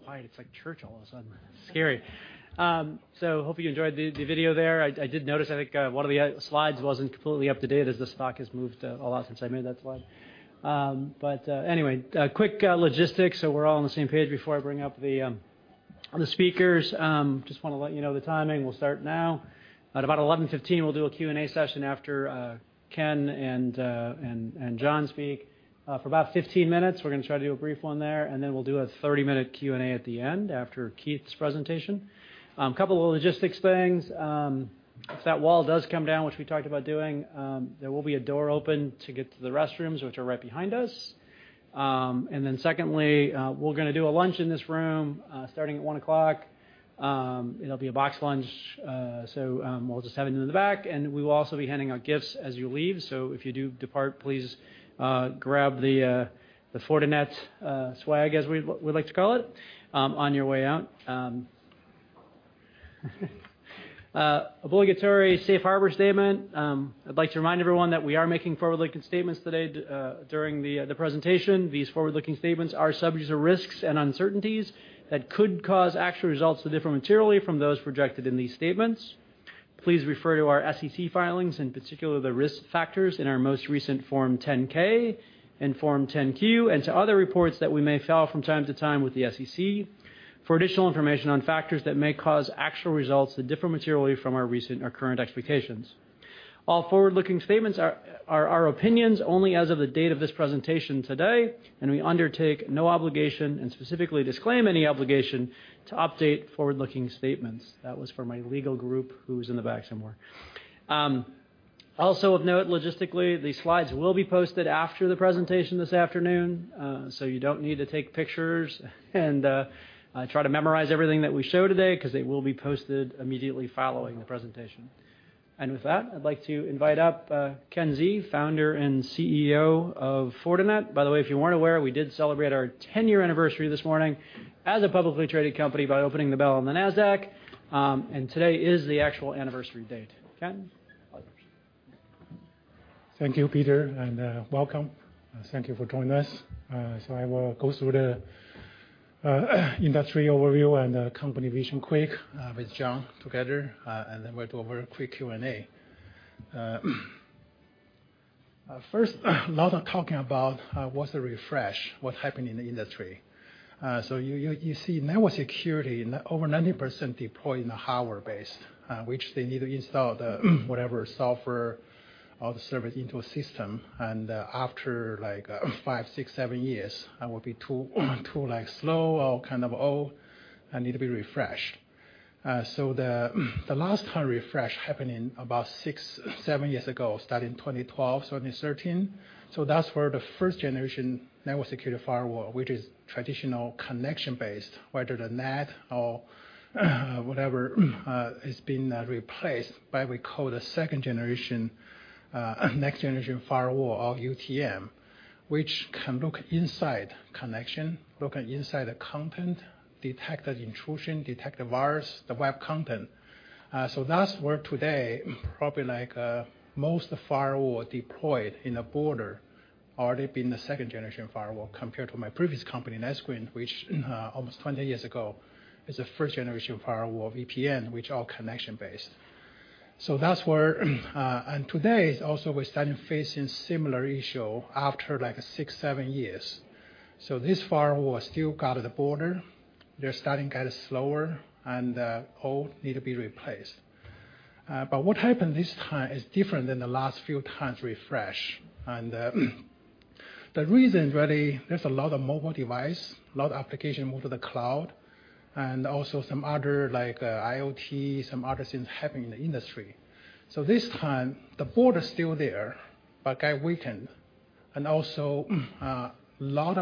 Quiet, it's like church all of a sudden. Scary. Hope you enjoyed the video there. I did notice, I think one of the slides wasn't completely up to date, as the stock has moved a lot since I made that slide. Anyway, quick logistics so we're all on the same page before I bring up the speakers. Just want to let you know the timing. We'll start now. At about 11:15, we'll do a Q&A session after Ken and John speak. For about 15 minutes, we're going to try to do a brief one there, and then we'll do a 30-minute Q&A at the end, after Keith's presentation. Couple of logistics things. If that wall does come down, which we talked about doing, there will be a door open to get to the restrooms, which are right behind us. Secondly, we're going to do a lunch in this room, starting at 1:00. It'll be a box lunch, we'll just have it in the back. We will also be handing out gifts as you leave. If you do depart, please grab the Fortinet swag, as we like to call it, on your way out. Obligatory safe harbor statement. I'd like to remind everyone that we are making forward-looking statements today during the presentation. These forward-looking statements are subject to risks and uncertainties that could cause actual results to differ materially from those projected in these statements. Please refer to our SEC filings, and particularly the risk factors in our most recent Form 10-K and Form 10-Q, and to other reports that we may file from time to time with the SEC for additional information on factors that may cause actual results to differ materially from our recent or current expectations. All forward-looking statements are our opinions only as of the date of this presentation today, and we undertake no obligation and specifically disclaim any obligation to update forward-looking statements. That was for my legal group, who's in the back somewhere. Also of note, logistically, these slides will be posted after the presentation this afternoon. You don't need to take pictures and try to memorize everything that we show today, because they will be posted immediately following the presentation. With that, I'd like to invite up Ken Xie, Founder and CEO of Fortinet. By the way, if you weren't aware, we did celebrate our 10-year anniversary this morning as a publicly traded company by opening the bell on the Nasdaq. Today is the actual anniversary date. Ken. Thank you, Peter, and welcome. Thank you for joining us. I will go through the industry overview and company vision quick with John together, and then we'll do a quick Q&A. First, a lot of talking about what's the refresh, what's happening in the industry. You see network security in over 90% deployed in the hardware base, which they need to install the whatever software or the server into a system. After five, six, seven years, that will be too slow or old and need to be refreshed. The last time refresh happened about six, seven years ago, starting 2012, 2013. That's where the first generation network security firewall, which is traditional connection-based, whether the NAT or whatever, is being replaced by we call the second generation, next generation firewall or UTM, which can look inside connection, look inside the content, detect the intrusion, detect the virus, the web content. That's where today probably most firewall deployed in a border already been the second generation firewall, compared to my previous company, NetScreen, which almost 20 years ago is a first generation firewall, VPN, which are connection based. Today, also we're starting facing similar issue after six, seven years. This firewall still got at the border. They're starting get slower and old, need to be replaced. What happened this time is different than the last few times refresh. The reason, really, there's a lot of mobile device, lot application move to the cloud, and also some other, like IoT, some other things happening in the industry. This time, the border's still there, but got weakened. A lot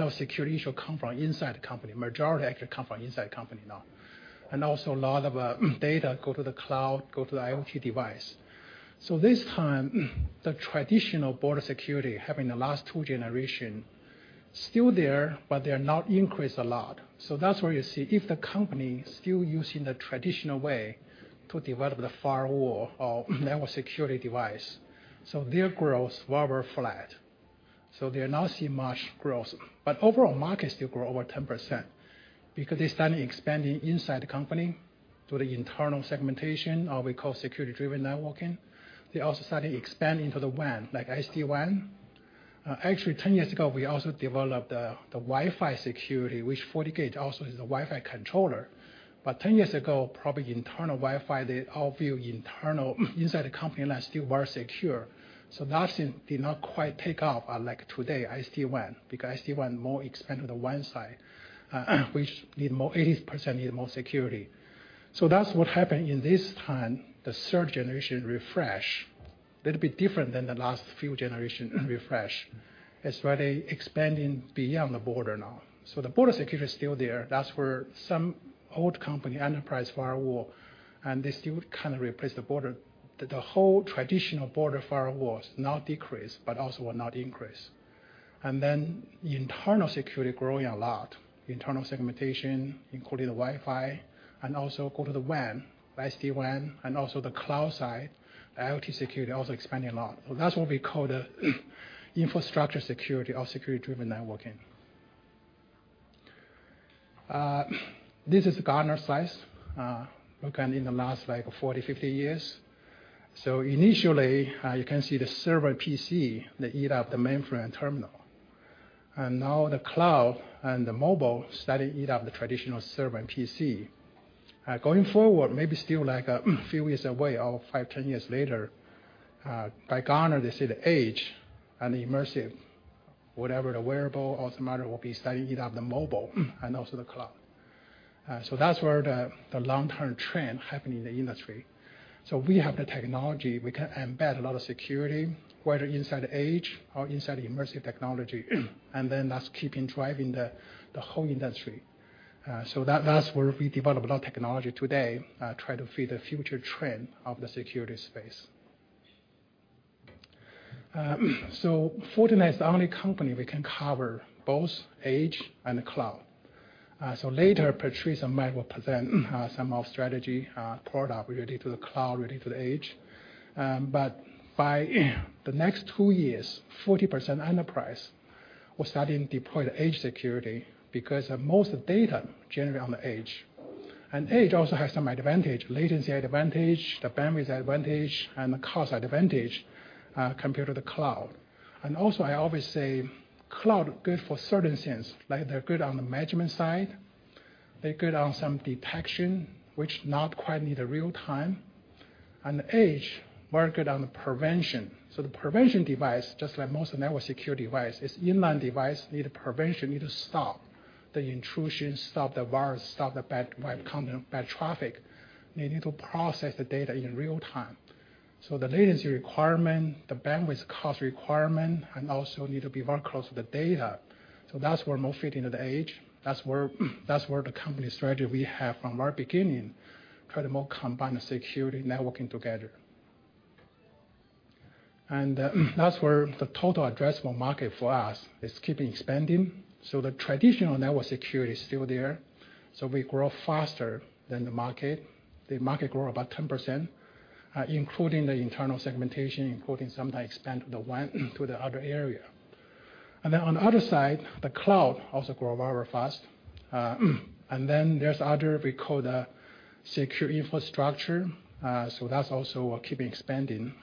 of security issue come from inside the company. Majority actually come from inside the company now. A lot of data go to the cloud, go to the IoT device. This time, the traditional border security having the last two generation still there, but they are not increased a lot. That's where you see if the company still using the traditional way to develop the firewall or network security device. Their growth rather flat. They are not seeing much growth. Overall market still grow over 10%, because they starting expanding inside the company through the internal segmentation, or we call Security-driven Networking. They also starting expanding to the WAN, like SD-WAN. Actually, 10 years ago, we also developed the Wi-Fi security, which FortiGate also is a Wi-Fi controller. 10 years ago, probably internal Wi-Fi, they all view internal, inside the company like still very secure. That thing did not quite take off like today, SD-WAN. SD-WAN more expand to the WAN side, which need more, 80% need more security. That's what happened in this time, the third generation refresh, little bit different than the last few generation refresh. It's really expanding beyond the border now. The border security is still there. That's where some old company enterprise firewall, and they still kind of replace the border. The whole traditional border firewall is not decreased but also will not increase. Internal security growing a lot, internal segmentation, including the Wi-Fi, and also go to the WAN, SD-WAN, and also the cloud side, IoT security also expanding a lot. That's what we call the infrastructure security or Security-driven Networking. This is Gartner size. Look in the last 40, 50 years. Initially, you can see the server PC that eat up the mainframe terminal. The cloud and the mobile starting eat up the traditional server and PC. Going forward, maybe still a few years away, or five, 10 years later, by Gartner they see the edge and immersive, whatever the wearable or the meta will be starting eat up the mobile and also the cloud. That's where the long-term trend happen in the industry. We have the technology, we can embed a lot of security, whether inside the edge or inside the immersive technology, and then that's keeping driving the whole industry. That's where we develop a lot of technology today, try to feed the future trend of the security space. Fortinet is the only company we can cover both edge and cloud. Later, Patrice might well present some of strategy product related to the cloud, related to the edge. By the next 2 years, 40% enterprise will start deploy the edge security because most of data generate on the edge. Edge also has some advantage, latency advantage, the bandwidth advantage, and the cost advantage, compared to the cloud. Also, I always say cloud good for certain things. Like they're good on the management side, they're good on some detection, which not quite need a real time. The edge, more good on the prevention. The prevention device, just like most network security device, is inline device, need prevention, need to stop the intrusion, stop the virus, stop the bad web content, bad traffic, need to process the data in real time. The latency requirement, the bandwidth cost requirement, and also need to be very close to the data. That's where more fitting of the edge. That's where the company strategy we have from our beginning, try to more combine the security networking together. That's where the total addressable market for us is keeping expanding. The traditional network security is still there. We grow faster than the market. The market grow about 10%, including the internal segmentation, including sometime expand the WAN to the other area. Then on the other side, the cloud also grow very fast. There's other we call the secure infrastructure. That's also keeping expanding.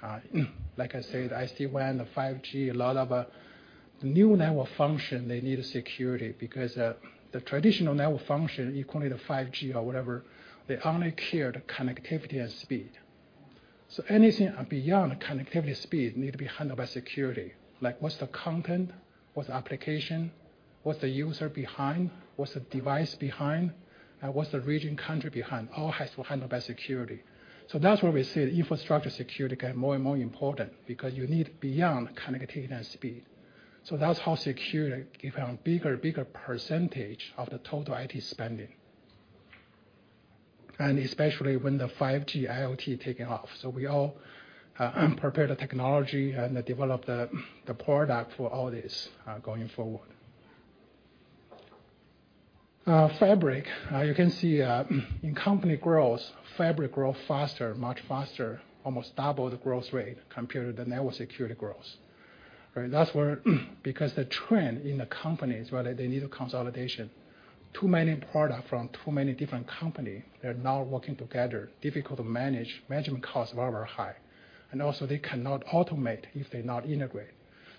Like I said, SD-WAN, the 5G, a lot of new network function, they need security because the traditional network function, you call it a 5G or whatever, they only care the connectivity and speed. Anything beyond connectivity, speed need to be handled by security. Like what's the content, what's the application, what's the user behind, what's the device behind, what's the region country behind? All has to handled by security. That's where we see the infrastructure security get more and more important because you need beyond connectivity and speed. That's how security give a bigger percentage of the total IT spending. Especially when the 5G IoT taking off. We all prepare the technology and develop the product for all this going forward. Fabric, you can see in company growth, Fabric grow faster, much faster, almost double the growth rate compared to the network security growth. That's where because the trend in the companies, they need a consolidation. Too many product from too many different company, they're now working together, difficult to manage. Management costs very high. Also they cannot automate if they not integrate.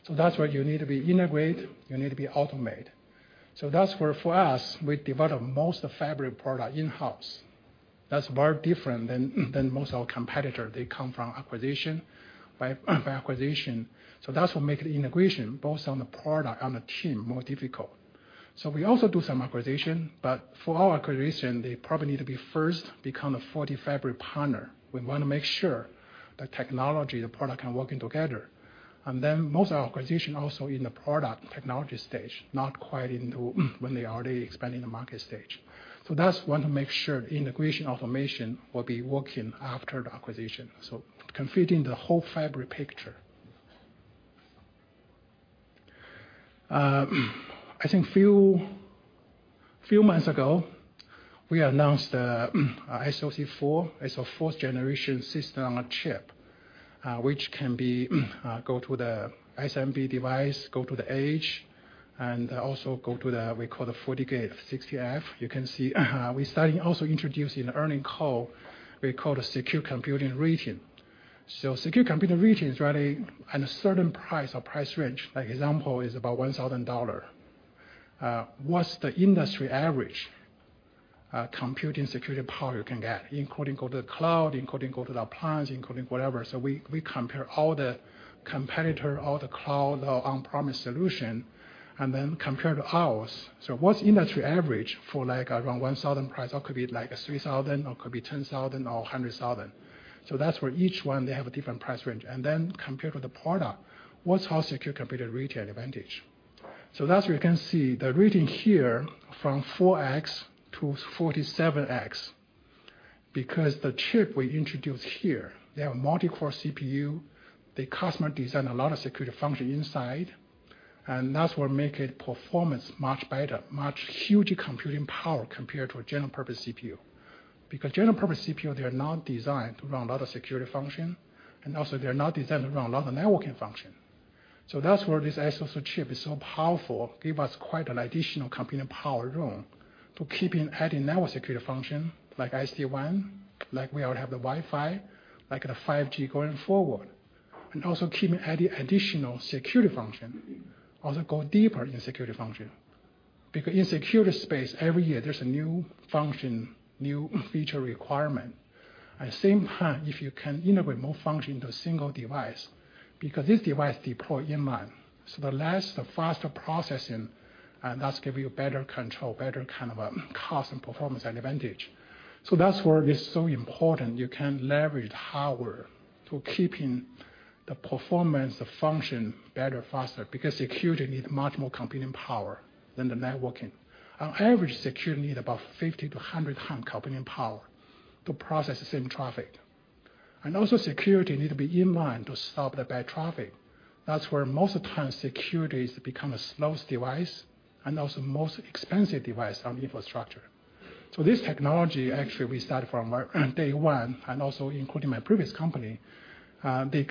That's where you need to be integrate, you need to be automate. That's where for us, we develop most of Fabric product in-house. That's very different than most of our competitor. They come from acquisition by acquisition. That's what make the integration both on the product, on the team, more difficult. We also do some acquisition, but for our acquisition, they probably need to be first become a FortiFabric partner. We want to make sure the technology, the product, can working together. Most of our acquisition also in the product technology stage, not quite when they already expanding the market stage. That's want to make sure integration automation will be working after the acquisition, completing the whole Fabric picture. I think few months ago, we announced SoC4. It's a fourth generation system on a chip, which can go to the SMB device, go to the edge, and also go to the, we call the FortiGate 60F. You can see we starting also introducing earnings call, we call the Security Compute Rating. Security Compute Rating is really at a certain price or price range, like example is about $1,000. What's the industry average computing security power you can get, including go to the cloud, including go to the appliance, including whatever? We compare all the competitor, all the cloud or on-premise solution, compare to ours. What's industry average for around 1,000 price, or could be like a 3,000 or could be 10,000 or 100,000. That's where each one they have a different price range. Then compare to the product, what's our Security Compute Rating advantage? That's where you can see the rating here from 4x to 47x. The chip we introduced here, they have multi-core CPU. They custom design a lot of security function inside. That's what make it performance much better, much hugely computing power compared to a general purpose CPU. General purpose CPU, they are not designed to run a lot of security function. They're not designed to run a lot of networking function. That's where this SoC chip is so powerful, give us quite an additional computing power room to keep adding network security function like SD-WAN, like we already have the Wi-Fi, like the 5G going forward. Keeping adding additional security function, also go deeper in security function. Because in security space, every year there's a new function, new feature requirement. At the same time, if you can integrate more function into a single device, because this device deploy in line, the less, the faster processing, and that's give you better control, better cost and performance advantage. That's where it is so important you can leverage hardware to keeping the performance, the function better, faster, because security need much more computing power than the networking. On average, security need about 50 to 100 time computing power to process the same traffic. Also security need to be in line to stop the bad traffic. That's where most of the time security become a slow device and also most expensive device on infrastructure. This technology actually we started from day one and also including my previous company, they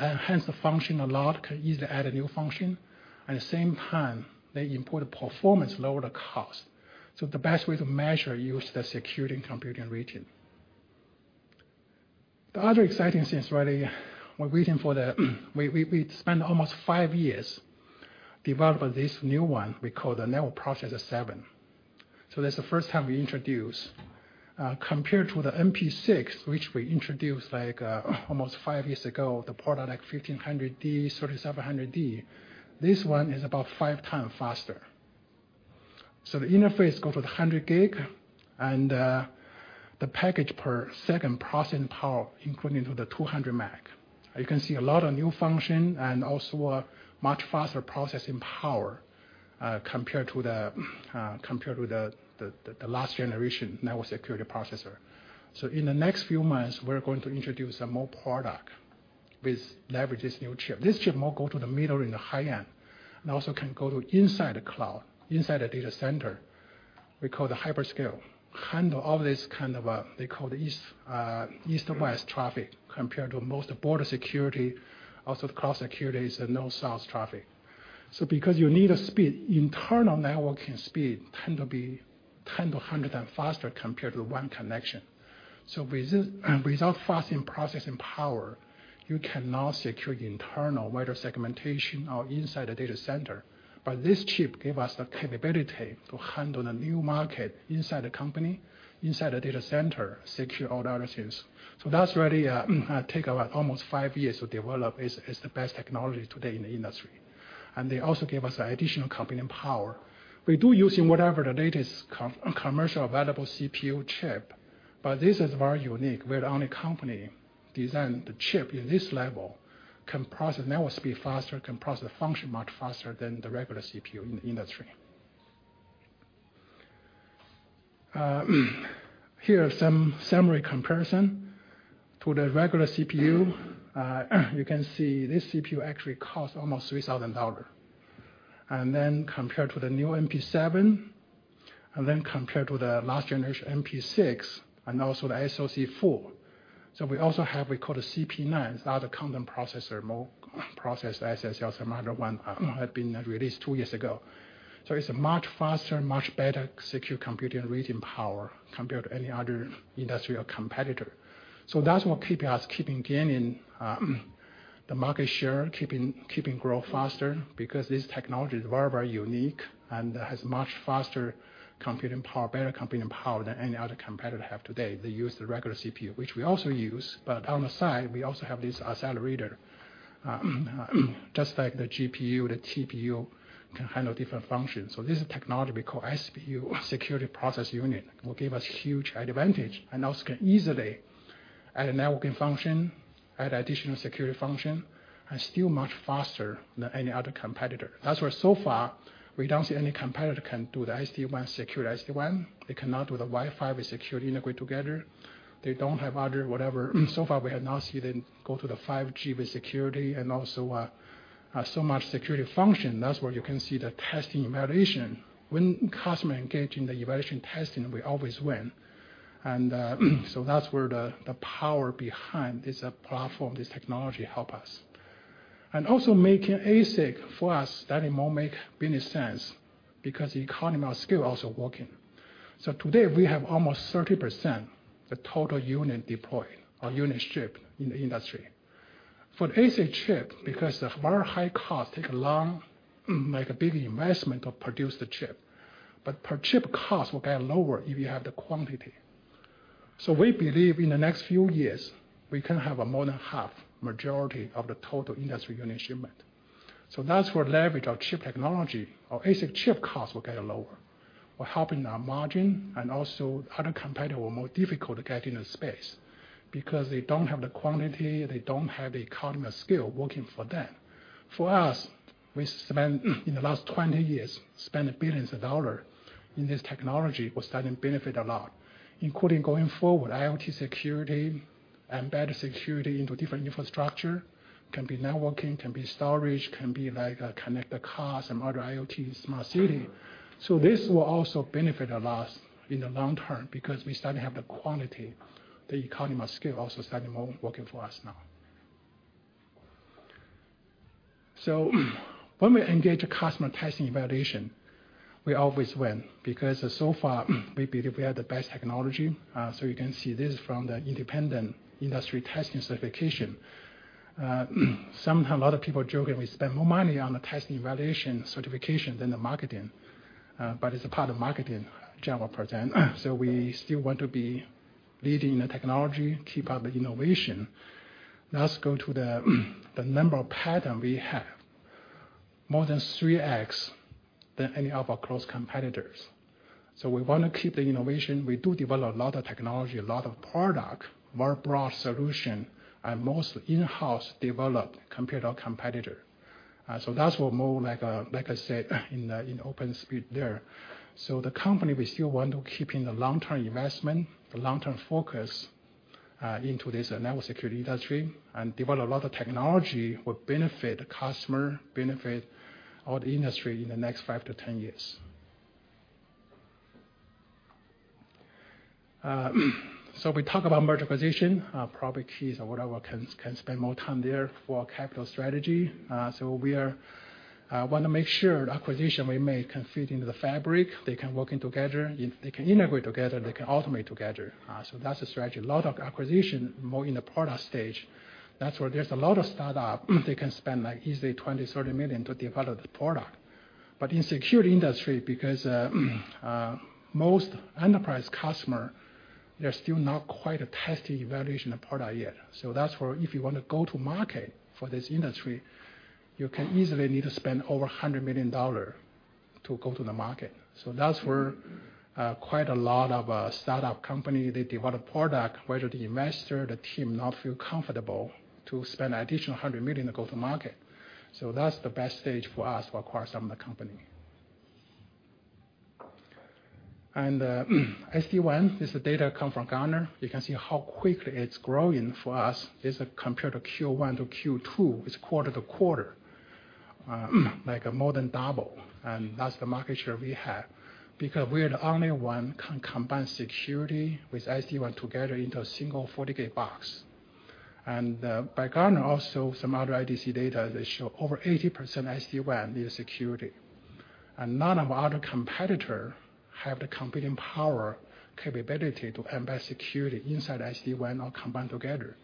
enhance the function a lot, easily add a new function. At the same time, they improve the performance, lower the cost. The best way to measure, use the Security Compute Rating. We spend almost five years developing this new one we call the Network Processor 7. That's the first time we introduce. Compared to the NP6, which we introduced almost five years ago, the product like 1500D, 3700D, this one is about five times faster. The interface go for the 100 gig, and the packets per second processing power equivalent to the 200 Meg. You can see a lot of new functions and also a much faster processing power compared to the last generation network security processor. In the next few months, we're going to introduce some more products with leverage this new chip. This chip more go to the middle and the high-end, and also can go to inside the cloud, inside the data center. We call the hyperscale. Handle all this kind of east-west traffic, compared to most border security. The cloud security is a north-south traffic. Because you need a speed, internal networking speed tend to be 10 to 100 times faster compared to one connection. Without fast processing power, you cannot secure the internal, whether segmentation or inside the data center. This chip gave us the capability to handle a new market inside the company, inside the data center, secure all the other things. That's really take about almost five years to develop. It's the best technology today in the industry. They also gave us additional computing power. We do use whatever the latest commercial available CPU chip, but this is very unique. We're the only company design the chip in this level, can process network speed faster, can process function much faster than the regular CPU in the industry. Here are some summary comparison to the regular CPU. You can see this CPU actually cost almost $3,000. Then compared to the new NP7, then compared to the last generation NP6, and also the SoC4. We also have, we call the CP9. It's another content processor, more process SoC. Another one had been released two years ago. It's a much faster, much better Security Compute Rating power compared to any other industrial competitor. That's what keep us keeping gaining the market share, keeping growth faster, because this technology is very, very unique and has much faster computing power, better computing power than any other competitor have today. They use the regular CPU, which we also use, but on the side, we also have this accelerator. Just like the GPU, the TPU can handle different functions. This is a technology we call SPU, security process unit, will give us huge advantage and also can easily add a networking function, add additional security function, and still much faster than any other competitor. That's why so far, we don't see any competitor can do the SD-WAN, Secure SD-WAN. They cannot do the Wi-Fi with security integrate together. Far, we have not seen them go to the 5G with security and also so much security function. That's where you can see the testing evaluation. When customer engage in the evaluation testing, we always win. That's where the power behind this platform, this technology help us. Also making ASIC for us, that it more make business sense because the economy of scale also working. Today, we have almost 30% the total unit deployed or unit shipped in the industry. For the ASIC chip, because the very high cost take a long, like a big investment to produce the chip. Per chip cost will get lower if you have the quantity. We believe in the next few years, we can have more than half majority of the total industry unit shipment. That's where leverage our chip technology. Our ASIC chip cost will get lower. Will helping our margin and also other competitor more difficult to get in the space because they don't have the quantity, they don't have the economy of scale working for them. For us, we spend in the last 20 years, spent billions of dollar in this technology, we're starting to benefit a lot, including going forward, IoT security, embedded security into different infrastructure, can be networking, can be storage, can be like a connected cars and other IoT smart city. This will also benefit us in the long term because we starting to have the quantity, the economy of scale also starting more working for us now. When we engage a customer testing evaluation, we always win, because so far, we believe we have the best technology. You can see this from the independent industry testing certification. Sometimes a lot of people joke that we spend more money on the test evaluation certification than the marketing, it's a part of marketing, general %. We still want to be leading the technology, keep up with innovation. Let's go to the number of pattern we have. More than 3x than any of our close competitors. We want to keep the innovation. We do develop a lot of technology, a lot of product, more broad solution, most in-house developed compared to our competitor. That's what more like I said, in our own space there. The company, we still want to keeping the long-term investment, the long-term focus, into this network security industry, develop a lot of technology will benefit the customer, benefit all the industry in the next 5-10 years. We talk about merger acquisition, probably Keith or whatever can spend more time there for our capital strategy. We are, want to make sure the acquisition we make can fit into the Fabric. They can work in together. If they can integrate together, they can automate together. That's the strategy. A lot of acquisition more in the product stage. That's where there's a lot of startup, they can spend like easily $20 million, $30 million to develop the product. In security industry, because, most enterprise customer, they're still not quite a testing evaluation of product yet. That's where if you want to go to market for this industry, you can easily need to spend over $100 million to go to the market. That's where quite a lot of startup company, they develop product, where the investor, the team not feel comfortable to spend additional $100 million to go to market. That's the best stage for us to acquire some of the company. SD-WAN, this data come from Gartner. You can see how quickly it's growing for us. This is compared to Q1 to Q2, is quarter-over-quarter, like more than double. That's the market share we have because we're the only one can combine security with SD-WAN together into a single FortiGate box. By Gartner also, some other IDC data that show over 80% SD-WAN need security. None of our competitor have the computing power capability to embed security inside SD-WAN or combined together.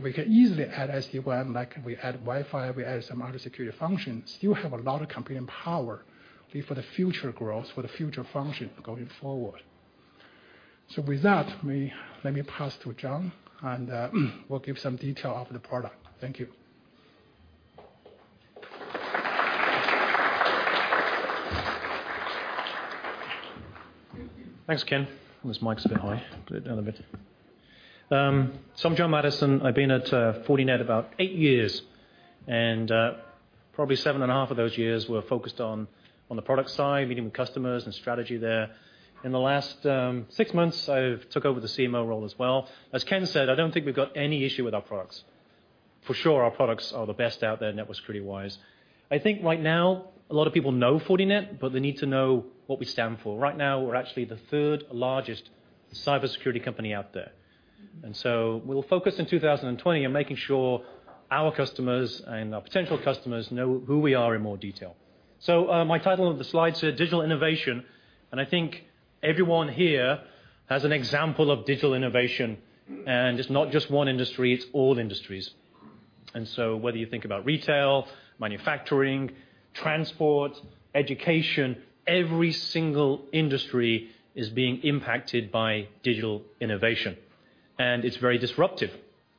We can easily add SD-WAN, like we add Wi-Fi, we add some other security functions. Still have a lot of computing power for the future growth, for the future function going forward. With that, let me pass to John, and we'll give some detail of the product. Thank you. Thanks, Ken. This mic's a bit high. Put it down a bit. I'm John Maddison. I've been at Fortinet about eight years, and probably seven and a half of those years were focused on the product side, meeting with customers and strategy there. In the last six months, I took over the CMO role as well. As Ken said, I don't think we've got any issue with our products. For sure, our products are the best out there, network security-wise. I think right now, a lot of people know Fortinet, but they need to know what we stand for. Right now, we're actually the third-largest cybersecurity company out there. We'll focus in 2020 on making sure our customers and our potential customers know who we are in more detail. My title of the slide said Digital Innovation, I think everyone here has an example of digital innovation, it's not just one industry, it's all industries. Whether you think about retail, manufacturing, transport, education, every single industry is being impacted by digital innovation. It's very disruptive.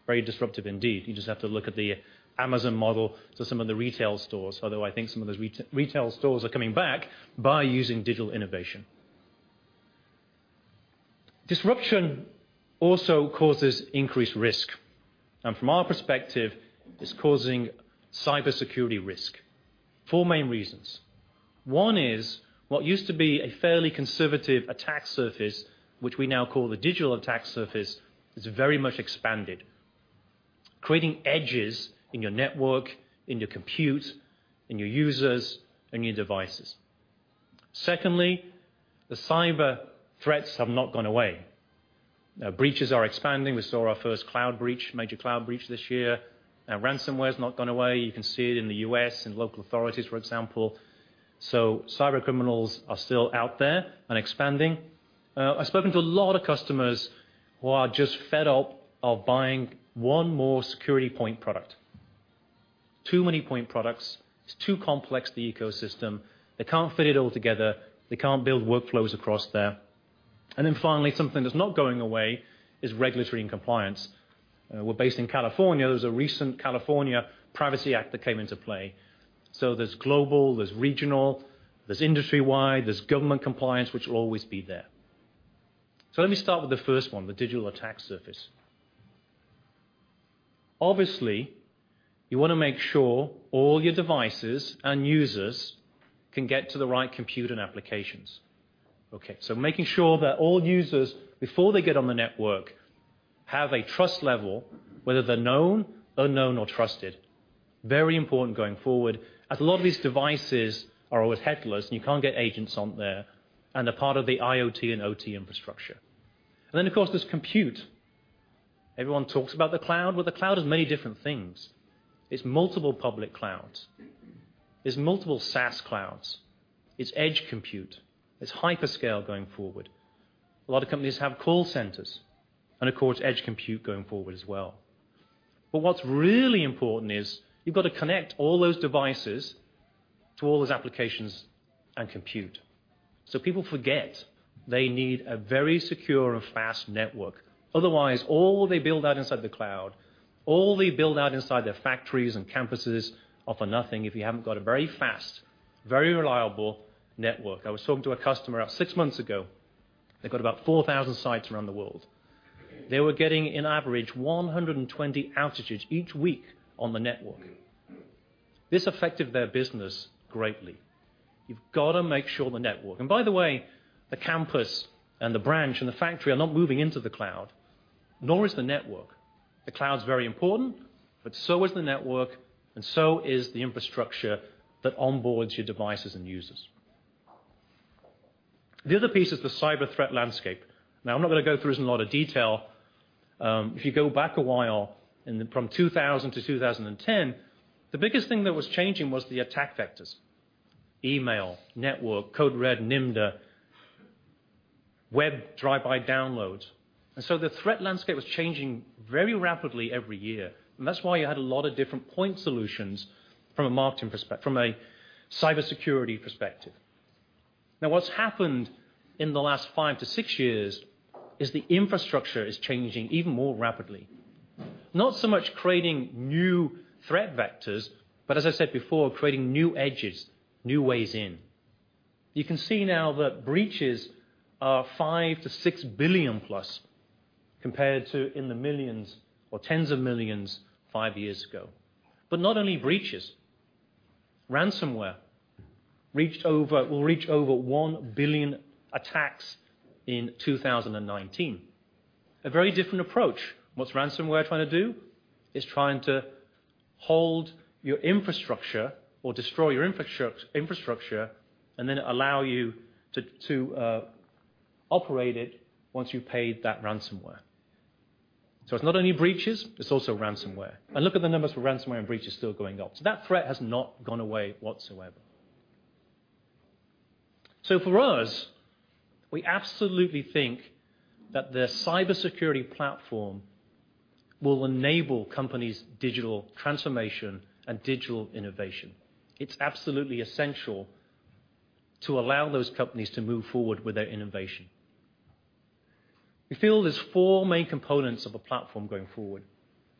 Very disruptive indeed. You just have to look at the Amazon model to some of the retail stores, although I think some of those retail stores are coming back by using digital innovation. Disruption also causes increased risk. From our perspective, it's causing cybersecurity risk. Four main reasons. One is, what used to be a fairly conservative attack surface, which we now call the digital attack surface, is very much expanded, creating edges in your network, in your compute, in your users, in your devices. Secondly, the cyber threats have not gone away. Breaches are expanding. We saw our first cloud breach, major cloud breach this year. Ransomware's not gone away. You can see it in the U.S. in local authorities, for example. Cybercriminals are still out there and expanding. I've spoken to a lot of customers who are just fed up of buying one more security point product. Too many point products, it's too complex, the ecosystem. They can't fit it all together. They can't build workflows across there. Finally, something that's not going away is regulatory and compliance. We're based in California. There's a recent California Consumer Privacy Act that came into play. There's global, there's regional, there's industry-wide, there's government compliance, which will always be there. Let me start with the first one, the digital attack surface. Obviously, you want to make sure all your devices and users can get to the right compute and applications. Okay, making sure that all users, before they get on the network, have a trust level, whether they're known, unknown, or trusted. Very important going forward, as a lot of these devices are always headless and you can't get agents on there, and they're part of the IoT and OT infrastructure. Then, of course, there's compute. Everyone talks about the cloud. The cloud is many different things. It's multiple public clouds. There's multiple SaaS clouds. It's edge compute. It's hyperscale going forward. A lot of companies have call centers, and of course, edge compute going forward as well. What's really important is you've got to connect all those devices to all those applications and compute. People forget they need a very secure and fast network. Otherwise, all they build out inside the cloud, all they build out inside their factories and campuses are for nothing if you haven't got a very fast, very reliable network. I was talking to a customer about six months ago. They've got about 4,000 sites around the world. They were getting an average 120 outages each week on the network. This affected their business greatly. You've got to make sure the network And by the way, the campus and the branch and the factory are not moving into the cloud, nor is the network. The cloud's very important, but so is the network, and so is the infrastructure that onboards your devices and users. The other piece is the cyber threat landscape. I'm not going to go through this in a lot of detail. If you go back a while from 2000 to 2010, the biggest thing that was changing was the attack vectors, email, network, Code Red, Nimda, web drive-by downloads. The threat landscape was changing very rapidly every year, and that's why you had a lot of different point solutions from a cybersecurity perspective. Now, what's happened in the last five to six years is the infrastructure is changing even more rapidly. Not so much creating new threat vectors, but as I said before, creating new edges, new ways in. You can see now that breaches are $5 billion-$6 billion-plus compared to in the millions or tens of millions five years ago. Not only breaches, ransomware will reach over 1 billion attacks in 2019. A very different approach. What's ransomware trying to do? It's trying to hold your infrastructure or destroy your infrastructure and then allow you to operate it once you've paid that ransomware. It's not only breaches, it's also ransomware. Look at the numbers for ransomware and breaches still going up. That threat has not gone away whatsoever. For us, we absolutely think that the cybersecurity platform will enable companies' digital transformation and digital innovation. It's absolutely essential to allow those companies to move forward with their innovation. We feel there's four main components of a platform going forward.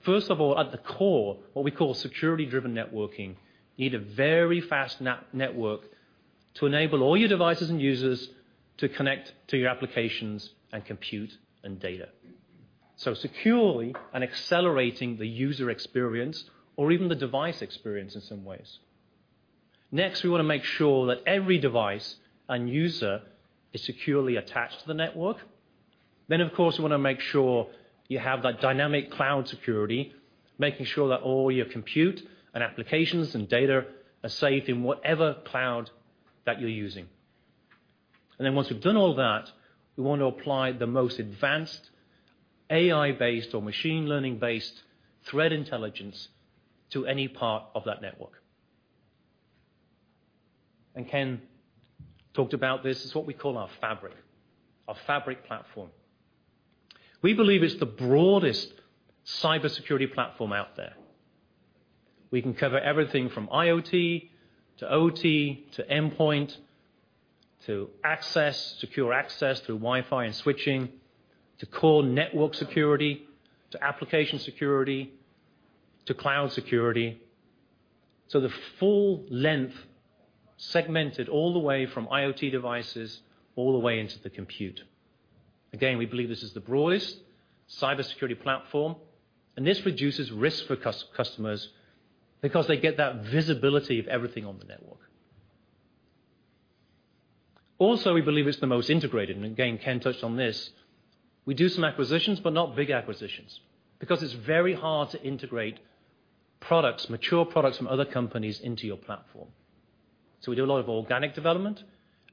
First of all, at the core, what we call Security-driven Networking, you need a very fast network to enable all your devices and users to connect to your applications and compute and data. Securely and accelerating the user experience or even the device experience in some ways. We want to make sure that every device and user is securely attached to the network. Of course, we want to make sure you have that dynamic cloud security, making sure that all your compute and applications and data are safe in whatever cloud that you're using. Once we've done all that, we want to apply the most advanced AI-based or machine learning-based threat intelligence to any part of that network. Ken talked about this, it's what we call our Fabric, our Fabric platform. We believe it's the broadest cybersecurity platform out there. We can cover everything from IoT to OT to endpoint, to secure access through Wi-Fi and switching, to core network security, to application security, to cloud security. The full length segmented all the way from IoT devices all the way into the compute. Again, we believe this is the broadest cybersecurity platform, and this reduces risk for customers because they get that visibility of everything on the network. Also, we believe it's the most integrated, and again, Ken touched on this. We do some acquisitions, but not big acquisitions, because it's very hard to integrate mature products from other companies into your platform. We do a lot of organic development.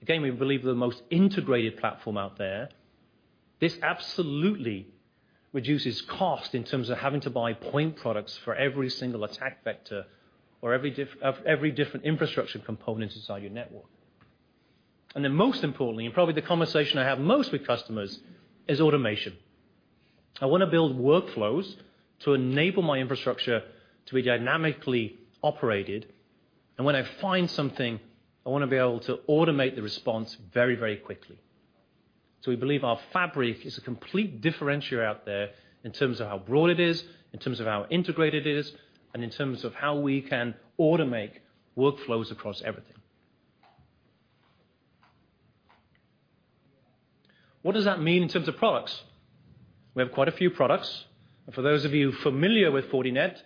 Again, we believe we're the most integrated platform out there. This absolutely reduces cost in terms of having to buy point products for every single attack vector or every different infrastructure component inside your network. Most importantly, and probably the conversation I have most with customers, is automation. I want to build workflows to enable my infrastructure to be dynamically operated. When I find something, I want to be able to automate the response very quickly. We believe our Fabric is a complete differentiator out there in terms of how broad it is, in terms of how integrated it is, and in terms of how we can automate workflows across everything. What does that mean in terms of products? We have quite a few products. For those of you familiar with Fortinet,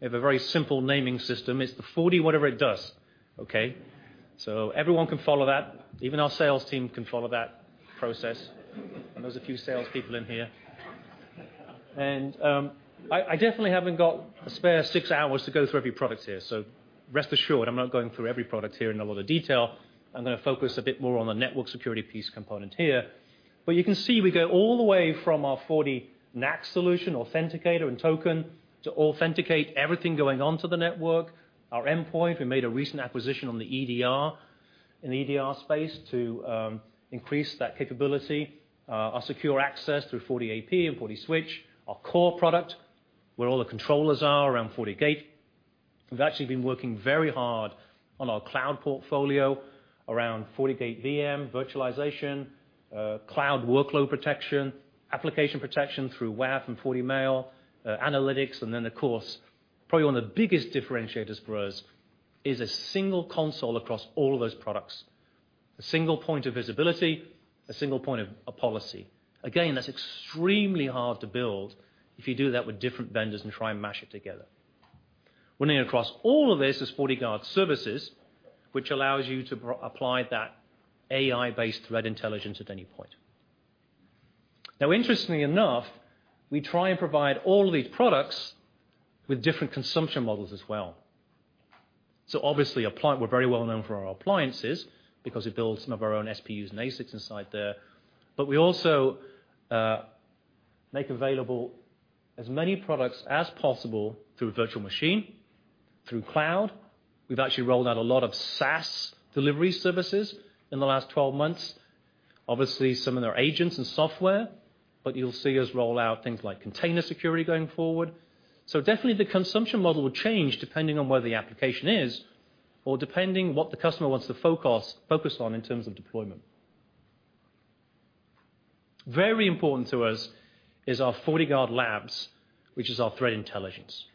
we have a very simple naming system. It's the Forti-whatever it does. Okay? Everyone can follow that. Even our sales team can follow that process. There's a few salespeople in here. I definitely haven't got a spare six hours to go through every product here. Rest assured, I'm not going through every product here in a lot of detail. I'm going to focus a bit more on the network security piece component here. You can see we go all the way from our FortiNAC solution, authenticator, and token to authenticate everything going on to the network. Our endpoint, we made a recent acquisition on the EDR, in EDR space to increase that capability. Our secure access through FortiAP and FortiSwitch, our core product, where all the controllers are around FortiGate. We've actually been working very hard on our cloud portfolio around FortiGate VM, virtualization, cloud workload protection, application protection through WAF and FortiMail, analytics, and then of course, probably one of the biggest differentiators for us is a single console across all of those products. A single point of visibility, a single point of policy. Again, that's extremely hard to build if you do that with different vendors and try and mash it together. Running across all of this is FortiGuard Services, which allows you to apply that AI-based threat intelligence at any point. Interestingly enough, we try and provide all of these products with different consumption models as well. Obviously, we're very well known for our appliances because we build some of our own SPUs and ASICs inside there. We also make available as many products as possible through virtual machine, through cloud. We've actually rolled out a lot of SaaS delivery services in the last 12 months. Obviously, some of their agents and software, but you'll see us roll out things like container security going forward. Definitely the consumption model will change depending on where the application is or depending what the customer wants to focus on in terms of deployment. Very important to us is our FortiGuard Labs, which is our threat intelligence.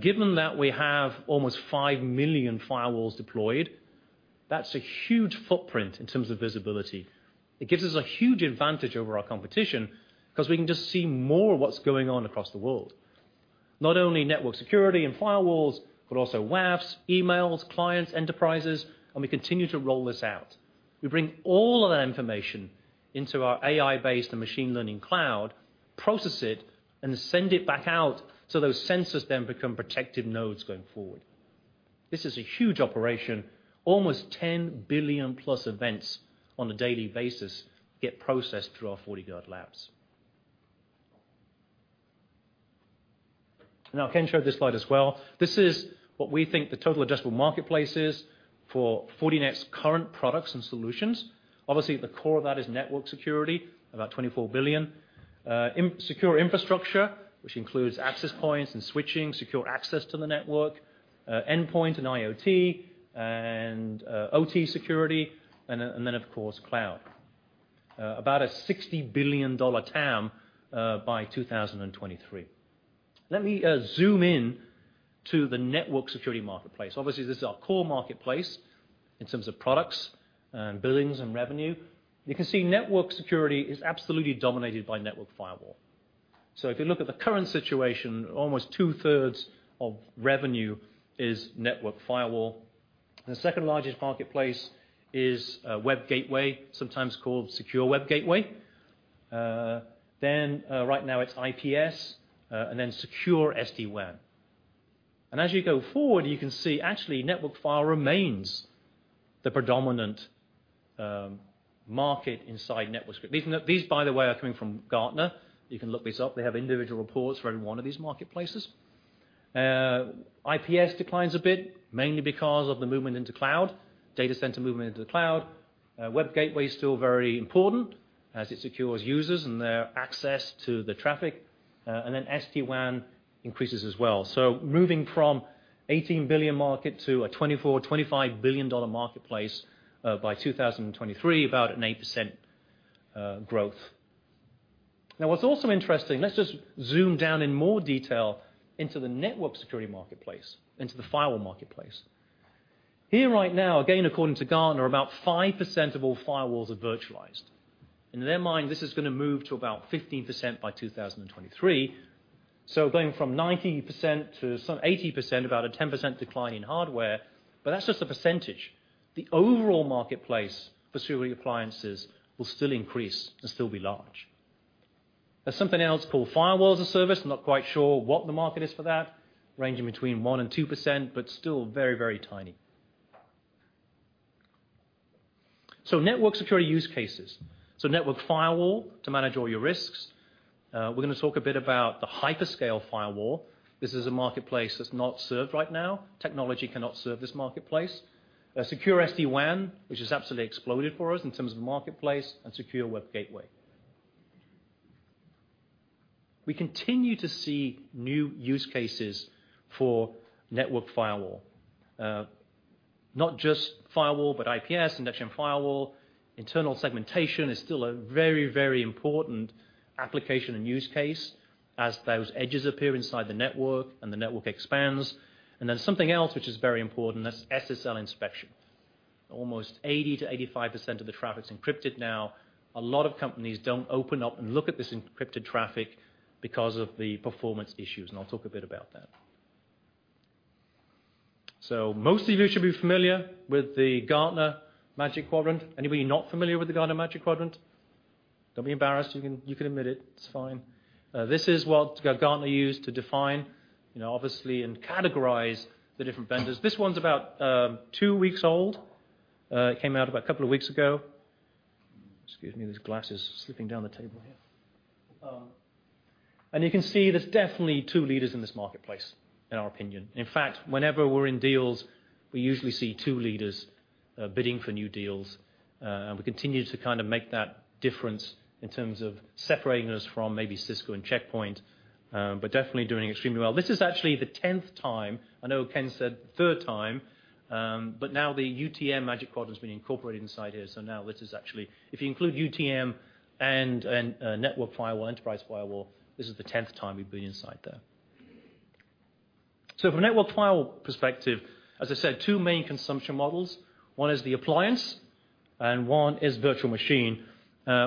Given that we have almost 5 million firewalls deployed, that's a huge footprint in terms of visibility. It gives us a huge advantage over our competition because we can just see more of what's going on across the world. Not only network security and firewalls, but also WAFs, FortiMail, clients, enterprises, and we continue to roll this out. We bring all of that information into our AI-based and machine learning cloud, process it, and send it back out so those sensors then become protective nodes going forward. This is a huge operation, almost 10 billion+ events on a daily basis get processed through our FortiGuard labs. Ken showed this slide as well. This is what we think the total addressable market is for Fortinet's current products and solutions. Obviously, the core of that is network security, about $24 billion. Secure infrastructure, which includes access points and switching, secure access to the network, endpoint and IoT, and OT security, of course, cloud. About a $60 billion TAM by 2023. Let me zoom in to the network security marketplace. Obviously, this is our core marketplace in terms of products and billings and revenue. You can see network security is absolutely dominated by network firewall. If you look at the current situation, almost two-thirds of revenue is network firewall. The second largest marketplace is a web gateway, sometimes called secure web gateway. Right now it's IPS, secure SD-WAN. As you go forward, you can see actually network firewall remains the predominant market inside network security. These, by the way, are coming from Gartner. You can look this up. They have individual reports for every one of these marketplaces. IPS declines a bit, mainly because of the movement into cloud, data center movement into the cloud. Web gateway is still very important as it secures users and their access to the traffic. SD-WAN increases as well. Moving from $18 billion market to a $24 billion-$25 billion marketplace by 2023, about an 8% growth. What's also interesting, let's just zoom down in more detail into the network security marketplace, into the firewall marketplace. Here right now, again, according to Gartner, about 5% of all firewalls are virtualized. In their mind, this is going to move to about 15% by 2023. Going from 90%-80%, about a 10% decline in hardware, but that's just the percentage. The overall marketplace for security appliances will still increase and still be large. There's something else called firewall as a service, not quite sure what the market is for that, ranging between 1%-2%, but still very tiny. Network security use cases. Network firewall to manage all your risks. We're going to talk a bit about the hyperscale firewall. This is a marketplace that's not served right now. Technology cannot serve this marketplace. Secure SD-WAN, which has absolutely exploded for us in terms of marketplace and secure web gateway. We continue to see new use cases for network firewall, not just firewall, but IPS, next-gen firewall, internal segmentation is still a very important application and use case as those edges appear inside the network and the network expands. There's something else which is very important, that's SSL inspection. Almost 80%-85% of the traffic's encrypted now. A lot of companies don't open up and look at this encrypted traffic because of the performance issues, and I'll talk a bit about that. Most of you should be familiar with the Gartner Magic Quadrant. Anybody not familiar with the Gartner Magic Quadrant? Don't be embarrassed, you can admit it. It's fine. This is what Gartner used to define, obviously, and categorize the different vendors. This one's about two weeks old. It came out about a couple of weeks ago. Excuse me, this glass is slipping down the table here. You can see there's definitely two leaders in this marketplace, in our opinion. In fact, whenever we're in deals, we usually see two leaders bidding for new deals. We continue to kind of make that difference in terms of separating us from maybe Cisco and Check Point, but definitely doing extremely well. This is actually the 10th time. I know Ken said the third time. Now the UTM Magic Quadrant is being incorporated inside here. Now this is actually, if you include UTM and network firewall, enterprise firewall, this is the 10th time we've been inside there. From a network firewall perspective, as I said, two main consumption models. One is the appliance and one is virtual machine.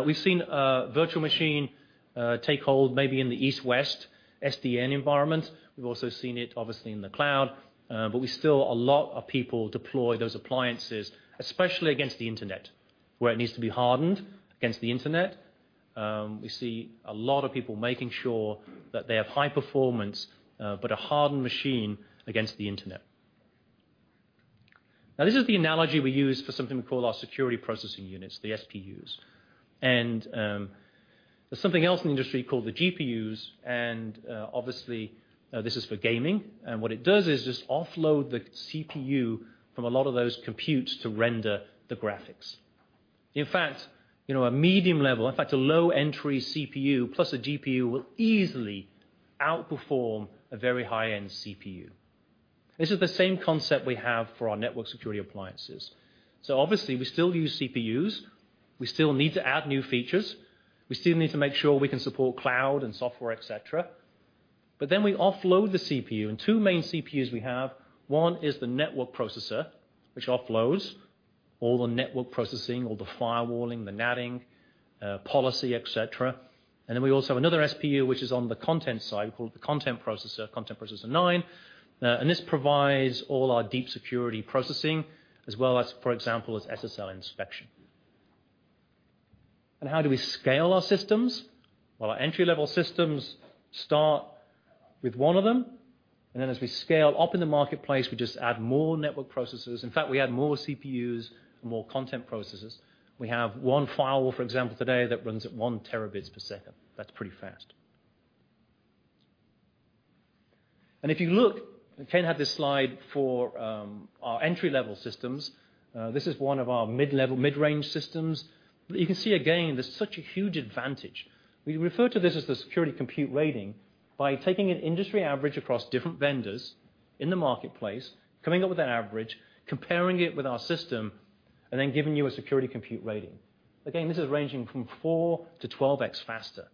We've seen virtual machine take hold maybe in the East-West SDN environment. We've also seen it obviously in the cloud. We still, a lot of people deploy those appliances, especially against the internet, where it needs to be hardened against the internet. We see a lot of people making sure that they have high performance, but a hardened machine against the internet. This is the analogy we use for something we call our security processing units, the SPUs. There's something else in the industry called the GPUs, obviously, this is for gaming. What it does is just offload the CPU from a lot of those computes to render the graphics. A medium level, a low entry CPU plus a GPU will easily outperform a very high-end CPU. This is the same concept we have for our network security appliances. Obviously we still use CPUs. We still need to add new features. We still need to make sure we can support cloud and software, et cetera. We offload the CPU, two main CPUs we have, one is the network processor, which offloads all the network processing, all the firewalling, the NATing, policy, et cetera. We also have another SPU which is on the content side called the content processor, Content Processor 9. This provides all our deep security processing as well as, for example, SSL inspection. How do we scale our systems? Well, our entry-level systems start with one of them, and then as we scale up in the marketplace, we just add more network processors. In fact, we add more CPUs and more content processors. We have one firewall, for example, today that runs at one terabits per second. That's pretty fast. If you look, Ken had this slide for our entry-level systems. This is one of our mid-range systems. You can see again, there's such a huge advantage. We refer to this as the Security Compute Rating by taking an industry average across different vendors in the marketplace, coming up with an average, comparing it with our system, and then giving you a Security Compute Rating. Again, this is ranging from four to 12x faster.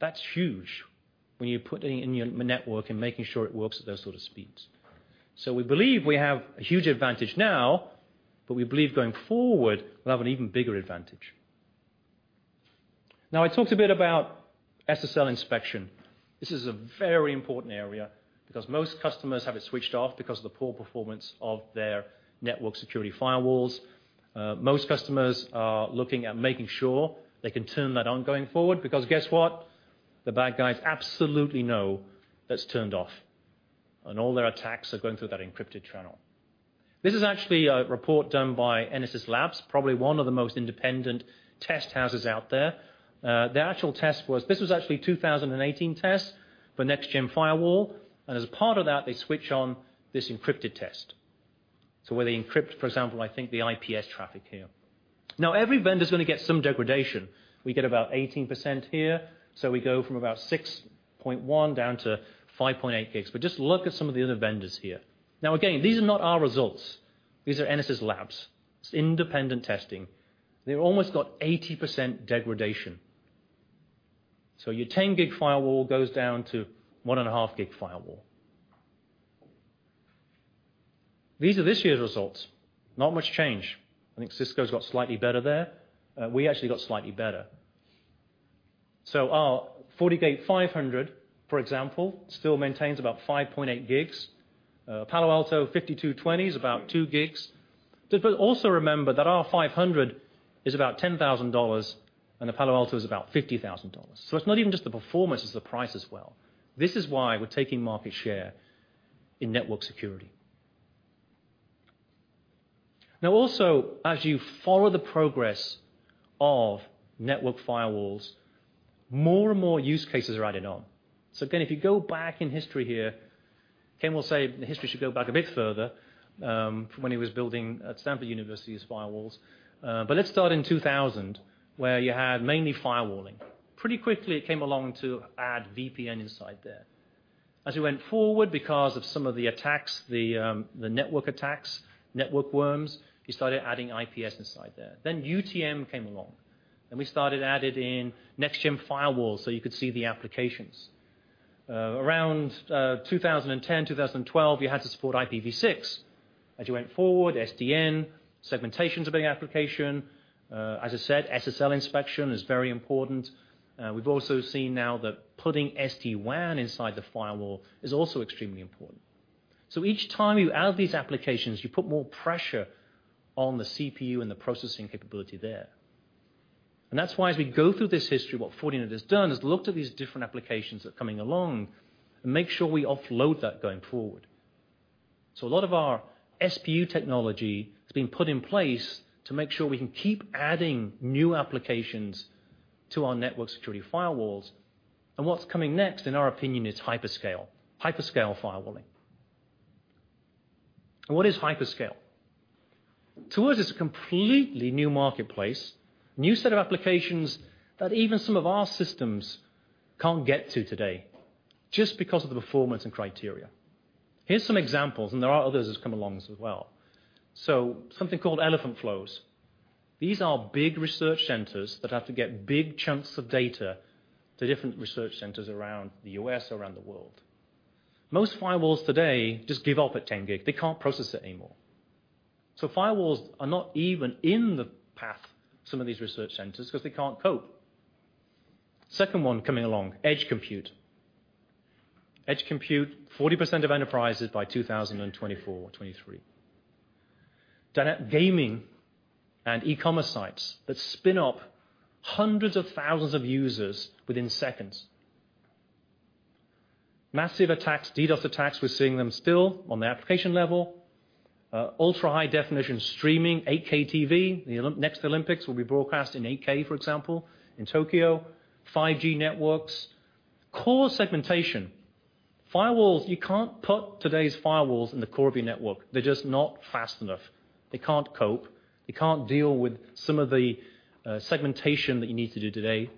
That's huge when you're putting in your network and making sure it works at those sort of speeds. We believe we have a huge advantage now, but we believe going forward, we'll have an even bigger advantage. I talked a bit about SSL inspection. This is a very important area because most customers have it switched off because of the poor performance of their network security firewalls. Most customers are looking at making sure they can turn that on going forward because guess what? The bad guys absolutely know that's turned off, and all their attacks are going through that encrypted channel. This is actually a report done by NSS Labs, probably one of the most independent test houses out there. This was actually a 2018 test for next-gen firewall, and as a part of that, they switch on this encrypted test. Where they encrypt, for example, I think the IPS traffic here. Every vendor's going to get some degradation. We get about 18% here, so we go from about 6.1 down to 5.8 gigs. Just look at some of the other vendors here. Again, these are not our results. These are NSS Labs. It's independent testing. They've almost got 80% degradation. Your 10 gig firewall goes down to 1.5 gig firewall. These are this year's results. Not much change. I think Cisco's got slightly better there. We actually got slightly better. Our FortiGate 500, for example, still maintains about 5.8 gigs. Palo Alto PA-5220 is about 2 gigs. Also remember that our 500 is about $10,000 and the Palo Alto is about $50,000. It's not even just the performance, it's the price as well. This is why we're taking market share in network security. As you follow the progress of network firewalls, more and more use cases are added on. If you go back in history here, Ken will say the history should go back a bit further, from when he was building at Stanford University's firewalls. Let's start in 2000, where you had mainly firewalling. Pretty quickly, it came along to add VPN inside there. As we went forward, because of some of the attacks, the network attacks, network worms, you started adding IPS inside there. UTM came along, and we started adding in next-gen firewalls so you could see the applications. Around 2010, 2012, you had to support IPv6. As you went forward, SDN, segmentation's a big application. As I said, SSL inspection is very important. We've also seen now that putting SD-WAN inside the firewall is also extremely important. Each time you add these applications, you put more pressure on the CPU and the processing capability there. That's why as we go through this history, what Fortinet has done is looked at these different applications that are coming along and make sure we offload that going forward. A lot of our SPU technology has been put in place to make sure we can keep adding new applications to our network security firewalls. What's coming next, in our opinion, is hyperscale firewalling. What is hyperscale? To us, it's a completely new marketplace, a new set of applications that even some of our systems can't get to today just because of the performance and criteria. Here's some examples, and there are others that's come along as well. Something called elephant flows. These are big research centers that have to get big chunks of data to different research centers around the U.S., around the world. Most firewalls today just give up at 10 gig. They can't process it anymore. Firewalls are not even in the path some of these research centers because they can't cope. Second one coming along, edge compute. Edge compute, 40% of enterprises by 2024 or 2023. Gaming and e-commerce sites that spin up hundreds of thousands of users within seconds. Massive attacks, DDoS attacks, we're seeing them still on the application level. Ultra-high definition streaming, 8K TV. The next Olympics will be broadcast in 8K, for example, in Tokyo. 5G networks. Core segmentation. Firewalls, you can't put today's firewalls in the core of your network. They're just not fast enough. They can't cope. They can't deal with some of the segmentation that you need to do today.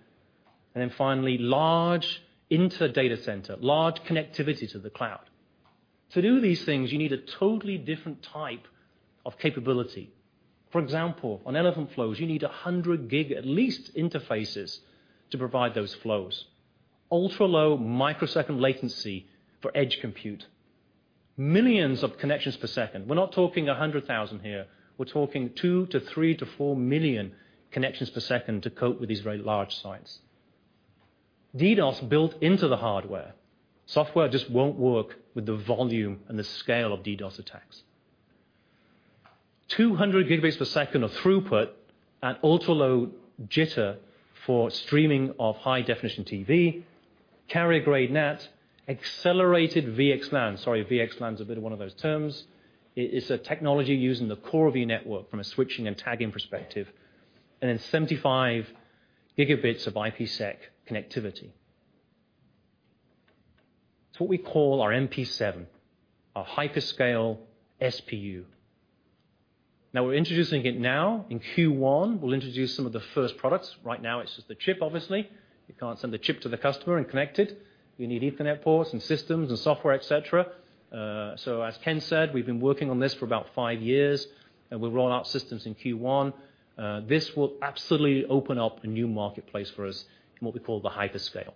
Finally, large inter-data center, large connectivity to the cloud. To do these things, you need a totally different type of capability. For example, on elephant flows, you need 100G at least interfaces to provide those flows. Ultra-low microsecond latency for edge compute. Millions of connections per second. We're not talking 100,000 here, we're talking two to three to four million connections per second to cope with these very large sites. DDoS built into the hardware. Software just won't work with the volume and the scale of DDoS attacks. 200 gigabits per second of throughput and ultra-low jitter for streaming of high definition TV, carrier grade NAT, accelerated VXLAN. Sorry, VXLAN is a bit of one of those terms. It's a technology used in the core of your network from a switching and tagging perspective. 75 gigabits of IPsec connectivity. It's what we call our NP7, our hyperscale SPU. We're introducing it now in Q1. We'll introduce some of the first products. Right now it's just the chip, obviously. You can't send the chip to the customer and connect it. You need Ethernet ports and systems and software, et cetera. As Ken said, we've been working on this for about five years, and we'll roll out systems in Q1. This will absolutely open up a new marketplace for us in what we call the hyperscale.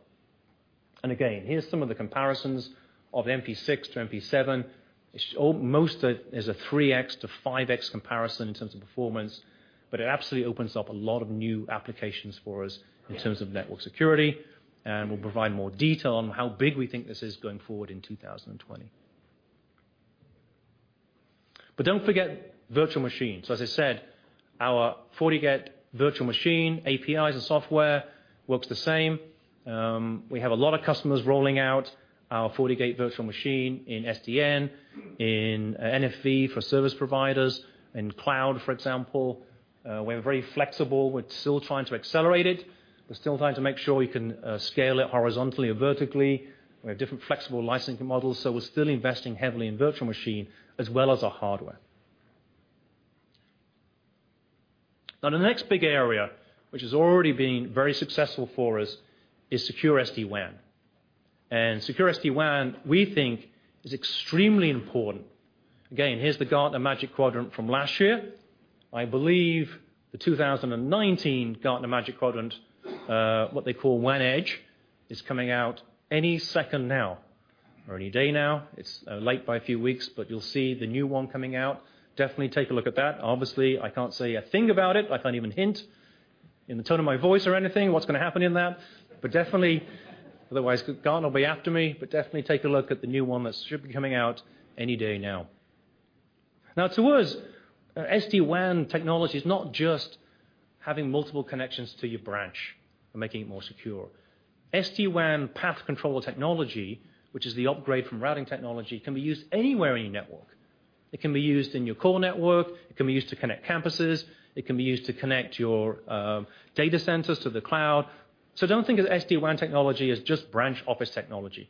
Again, here's some of the comparisons of NP6 to NP7. Most is a 3X to 5X comparison in terms of performance, but it absolutely opens up a lot of new applications for us in terms of network security, and we'll provide more detail on how big we think this is going forward in 2020. Don't forget virtual machines. As I said, our FortiGate virtual machine, APIs and software, works the same. We have a lot of customers rolling out our FortiGate virtual machine in SDN, in NFV for service providers, in cloud, for example. We're very flexible. We're still trying to accelerate it. We're still trying to make sure we can scale it horizontally or vertically, with different flexible licensing models. We're still investing heavily in virtual machine as well as our hardware. Now, the next big area, which has already been very successful for us, is Secure SD-WAN. Secure SD-WAN, we think, is extremely important. Again, here's the Gartner Magic Quadrant from last year. I believe the 2019 Gartner Magic Quadrant, what they call WAN Edge, is coming out any second now or any day now. It's late by a few weeks, you'll see the new one coming out. Definitely take a look at that. Obviously, I can't say a thing about it. I can't even hint in the tone of my voice or anything, what's going to happen in that. Definitely, otherwise Gartner will be after me, but definitely take a look at the new one that should be coming out any day now. To us, SD-WAN technology is not just having multiple connections to your branch and making it more secure. SD-WAN path control technology, which is the upgrade from routing technology, can be used anywhere in your network. It can be used in your core network, it can be used to connect campuses, it can be used to connect your data centers to the cloud. Don't think of SD-WAN technology as just branch office technology.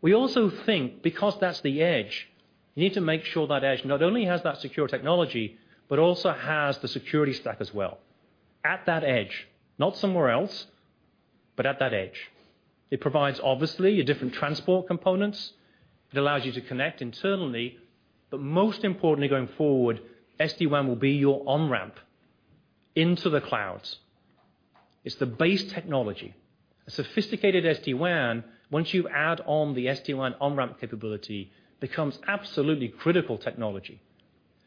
We also think because that's the edge, you need to make sure that edge not only has that secure technology, but also has the security stack as well at that edge, not somewhere else, but at that edge. It provides obviously different transport components. It allows you to connect internally, but most importantly going forward, SD-WAN will be your on-ramp into the clouds. It's the base technology. A sophisticated SD-WAN, once you add on the SD-WAN on-ramp capability, becomes absolutely critical technology.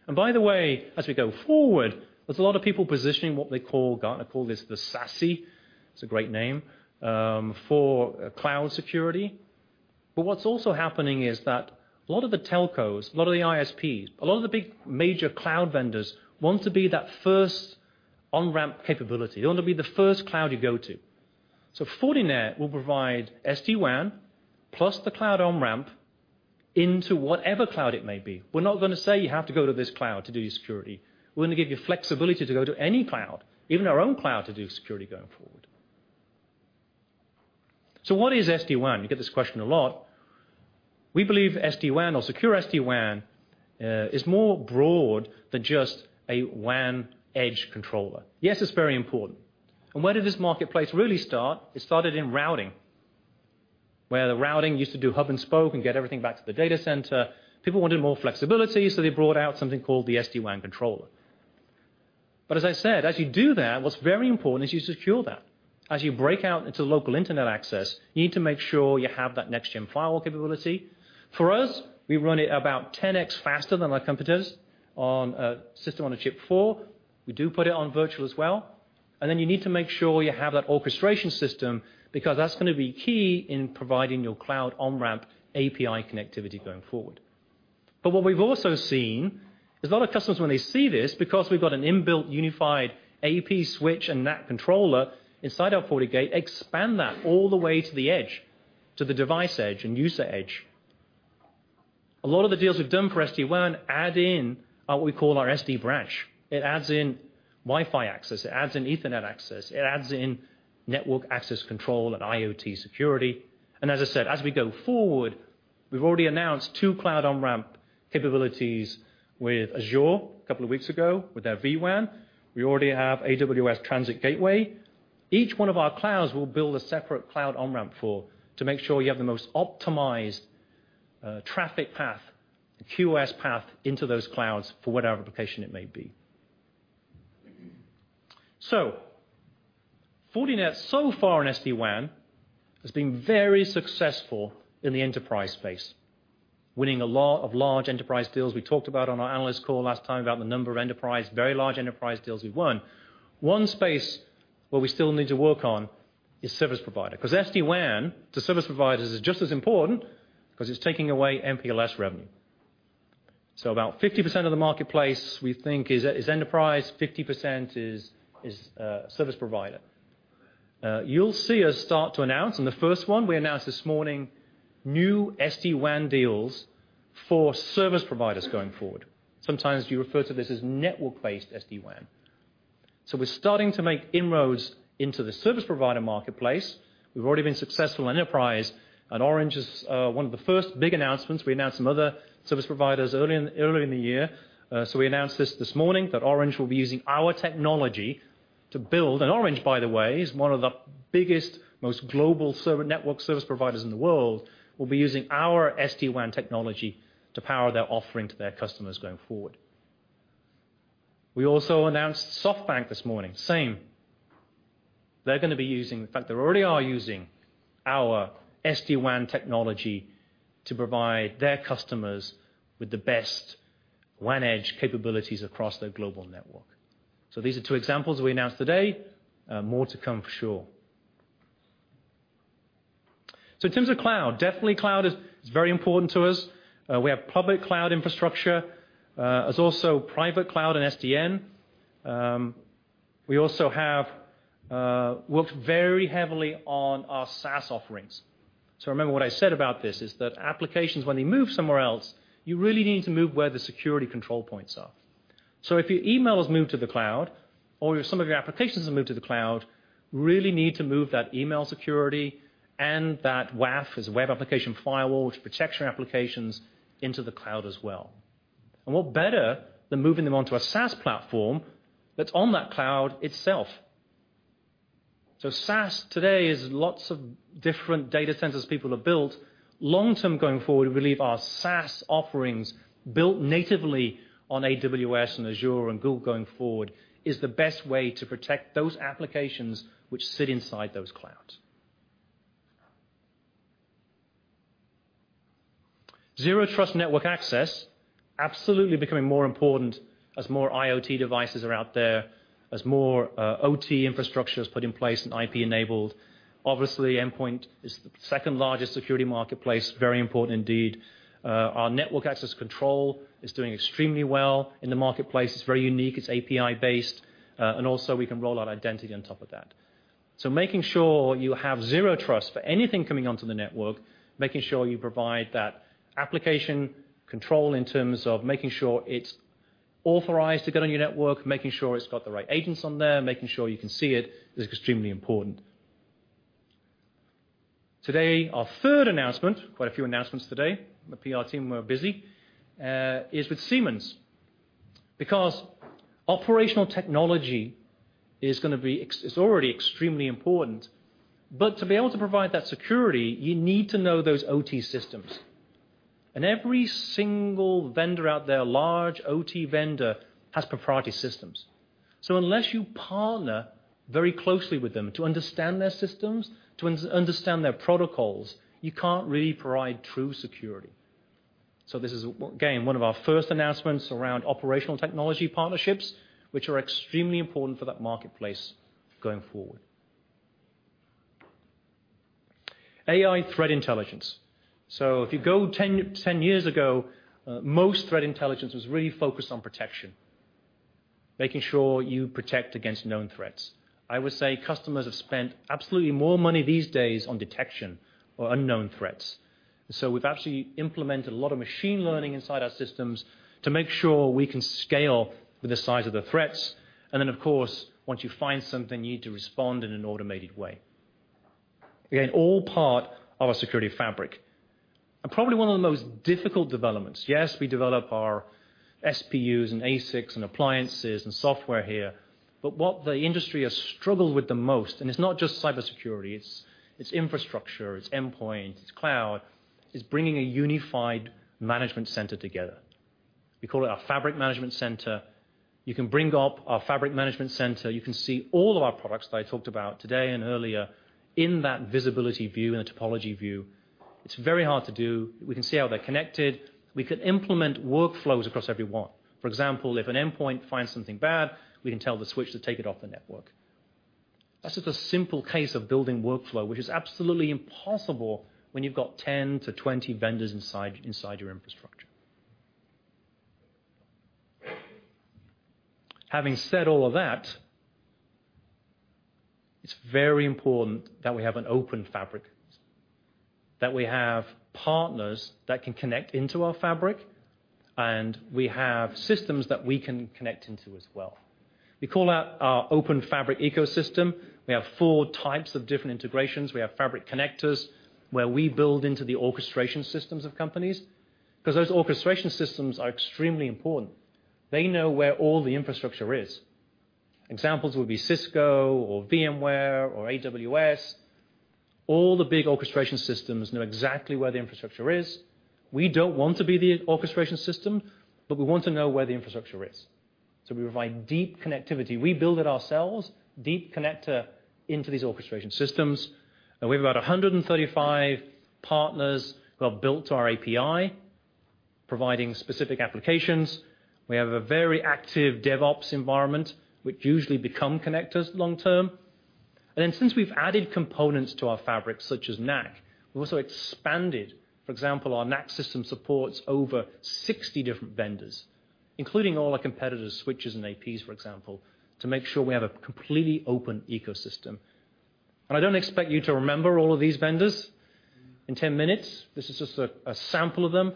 By the way, as we go forward, there's a lot of people positioning what they call, Gartner call this the SASE, it's a great name, for cloud security. What's also happening is that a lot of the telcos, a lot of the ISPs, a lot of the big major cloud vendors want to be that first on-ramp capability. Fortinet will provide SD-WAN plus the cloud on-ramp into whatever cloud it may be. We're not going to say you have to go to this cloud to do your security. We're going to give you flexibility to go to any cloud, even our own cloud, to do security going forward. What is SD-WAN? We get this question a lot. We believe SD-WAN or Secure SD-WAN, is more broad than just a WAN edge controller. Yes, it's very important. Where did this marketplace really start? It started in routing, where the routing used to do hub and spoke and get everything back to the data center. People wanted more flexibility, so they brought out something called the SD-WAN controller. As I said, as you do that, what's very important is you secure that. As you break out into local internet access, you need to make sure you have that next-gen firewall capability. For us, we run it about 10X faster than our competitors on a SoC4. We do put it on virtual as well. You need to make sure you have that orchestration system, because that's going to be key in providing your cloud on-ramp API connectivity going forward. What we've also seen is a lot of customers when they see this, because we've got an in-built unified AP switch and NAT controller inside our FortiGate, expand that all the way to the edge, to the device edge and user edge. A lot of the deals we've done for SD-WAN add in what we call our SD-Branch. It adds in Wi-Fi access, it adds in ethernet access, it adds in network access control and IoT security. As I said, as we go forward, we've already announced two cloud on-ramp capabilities with Azure a couple of weeks ago with their vWAN. We already have AWS Transit Gateway. Each one of our clouds we'll build a separate cloud on-ramp for to make sure you have the most optimized traffic path, QoS path into those clouds for whatever application it may be. Fortinet so far in SD-WAN has been very successful in the enterprise space, winning a lot of large enterprise deals. We talked about on our analyst call last time about the number of enterprise, very large enterprise deals we've won. One space where we still need to work on is service provider, because SD-WAN to service providers is just as important because it's taking away MPLS revenue. About 50% of the marketplace we think is enterprise, 50% is service provider. You'll see us start to announce, and the first one we announced this morning, new SD-WAN deals for service providers going forward. Sometimes you refer to this as network-based SD-WAN. We're starting to make inroads into the service provider marketplace. We've already been successful enterprise, and Orange is one of the first big announcements. We announced some other service providers earlier in the year. We announced this morning that Orange will be using our technology. Orange, by the way, is one of the biggest, most global network service providers in the world, will be using our SD-WAN technology to power their offering to their customers going forward. We also announced SoftBank this morning, same. They're going to be using, in fact, they already are using our SD-WAN technology to provide their customers with the best WAN edge capabilities across their global network. These are two examples we announced today. More to come for sure. In terms of cloud, definitely cloud is very important to us. We have public cloud infrastructure. There's also private cloud and SDN. We also have worked very heavily on our SaaS offerings. Remember what I said about this is that applications, when they move somewhere else, you really need to move where the security control points are. If your email has moved to the cloud or some of your applications have moved to the cloud, you really need to move that email security and that WAF, as a web application firewall, which protects your applications into the cloud as well. What better than moving them onto a SaaS platform that's on that cloud itself? SaaS today is lots of different data centers people have built. Long-term going forward, we believe our SaaS offerings built natively on AWS and Azure and Google going forward is the best way to protect those applications which sit inside those clouds. Zero trust network access, absolutely becoming more important as more IoT devices are out there, as more OT infrastructure is put in place and IP enabled. Obviously, endpoint is the second largest security marketplace, very important indeed. Our network access control is doing extremely well in the marketplace. It's very unique. It's API based. Also we can roll out identity on top of that. Making sure you have zero trust for anything coming onto the network, making sure you provide that application control in terms of making sure it's authorized to get on your network, making sure it's got the right agents on there, making sure you can see it, is extremely important. Today, our third announcement, quite a few announcements today, the PR team were busy, is with Siemens. Operational technology is already extremely important, but to be able to provide that security, you need to know those OT systems. Every single vendor out there, large OT vendor, has proprietary systems. So unless you partner very closely with them to understand their systems, to understand their protocols, you can't really provide true security. This is, again, one of our first announcements around operational technology partnerships, which are extremely important for that marketplace going forward. AI threat intelligence. If you go 10 years ago, most threat intelligence was really focused on protection, making sure you protect against known threats. I would say customers have spent absolutely more money these days on detection or unknown threats. We've actually implemented a lot of machine learning inside our systems to make sure we can scale with the size of the threats, and then, of course, once you find something, you need to respond in an automated way. Again, all part of our Security Fabric. Probably one of the most difficult developments, yes, we develop our SPUs and ASICs and appliances and software here, but what the industry has struggled with the most, and it's not just cybersecurity, it's infrastructure, it's endpoint, it's cloud, is bringing a unified management center together. We call it our Fabric Management Center. You can bring up our Fabric Management Center. You can see all of our products that I talked about today and earlier in that visibility view, in the topology view. It's very hard to do. We can see how they're connected. We can implement workflows across every one. For example, if an endpoint finds something bad, we can tell the switch to take it off the network. That's just a simple case of building workflow, which is absolutely impossible when you've got 10 to 20 vendors inside your infrastructure. Having said all of that, it's very important that we have an open Fabric, that we have partners that can connect into our Fabric, and we have systems that we can connect into as well. We call that our open Fabric ecosystem. We have 4 types of different integrations. We have Fabric connectors where we build into the orchestration systems of companies, because those orchestration systems are extremely important. They know where all the infrastructure is. Examples would be Cisco or VMware or AWS. All the big orchestration systems know exactly where the infrastructure is. We don't want to be the orchestration system, but we want to know where the infrastructure is. We provide deep connectivity. We build it ourselves, deep connector into these orchestration systems. We have about 135 partners who have built our API, providing specific applications. We have a very active DevOps environment, which usually become connectors long term. Since we've added components to our Fabric, such as NAC, we've also expanded, for example, our NAC system supports over 60 different vendors, including all our competitors' switches and APs, for example, to make sure we have a completely open ecosystem. I don't expect you to remember all of these vendors in 10 minutes. This is just a sample of them.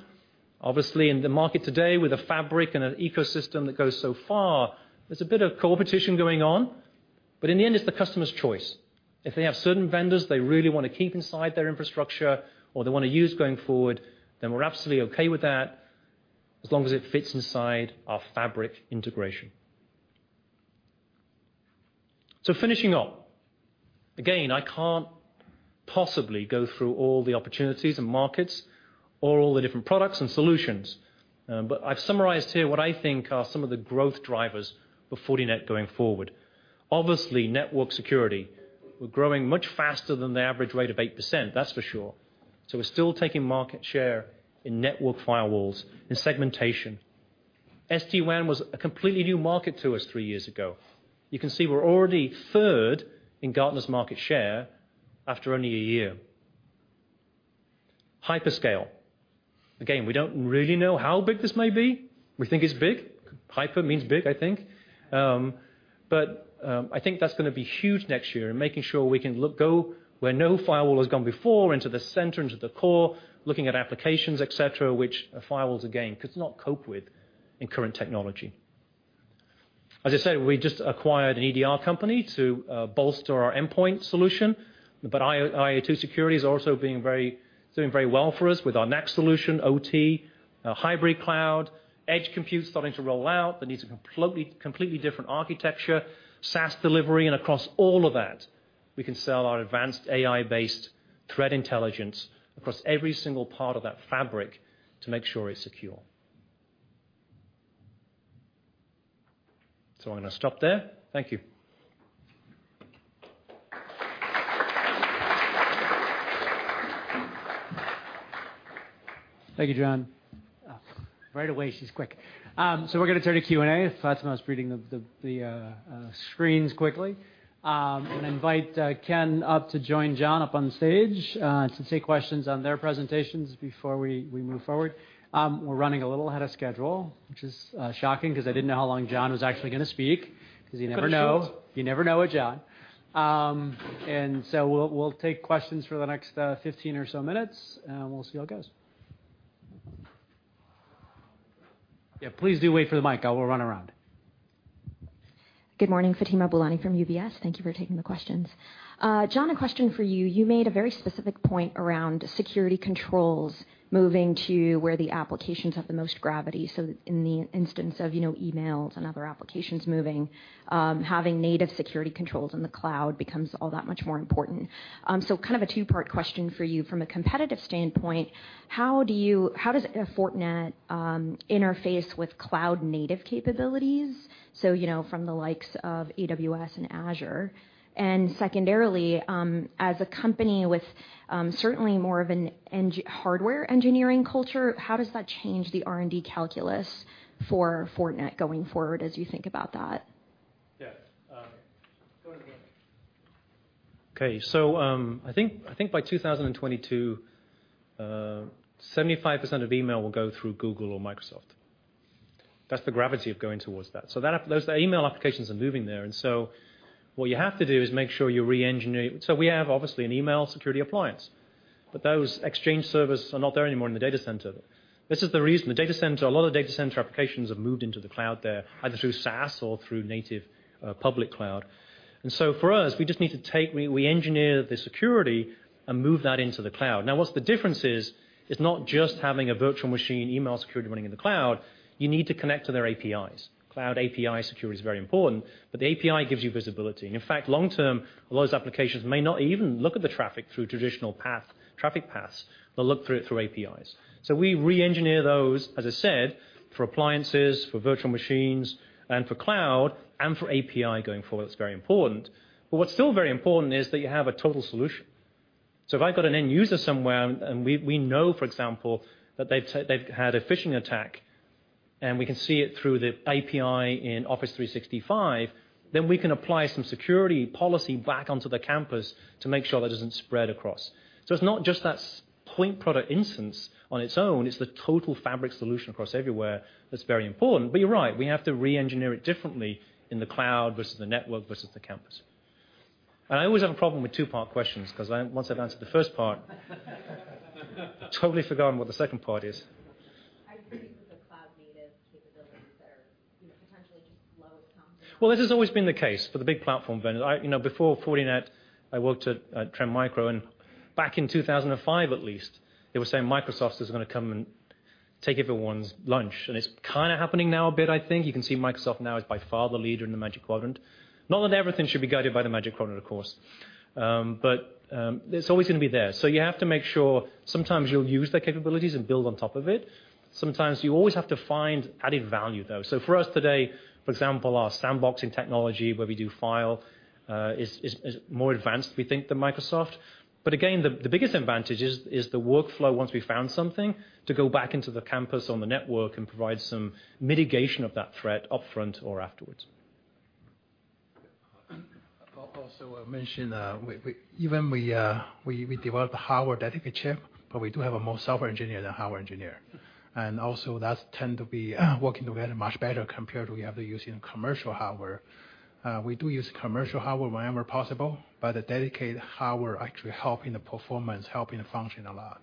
Obviously, in the market today with a Fabric and an ecosystem that goes so far, there's a bit of competition going on. In the end, it's the customer's choice. If they have certain vendors they really want to keep inside their infrastructure or they want to use going forward, we're absolutely okay with that as long as it fits inside our Fabric integration. Finishing up. Again, I can't possibly go through all the opportunities and markets or all the different products and solutions. I've summarized here what I think are some of the growth drivers for Fortinet going forward. Obviously, network security. We're growing much faster than the average rate of 8%, that's for sure. We're still taking market share in network firewalls, in segmentation. SD-WAN was a completely new market to us three years ago. You can see we're already third in Gartner's market share after only a year. Hyperscale. We don't really know how big this may be. We think it's big. Hyper means big, I think. I think that's going to be huge next year and making sure we can go where no firewall has gone before, into the center, into the core, looking at applications, et cetera, which firewalls, again, could not cope with in current technology. As I said, we just acquired an EDR company to bolster our endpoint solution. IoT security is also doing very well for us with our NAC solution, OT, our hybrid cloud, edge compute starting to roll out, that needs a completely different architecture, SaaS delivery, and across all of that, we can sell our advanced AI-based threat intelligence across every single part of that Fabric to make sure it's secure. I'm going to stop there. Thank you. Thank you, John. Right away, she's quick. We're going to turn to Q&A. Fatima is reading the screens quickly. I'm going to invite Ken up to join John up on stage to take questions on their presentations before we move forward. We're running a little ahead of schedule, which is shocking because I didn't know how long John was actually going to speak because you never know with John. We'll take questions for the next 15 or so minutes, and we'll see how it goes. Yeah, please do wait for the mic. I will run around. Good morning. Fatima Boolani from UBS. Thank you for taking the questions. John, a question for you. You made a very specific point around security controls moving to where the applications have the most gravity, so in the instance of emails and other applications moving, having native security controls in the cloud becomes all that much more important. Kind of a two-part question for you. From a competitive standpoint, how does Fortinet interface with cloud native capabilities, so from the likes of AWS and Azure? Secondarily, as a company with certainly more of an hardware engineering culture, how does that change the R&D calculus for Fortinet going forward as you think about that? Yes. Go ahead. I think by 2022, 75% of email will go through Google or Microsoft. That's the gravity of going towards that. Those email applications are moving there, what you have to do is make sure you re-engineer. We have, obviously, an email security appliance, those exchange servers are not there anymore in the data center. This is the reason, a lot of data center applications have moved into the cloud. They're either through SaaS or through native public cloud. For us, we just need to engineer the security and move that into the cloud. What the difference is, it's not just having a virtual machine email security running in the cloud. You need to connect to their APIs. Cloud API security is very important, the API gives you visibility. In fact, long term, a lot of those applications may not even look at the traffic through traditional traffic paths, they'll look through it through APIs. We re-engineer those, as I said, for appliances, for virtual machines, and for cloud, and for API going forward. It's very important. What's still very important is that you have a total solution. If I've got an end user somewhere, and we know, for example, that they've had a phishing attack, and we can see it through the API in Office 365, then we can apply some security policy back onto the campus to make sure that it doesn't spread across. It's not just that point product instance on its own, it's the total Fabric solution across everywhere that's very important. You're right, we have to re-engineer it differently in the cloud versus the network versus the campus. I always have a problem with two-part questions because once I've answered the first part, I've totally forgotten what the second part is. I agree that the cloud-native capabilities are potentially just. This has always been the case for the big platform vendors. Before Fortinet, I worked at Trend Micro, and back in 2005 at least, they were saying Microsoft is going to come and take everyone's lunch. It's kind of happening now a bit, I think. You can see Microsoft now is by far the leader in the Magic Quadrant. Not that everything should be guided by the Magic Quadrant, of course. It's always going to be there. You have to make sure sometimes you'll use their capabilities and build on top of it. Sometimes you always have to find added value, though. For us today, for example, our sandboxing technology, where we do file, is more advanced, we think, than Microsoft. Again, the biggest advantage is the workflow once we've found something to go back into the campus on the network and provide some mitigation of that threat upfront or afterwards. I mention, even we develop the hardware dedicated chip, but we do have a more software engineer than hardware engineer. That tend to be working together much better compared we have to using commercial hardware. We do use commercial hardware whenever possible, but the dedicated hardware actually helping the performance, helping the function a lot.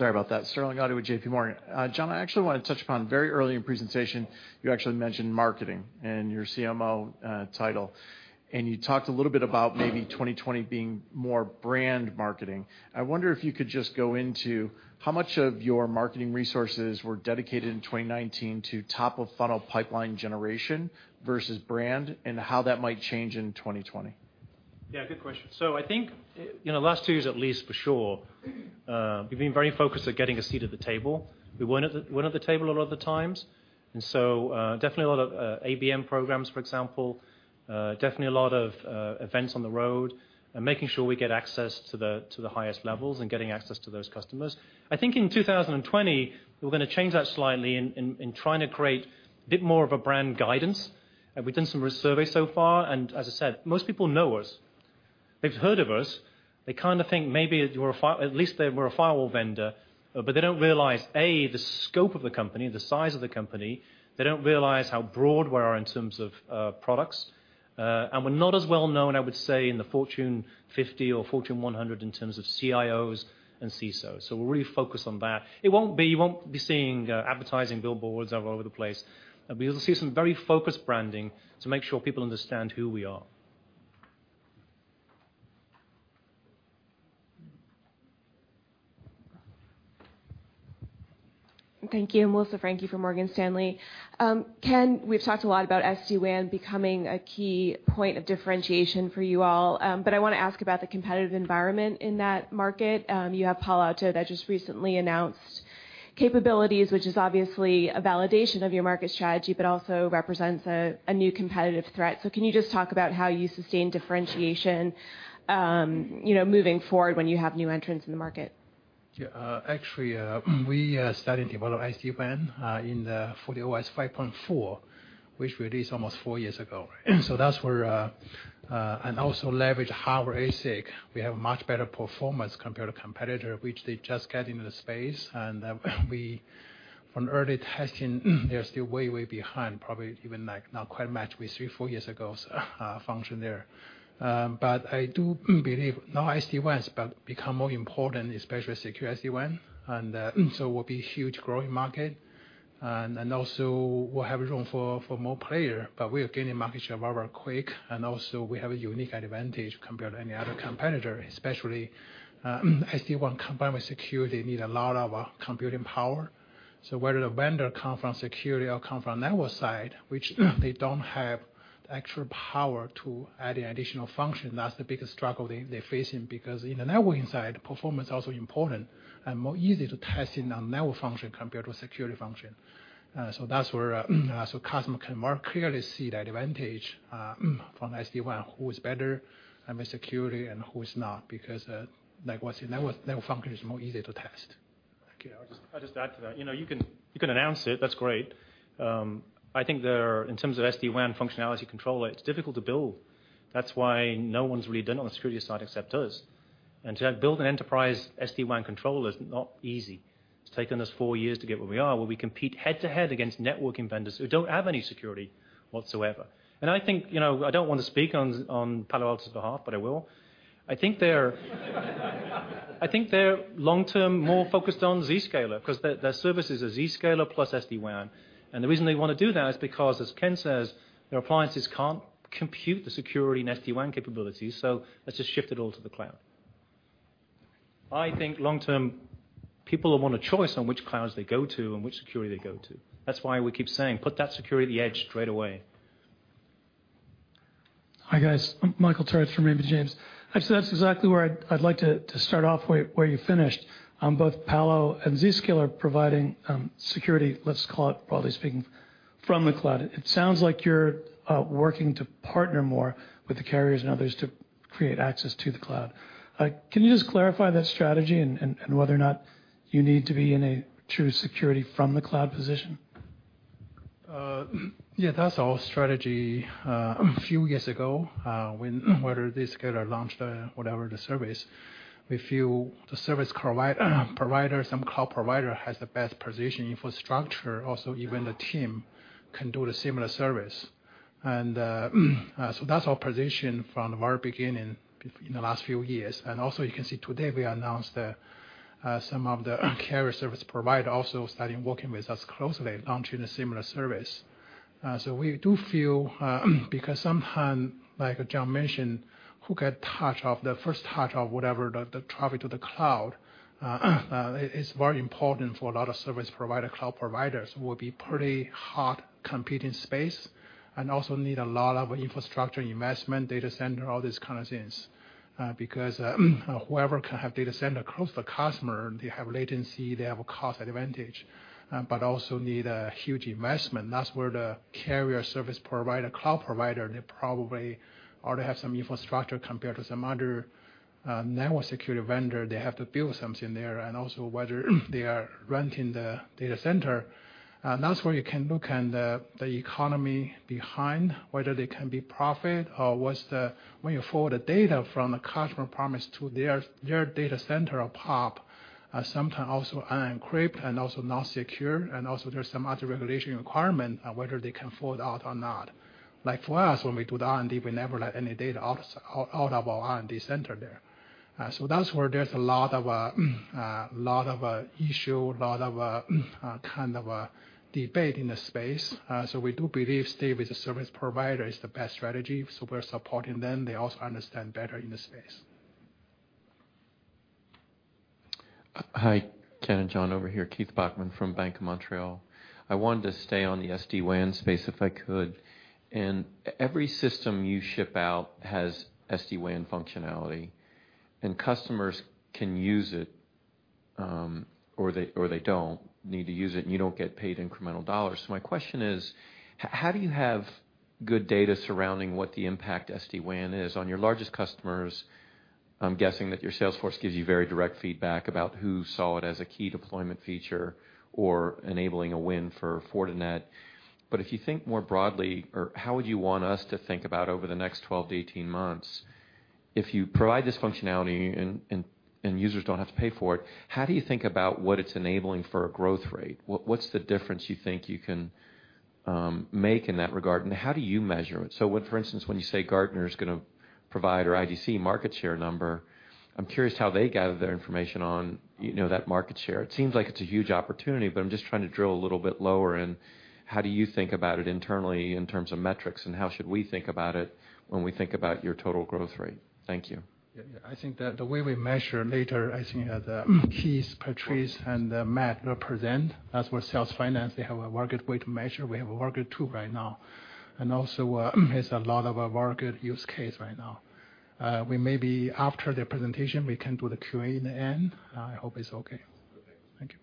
Yeah. Sterling Auty with JPMorgan. Sterling Auty with JPMorgan. John, I actually want to touch upon very early in presentation, you actually mentioned marketing and your CMO title, and you talked a little bit about maybe 2020 being more brand marketing. I wonder if you could just go into how much of your marketing resources were dedicated in 2019 to top of funnel pipeline generation versus brand, and how that might change in 2020? Yeah, good question. I think, last two years at least for sure, we've been very focused at getting a seat at the table. We weren't at the table a lot of the times. Definitely a lot of ABM programs, for example. Definitely a lot of events on the road and making sure we get access to the highest levels and getting access to those customers. I think in 2020, we're going to change that slightly in trying to create a bit more of a brand guidance. We've done some surveys so far, and as I said, most people know us. They've heard of us. They kind of think maybe at least that we're a firewall vendor, but they don't realize, A, the scope of the company, the size of the company. They don't realize how broad we are in terms of products. We're not as well known, I would say, in the Fortune 50 or Fortune 100 in terms of CIOs and CSOs. We're really focused on that. You won't be seeing advertising billboards all over the place. You'll see some very focused branding to make sure people understand who we are. Thank you. Melissa Franchi from Morgan Stanley. Ken, we've talked a lot about SD-WAN becoming a key point of differentiation for you all. I want to ask about the competitive environment in that market. You have Palo Alto that just recently announced capabilities, which is obviously a validation of your market strategy, but also represents a new competitive threat. Can you just talk about how you sustain differentiation moving forward when you have new entrants in the market? Yeah. Actually, we started to develop SD-WAN for the FortiOS 5.4, which we released almost four years ago. Also leverage hardware ASIC. We have much better performance compared to competitor, which they just get into the space. From early testing, they're still way behind, probably even not quite match with three, four years ago function there. I do believe now SD-WANs become more important, especially Secure SD-WAN, and so will be huge growing market. Also, we'll have room for more player, but we are gaining market share very quick. Also, we have a unique advantage compared to any other competitor, especially SD-WAN combined with security need a lot of computing power. Whether the vendor come from security or come from network side, which they don't have the actual power to add additional function, that's the biggest struggle they're facing because in the networking side, performance also important and more easy to test in a network function compared to a security function. Customer can more clearly see the advantage from SD-WAN, who is better with security and who is not because network function is more easy to test. Thank you. I'll just add to that. You can announce it, that's great. I think there, in terms of SD-WAN functionality control, it's difficult to build. That's why no one's really done it on the security side except us. To build an enterprise SD-WAN control is not easy. It's taken us four years to get where we are, where we compete head-to-head against networking vendors who don't have any security whatsoever. I think, I don't want to speak on Palo Alto's behalf, but I will. I think they're long-term more focused on Zscaler, because their service is a Zscaler plus SD-WAN. The reason they want to do that is because, as Ken says, their appliances can't compute the security and SD-WAN capabilities, so let's just shift it all to the cloud. I think long-term, people will want a choice on which clouds they go to and which security they go to. That's why we keep saying, put that security at the edge straight away. Hi, guys. Michael Turits from Raymond James. Actually, that's exactly where I'd like to start off, where you finished. Both Palo and Zscaler providing security, let's call it, broadly speaking, from the cloud. It sounds like you're working to partner more with the carriers and others to create access to the cloud. Can you just clarify that strategy and whether or not you need to be in a true security from the cloud position? Yeah, that's our strategy. A few years ago, when Zscaler launched whatever the service, we feel the service provider, some cloud provider, has the best position infrastructure, also even the team can do the similar service. So that's our position from our beginning in the last few years. Also you can see today we announced some of the carrier service provider also starting working with us closely launching a similar service. We do feel, because sometime, like John mentioned, who get touch of the first touch of whatever the traffic to the cloud, it's very important for a lot of service provider, cloud providers will be pretty hot competing space and also need a lot of infrastructure investment, data center, all these kind of things. Whoever can have data center close to customer, they have latency, they have a cost advantage. Also need a huge investment. That's where the carrier service provider, cloud provider, they probably already have some infrastructure compared to some other network security vendor. They have to build something there. Also whether they are renting the data center. That's where you can look at the economy behind whether they can be profit or when you forward the data from the customer premise to their data center or POP, sometime also unencrypt and also not secure, and also there's some other regulation requirement whether they can afford or not. Like for us, when we do the R&D, we never let any data out of our R&D center there. That's where there's a lot of issue, lot of debate in the space. We do believe stay with the service provider is the best strategy, so we're supporting them. They also understand better in the space. Hi, Ken and John, over here. Keith Bachman from Bank of Montreal. I wanted to stay on the SD-WAN space if I could. Every system you ship out has SD-WAN functionality, and customers can use it, or they don't need to use it, and you don't get paid incremental dollars. My question is, how do you have good data surrounding what the impact SD-WAN is on your largest customers? I'm guessing that your sales force gives you very direct feedback about who saw it as a key deployment feature or enabling a win for Fortinet. If you think more broadly or how would you want us to think about over the next 12 to 18 months, if you provide this functionality and users don't have to pay for it, how do you think about what it's enabling for a growth rate? What's the difference you think you can make in that regard, and how do you measure it? When, for instance, when you say Gartner's going to provide, or IDC, market share number, I'm curious how they gather their information on that market share. It seems like it's a huge opportunity, but I'm just trying to drill a little bit lower in how do you think about it internally in terms of metrics, and how should we think about it when we think about your total growth rate? Thank you. Yeah. I think that the way we measure later, I think as Keith, Patrice, and Matt will present, that's where sales finance, they have a very good way to measure. We have a very good tool right now. Also, has a lot of a very good use case right now. We maybe after their presentation, we can do the QA in the end. I hope it's okay. Okay. Thank you.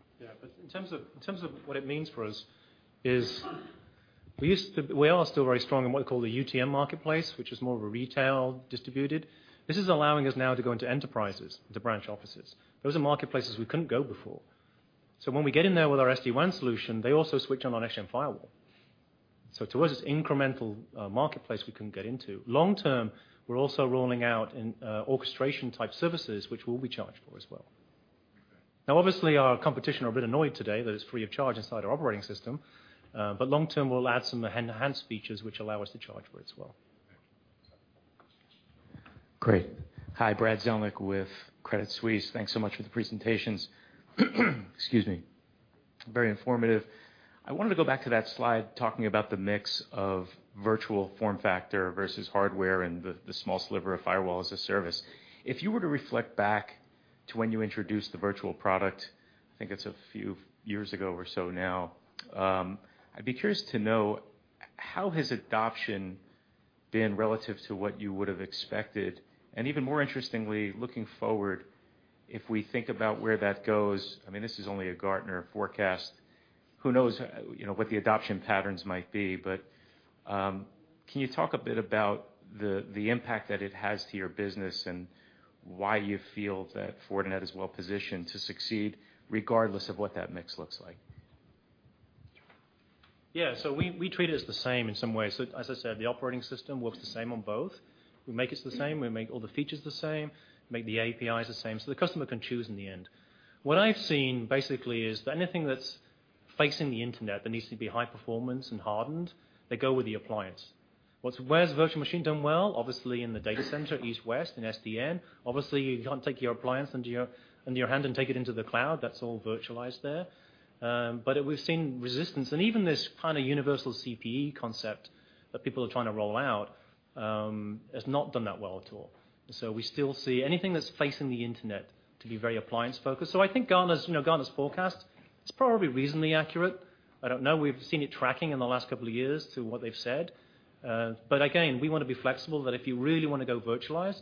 In terms of what it means for us is we are still very strong in what we call the UTM marketplace, which is more of a retail distributed. This is allowing us now to go into enterprises, into branch offices. Those are marketplaces we couldn't go before. When we get in there with our SD-WAN solution, they also switch on our next-gen firewall. To us, it's incremental marketplace we couldn't get into. Long-term, we're also rolling out in orchestration type services, which will be charged for as well. Okay. Obviously our competition are a bit annoyed today that it's free of charge inside our operating system. Long-term, we'll add some enhanced features which allow us to charge for it as well. Thank you. Great. Hi, Brad Zelnick with Credit Suisse. Thanks so much for the presentations. Excuse me. Very informative. I wanted to go back to that slide talking about the mix of virtual form factor versus hardware and the small sliver of Firewall as a Service. If you were to reflect back to when you introduced the virtual product, I think it's a few years ago or so now, I'd be curious to know, how has adoption been relative to what you would have expected? Even more interestingly, looking forward, if we think about where that goes, I mean, this is only a Gartner forecast. Who knows what the adoption patterns might be, but can you talk a bit about the impact that it has to your business, and why you feel that Fortinet is well-positioned to succeed regardless of what that mix looks like? Yeah. We treat it as the same in some ways. As I said, the operating system works the same on both. We make it the same, we make all the features the same, make the APIs the same, so the customer can choose in the end. What I've seen basically is that anything that's facing the internet that needs to be high-performance and hardened, they go with the appliance. Where's virtual machine done well? Obviously, in the data center, east-west, in SDN. Obviously, you can't take your appliance in your hand and take it into the cloud. That's all virtualized there. We've seen resistance. Even this kind of universal CPE concept that people are trying to roll out, has not done that well at all. We still see anything that's facing the internet to be very appliance focused. I think Gartner's forecast, it's probably reasonably accurate. I don't know. We've seen it tracking in the last couple of years to what they've said. Again, we want to be flexible, that if you really want to go virtualized.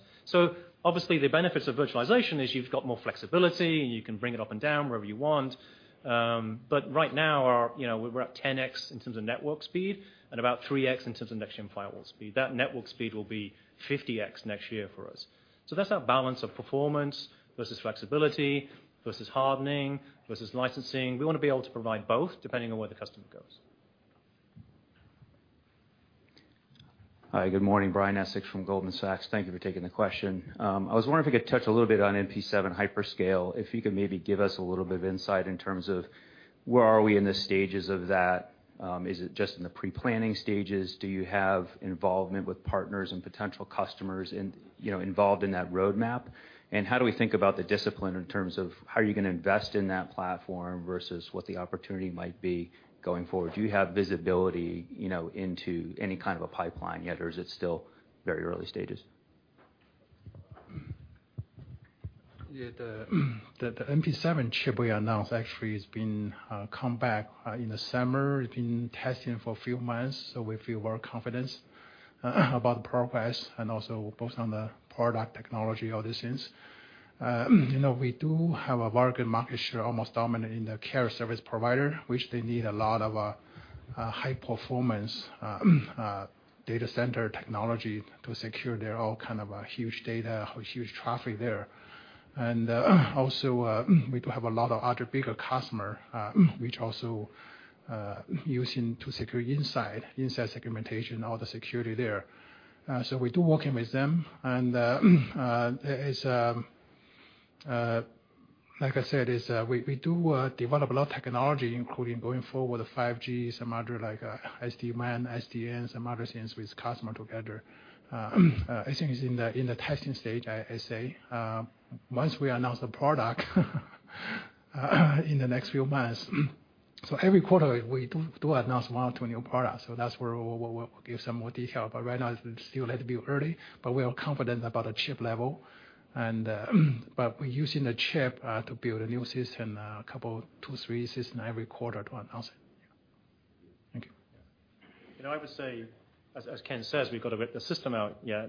Obviously, the benefits of virtualization is you've got more flexibility, and you can bring it up and down wherever you want. Right now, we're at 10x in terms of network speed and about 3x in terms of next-gen firewall speed. That network speed will be 50x next year for us. That's our balance of performance versus flexibility, versus hardening, versus licensing. We want to be able to provide both, depending on where the customer goes. Hi, good morning. Brian Essex from Goldman Sachs. Thank you for taking the question. I was wondering if you could touch a little bit on NP7 hyperscale. If you could maybe give us a little bit of insight in terms of where are we in the stages of that. Is it just in the pre-planning stages? Do you have involvement with partners and potential customers involved in that roadmap? How do we think about the discipline in terms of how are you going to invest in that platform versus what the opportunity might be going forward? Do you have visibility into any kind of a pipeline yet, or is it still very early stages? Yeah. The NP7 chip we announced actually has been come back in the summer, it's been testing for a few months. We feel more confidence about the progress and also both on the product technology, all these things. We do have a very good market share, almost dominant in the care service provider, which they need a lot of high performance data center technology to secure their all kind of huge data or huge traffic there. Also, we do have a lot of other bigger customer, which also using to secure inside segmentation, all the security there. We do working with them, and like I said, we do develop a lot of technology, including going forward with 5G, some other like SD-WAN, SDN, some other things with customer together. I think it's in the testing stage, I say. Once we announce the product in the next few months. Every quarter, we do announce one or two new products, so that's where we'll give some more detail. Right now, it's still a little bit early, but we are confident about the chip level. We're using the chip to build a new system, a couple, two, three system every quarter to announce it. Thank you. I would say, as Ken says, we've got to rip the system out, yeah.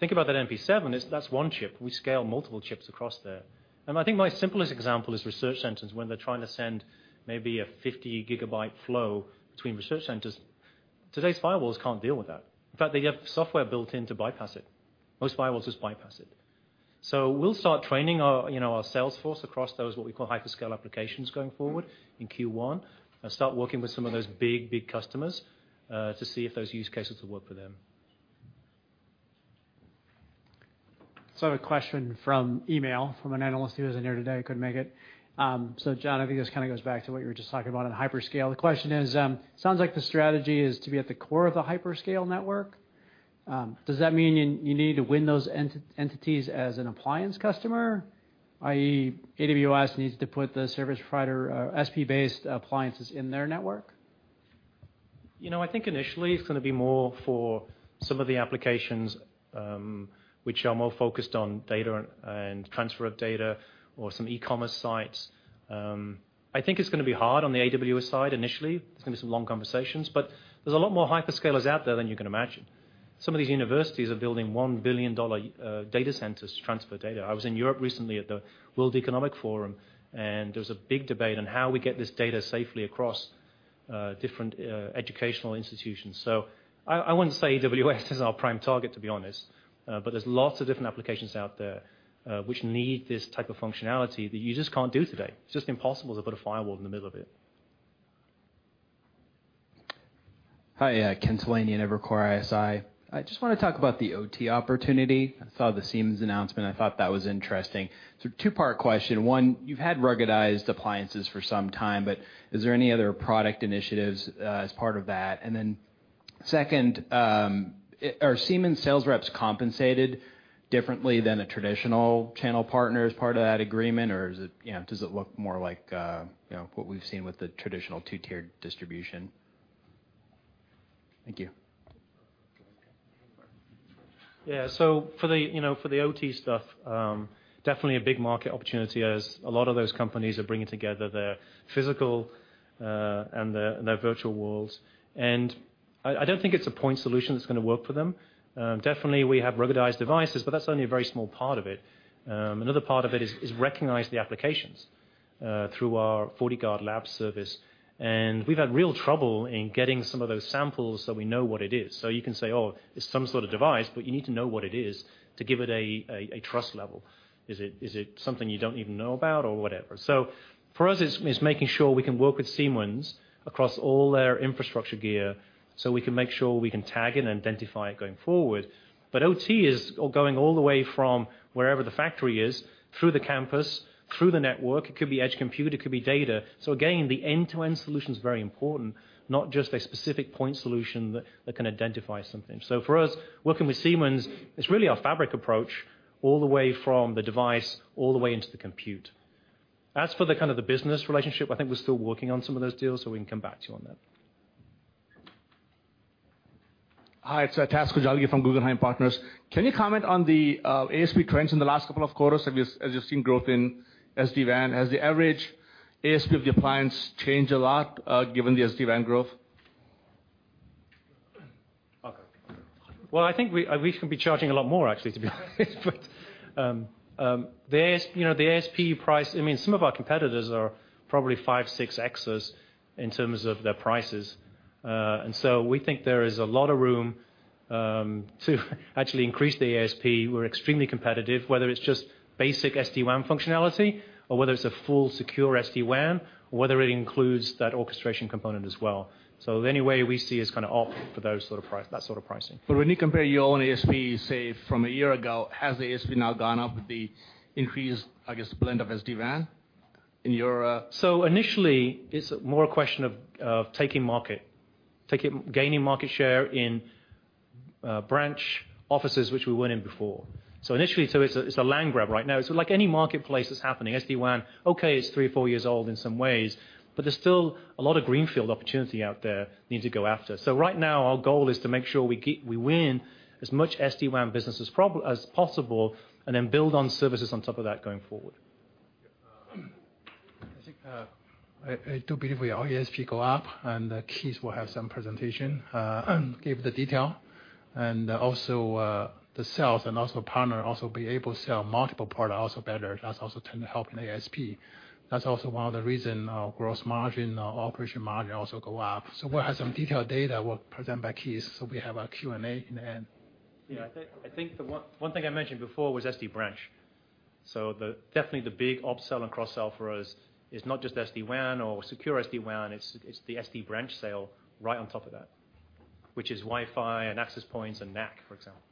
Think about that NP7, that's one chip. We scale multiple chips across there. I think my simplest example is research centers, when they're trying to send maybe a 50 GB flow between research centers. Today's firewalls can't deal with that. In fact, they have software built in to bypass it. Most firewalls just bypass it. We'll start training our sales force across those, what we call hyperscale applications going forward in Q1, and start working with some of those big customers, to see if those use cases will work for them. I have a question from email from an analyst who isn't here today, couldn't make it. John, I think this kind of goes back to what you were just talking about on hyperscale. The question is, sounds like the strategy is to be at the core of the hyperscale network. Does that mean you need to win those entities as an appliance customer, i.e., AWS needs to put the service provider SP-based appliances in their network? I think initially, it's going to be more for some of the applications which are more focused on data and transfer of data or some e-commerce sites. I think it's going to be hard on the AWS side initially. There's going to be some long conversations. There's a lot more hyperscalers out there than you can imagine. Some of these universities are building $1 billion data centers to transfer data. I was in Europe recently at the World Economic Forum, and there was a big debate on how we get this data safely across different educational institutions. I wouldn't say AWS is our prime target, to be honest. There's lots of different applications out there, which need this type of functionality that you just can't do today. It's just impossible to put a firewall in the middle of it. Hi, Ken Talanian, Evercore ISI. I just want to talk about the OT opportunity. I saw the Siemens announcement. I thought that was interesting. Two-part question. One, you've had ruggedized appliances for some time, but is there any other product initiatives as part of that? Second, are Siemens sales reps compensated differently than a traditional channel partner as part of that agreement? Does it look more like what we've seen with the traditional two-tiered distribution? Thank you. Yeah. For the OT stuff, definitely a big market opportunity as a lot of those companies are bringing together their physical and their virtual worlds. I don't think it's a point solution that's going to work for them. Definitely, we have ruggedized devices, but that's only a very small part of it. Another part of it is recognize the applications through our FortiGuard Labs Lab service. We've had real trouble in getting some of those samples so we know what it is. You can say, "Oh, it's some sort of device," but you need to know what it is to give it a trust level. Is it something you don't even know about or whatever? For us, it's making sure we can work with Siemens across all their infrastructure gear so we can make sure we can tag it and identify it going forward. OT is going all the way from wherever the factory is, through the campus, through the network. It could be Edge Compute, it could be data. Again, the end-to-end solution is very important, not just a specific point solution that can identify something. For us, working with Siemens is really our Fabric approach all the way from the device, all the way into the compute. As for the business relationship, I think we're still working on some of those deals. We can come back to you on that. Hi, it's Taz Koujalgi from Guggenheim Partners. Can you comment on the ASP trends in the last couple of quarters? Have you seen growth in SD-WAN? Has the average ASP of the appliance changed a lot, given the SD-WAN growth? Well, I think we should be charging a lot more actually, to be honest with you. The ASP price, some of our competitors are probably 5x, 6x in terms of their prices. We think there is a lot of room to actually increase the ASP. We're extremely competitive, whether it's just basic SD-WAN functionality or whether it's a full Secure SD-WAN, or whether it includes that orchestration component as well. Anyway, we see as kind of opt for that sort of pricing. When you compare your own ASP, say, from a year ago, has the ASP now gone up with the increased, I guess, blend of SD-WAN? Initially, it's more a question of taking market, gaining market share in branch offices which we weren't in before. Initially, it's a land grab right now. It's like any marketplace that's happening. SD-WAN, okay, it's three or four years old in some ways, but there's still a lot of greenfield opportunity out there need to go after. Right now, our goal is to make sure we win as much SD-WAN business as possible and then build on services on top of that going forward. I think, I do believe our ASP go up, and Keith will have some presentation, give the detail, and also, the sales and also partner also be able to sell multiple product also better. That's also tend to help in ASP. That's also one of the reason our gross margin, our operation margin also go up. We'll have some detailed data we'll present by Keith, so we have our Q&A in the end. I think the one thing I mentioned before was SD-Branch. Definitely the big upsell and cross-sell for us is not just SD-WAN or Secure SD-WAN, it's the SD-Branch sale right on top of that, which is Wi-Fi and access points and NAC, for example.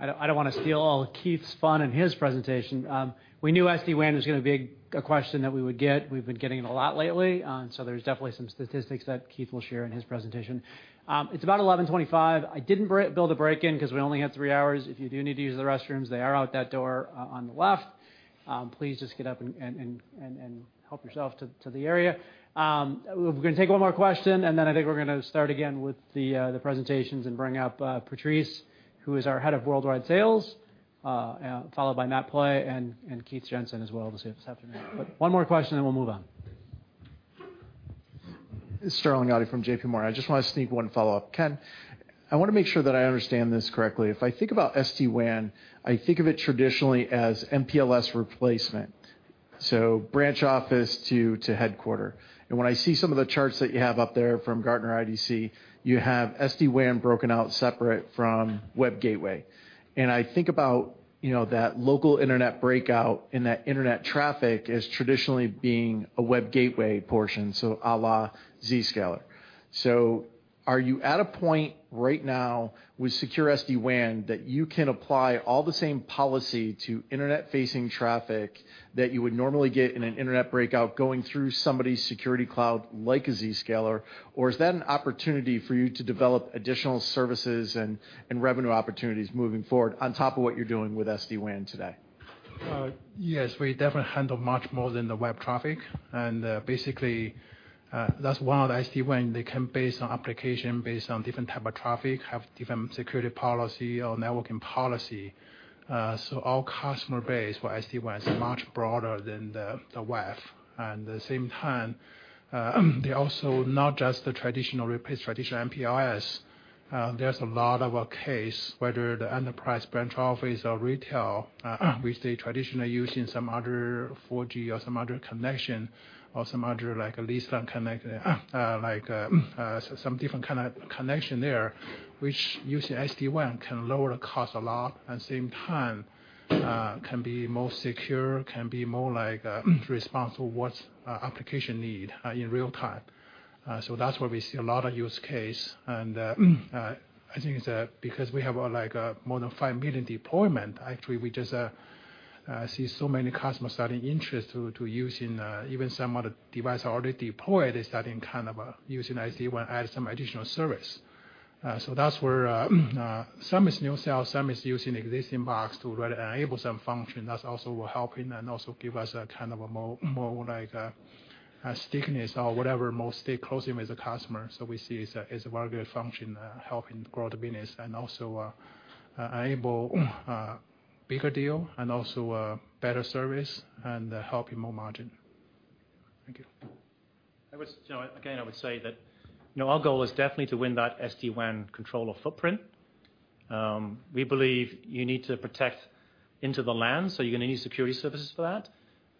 I don't want to steal all of Keith's fun in his presentation. We knew SD-WAN was going to be a question that we would get. We've been getting it a lot lately. There's definitely some statistics that Keith will share in his presentation. It's about 11:25. I didn't build a break in because we only had three hours. If you do need to use the restrooms, they are out that door on the left. Please just get up and help yourself to the area. We're going to take one more question, and then I think we're going to start again with the presentations and bring up Patrice, who is our Head of Worldwide Sales, followed by Matt Clay and Keith Jensen as well this afternoon. One more question, then we'll move on. Sterling Auty from JPMorgan. I just want to sneak one follow-up. Ken, I want to make sure that I understand this correctly. If I think about SD-WAN, I think of it traditionally as MPLS replacement, so branch office to headquarter. When I see some of the charts that you have up there from Gartner IDC, you have SD-WAN broken out separate from web gateway. I think about that local internet breakout and that internet traffic as traditionally being a web gateway portion, so a la Zscaler. Are you at a point right now with Secure SD-WAN that you can apply all the same policy to internet-facing traffic that you would normally get in an internet breakout going through somebody's security cloud like a Zscaler, or is that an opportunity for you to develop additional services and revenue opportunities moving forward on top of what you're doing with SD-WAN today? Yes, we definitely handle much more than the web traffic. That's why the SD-WAN, they can base on application, based on different type of traffic, have different security policy or networking policy. Our customer base for SD-WAN is much broader than the WAF. At the same time, they're also not just the traditional replace traditional MPLS. There's a lot of a case, whether the enterprise branch office or retail, which they traditionally using some other 4G or some other connection or some other like a lease line connect, like some different kind of connection there, which using SD-WAN can lower the cost a lot, at the same time, can be more secure, can be more like responsive what application need in real time. That's where we see a lot of use case, and I think it's because we have more than 5 million deployment. Actually, we just see so many customers starting interest to using even some other device already deployed is starting using SD-WAN as some additional service. That's where some is new sales, some is using existing box to enable some function. That also will help in and also give us a kind of a more like a stickiness or whatever, more stay close in with the customer. We see it's a very good function helping grow the business and also enable bigger deal and also better service and helping more margin. Thank you. Again, I would say that our goal is definitely to win that SD-WAN controller footprint. We believe you need to protect into the LAN, so you're going to need security services for that.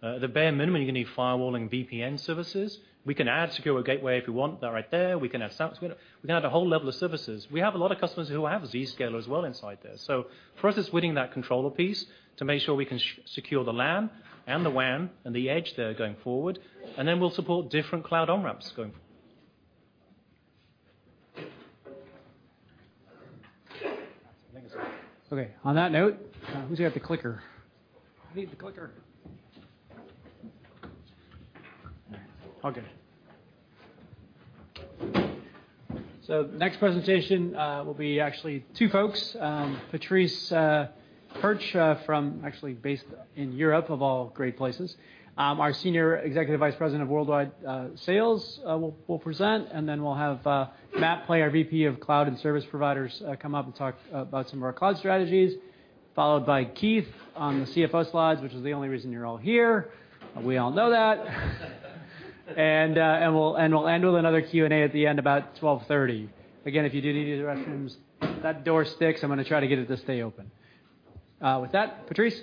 At the bare minimum, you're going to need firewall and VPN services. We can add secure gateway if you want that right there. We can add SASE. We can add a whole level of services. We have a lot of customers who have Zscaler as well inside there. For us, it's winning that controller piece to make sure we can secure the LAN and the WAN and the edge there going forward, and then we'll support different cloud on-ramps going forward. Okay. On that note, who's got the clicker? I need the clicker. All good. Next presentation will be actually two folks. Patrice Perche from-- actually based in Europe, of all great places. Our Senior Executive Vice President of Worldwide Sales will present, and then we'll have Matt Pley, our VP of Cloud and Service Providers, come up and talk about some of our cloud strategies, followed by Keith on the CFO slides, which is the only reason you're all here. We all know that. We'll end with another Q&A at the end, about 12:30. Again, if you do need to use the restrooms, that door sticks, I'm going to try to get it to stay open. With that, Patrice.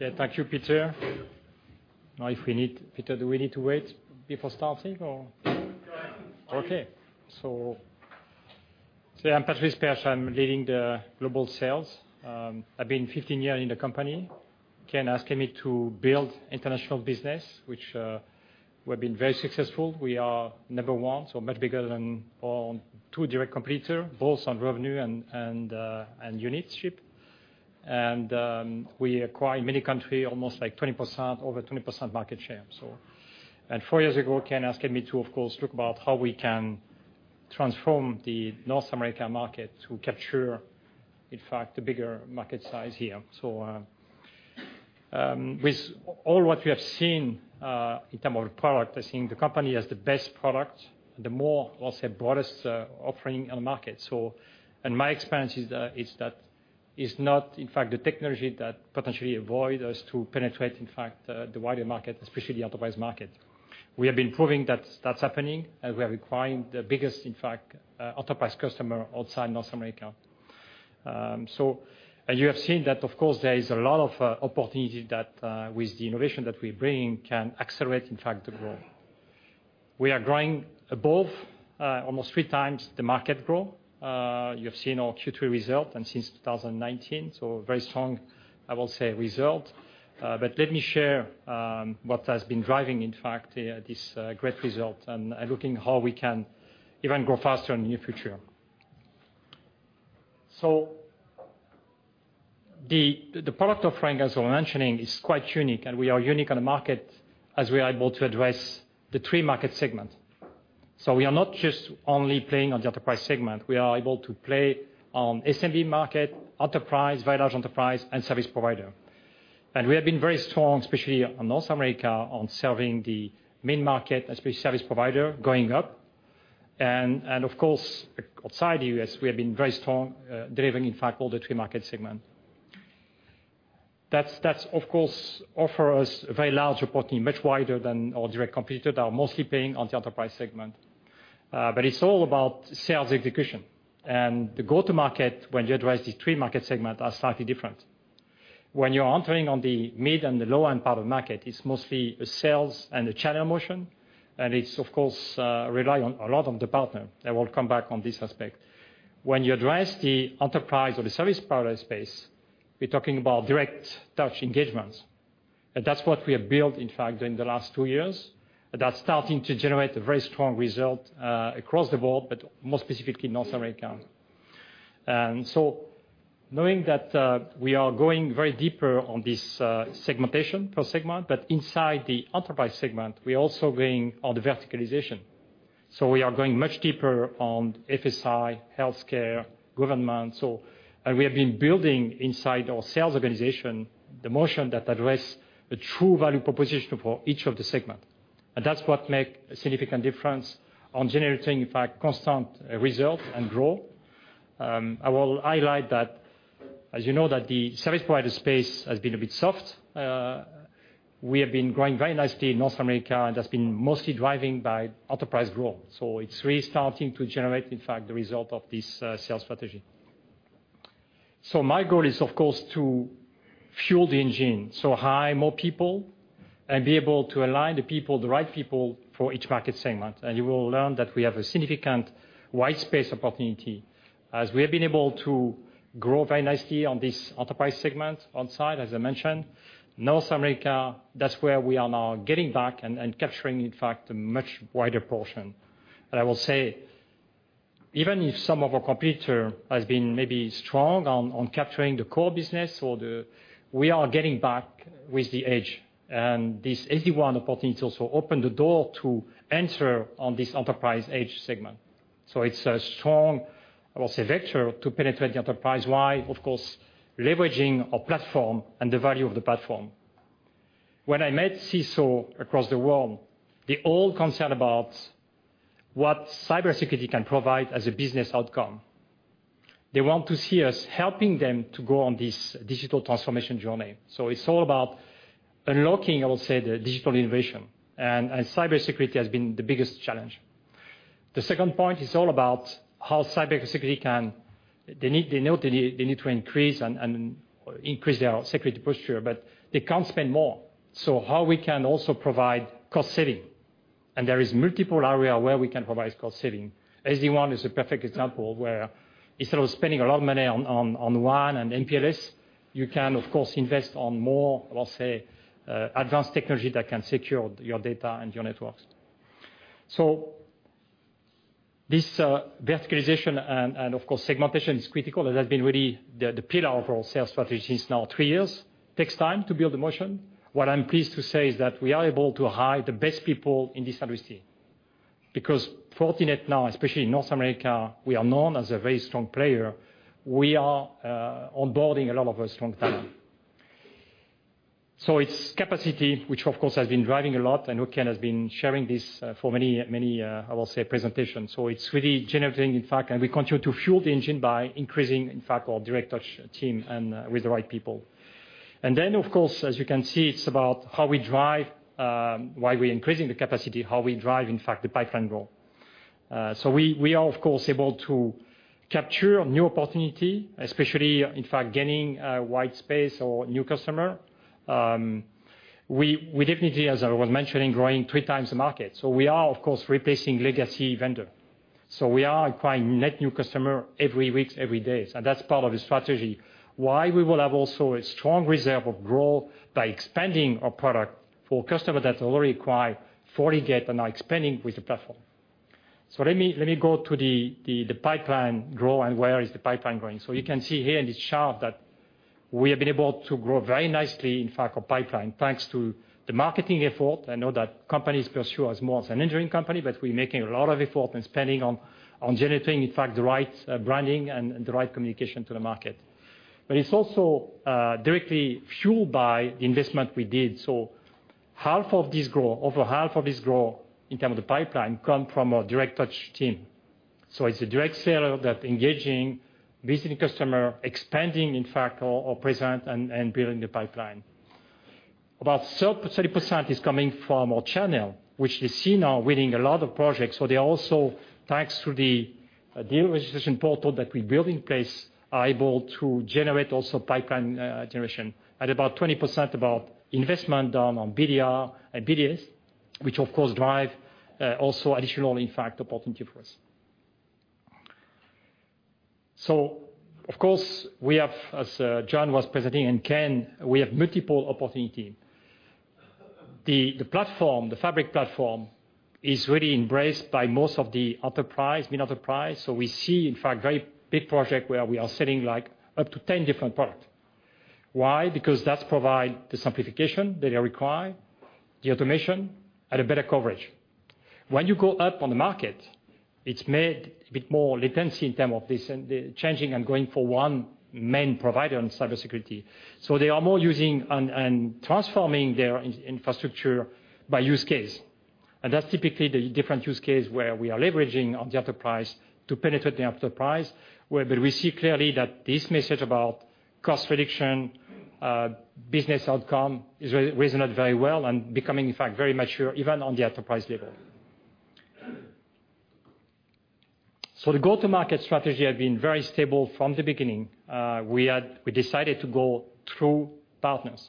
Yeah. Thank you, Peter. Now Peter, do we need to wait before starting or? No, go ahead. Okay. I'm Patrice Perche. I'm leading the global sales. I've been 15 years in the company. Ken asking me to build international business, which we've been very successful. We are number one, so much bigger than our two direct competitor, both on revenue and unit ship. We acquired many country, almost over 20% market share. Four years ago, Ken asking me to, of course, look about how we can transform the North American market to capture, in fact, the bigger market size here. With all what we have seen in term of product, I think the company has the best product and the more, I'll say, broadest offering on the market. In my experience, it's not, in fact, the technology that potentially avoid us to penetrate, in fact, the wider market, especially the enterprise market. We have been proving that's happening, we are acquiring the biggest, in fact, enterprise customer outside North America. You have seen that, of course, there is a lot of opportunity that with the innovation that we bring, can accelerate, in fact, the growth. We are growing above almost three times the market growth. You have seen our Q3 result and since 2019, very strong, I will say, result. Let me share what has been driving, in fact, this great result and looking how we can even grow faster in the near future. The product offering, as I was mentioning, is quite unique, and we are unique on the market as we are able to address the three market segments. We are not just only playing on the enterprise segment. We are able to play on SMB market, enterprise, very large enterprise, and service provider. We have been very strong, especially on North America, on serving the mid-market, especially service provider, going up. Of course, outside U.S., we have been very strong, delivering, in fact, all the three market segment. That of course offer us a very large opportunity, much wider than our direct competitor, that are mostly playing on the enterprise segment. It's all about sales execution. The go to market when you address the three market segment are slightly different. When you're entering on the mid and the low-end part of market, it's mostly a sales and a channel motion, and it's of course rely a lot on the partner. I will come back on this aspect. When you address the enterprise or the service provider space, we're talking about direct touch engagements. That's what we have built, in fact, during the last two years. That's starting to generate a very strong result across the board, but more specifically North America. Knowing that we are going very deeper on this segmentation per segment, but inside the enterprise segment, we are also going on the verticalization. We are going much deeper on FSI, healthcare, government. We have been building inside our sales organization, the motion that address a true value proposition for each of the segment. That's what make a significant difference on generating, in fact, constant result and growth. I will highlight that as you know that the service provider space has been a bit soft. We have been growing very nicely in North America, and that's been mostly driven by enterprise growth. It's really starting to generate, in fact, the result of this sales strategy. My goal is, of course, to fuel the engine, so hire more people and be able to align the people, the right people for each market segment. You will learn that we have a significant wide space opportunity. As we have been able to grow very nicely on this enterprise segment on site, as I mentioned. North America, that's where we are now getting back and capturing, in fact, a much wider portion. I will say, even if some of our competitor has been maybe strong on capturing the core business or the We are getting back with the edge, and this SD-WAN opportunity to also open the door to enter on this enterprise edge segment. It's a strong, I will say, vector to penetrate the enterprise while, of course, leveraging our platform and the value of the platform. When I met CISO across the world, they're all concerned about what cybersecurity can provide as a business outcome. They want to see us helping them to go on this digital transformation journey. It's all about unlocking, I would say, the digital innovation. Cybersecurity has been the biggest challenge. The second point is all about how cybersecurity can--. They know they need to increase their security posture, but they can't spend more. How we can also provide cost saving, and there is multiple area where we can provide cost saving. SD-WAN is a perfect example where instead of spending a lot of money on WAN and MPLS, you can of course invest on more, let's say, advanced technology that can secure your data and your networks. This verticalization and of course segmentation is critical. That has been really the pillar of our sales strategy since now three years. Takes time to build the motion. What I'm pleased to say is that we are able to hire the best people in the service team. Fortinet now, especially in North America, we are known as a very strong player. We are onboarding a lot of our strong talent. It's capacity, which of course has been driving a lot, and who Ken has been sharing this for many, I will say, presentations. It's really generating, in fact, and we continue to fuel the engine by increasing, in fact, our direct touch team and with the right people. Then, of course, as you can see, it's about how we drive, in fact, the pipeline role. We are, of course, able to capture new opportunity, especially in fact gaining a white space or new customer. We definitely, as I was mentioning, growing three times the market. We are, of course, replacing legacy vendor. We are acquiring net new customer every week, every day. That's part of the strategy, why we will have also a strong reserve of growth by expanding our product for customer that already acquire Fortinet and are expanding with the platform. Let me go to the pipeline growth and where is the pipeline going. You can see here in this chart that we have been able to grow very nicely, in fact, our pipeline, thanks to the marketing effort. I know that companies pursue us more as an engineering company, but we making a lot of effort and spending on generating, in fact, the right branding and the right communication to the market. It's also directly fueled by the investment we did. Over half of this growth in term of the pipeline come from our direct touch team. It's the direct seller that engaging visiting customer, expanding, in fact, our presence and building the pipeline. About 30% is coming from our channel, which you see now winning a lot of projects. They also, thanks to the dealer registration portal that we build in place, are able to generate also pipeline generation at about 20% of our investment done on BDR and BDS, which of course drive also additional, in fact, opportunity for us. Of course, we have, as John was presenting and Ken, we have multiple opportunity. The Fabric platform is really embraced by most of the enterprise, mid-enterprise. We see, in fact, very big project where we are selling up to 10 different product. Why? Because that provide the simplification that they require, the automation at a better coverage. When you go up on the market, it's made a bit more latency in term of this and the changing and going for one main provider on cybersecurity. They are more using and transforming their infrastructure by use case. That's typically the different use case where we are leveraging on the enterprise to penetrate the enterprise, where we see clearly that this message about cost reduction, business outcome has resonated very well and becoming, in fact, very mature even on the enterprise level. The go-to-market strategy has been very stable from the beginning. We decided to go through partners.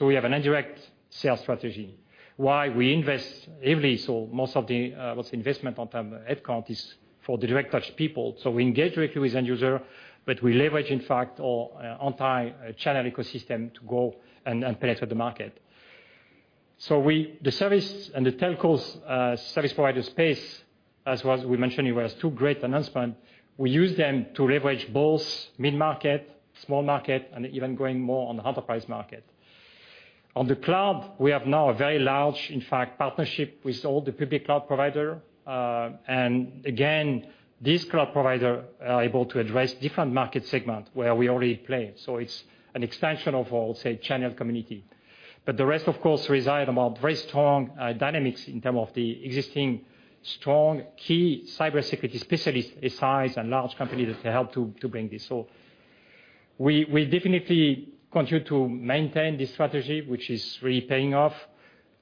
We have an indirect sales strategy. Why? We invest heavily. Most of the investment on term head count is for the direct touch people. We engage directly with end user, but we leverage, in fact, our entire channel ecosystem to go and penetrate the market. The service and the telcos service provider space, as was we mentioned, it was two great announcement. We use them to leverage both mid-market, small market, and even going more on the enterprise market. On the cloud, we have now a very large, in fact, partnership with all the public cloud provider. Again, these cloud provider are able to address different market segment where we already play. It's an expansion of, I'll say, channel community. The rest, of course, reside among very strong dynamics in term of the existing strong key cybersecurity specialist, a size and large company that help to bring this. We definitely continue to maintain this strategy, which is really paying off.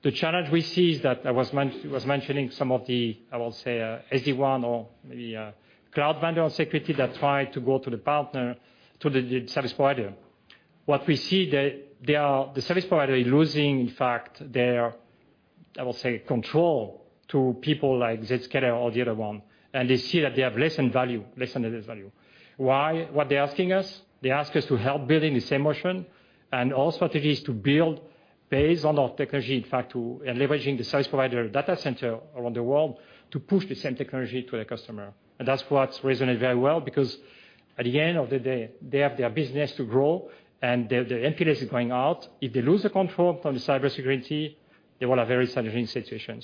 The challenge we see is that I was mentioning some of the, I will say, SD-WAN or maybe cloud vendor security that try to go to the partner, to the service provider. What we see, the service provider is losing, in fact, their, I will say, control to people like Zscaler or the other one. They see that they have lessened value. Why? What they're asking us? They ask us to help build the same motion. Our strategy is to build based on our technology, in fact, to leverage the service provider data center around the world to push the same technology to the customer. That's what resonated very well because at the end of the day, they have their business to grow and their MPLS is going out. If they lose the control from the cybersecurity, they will have a very challenging situation.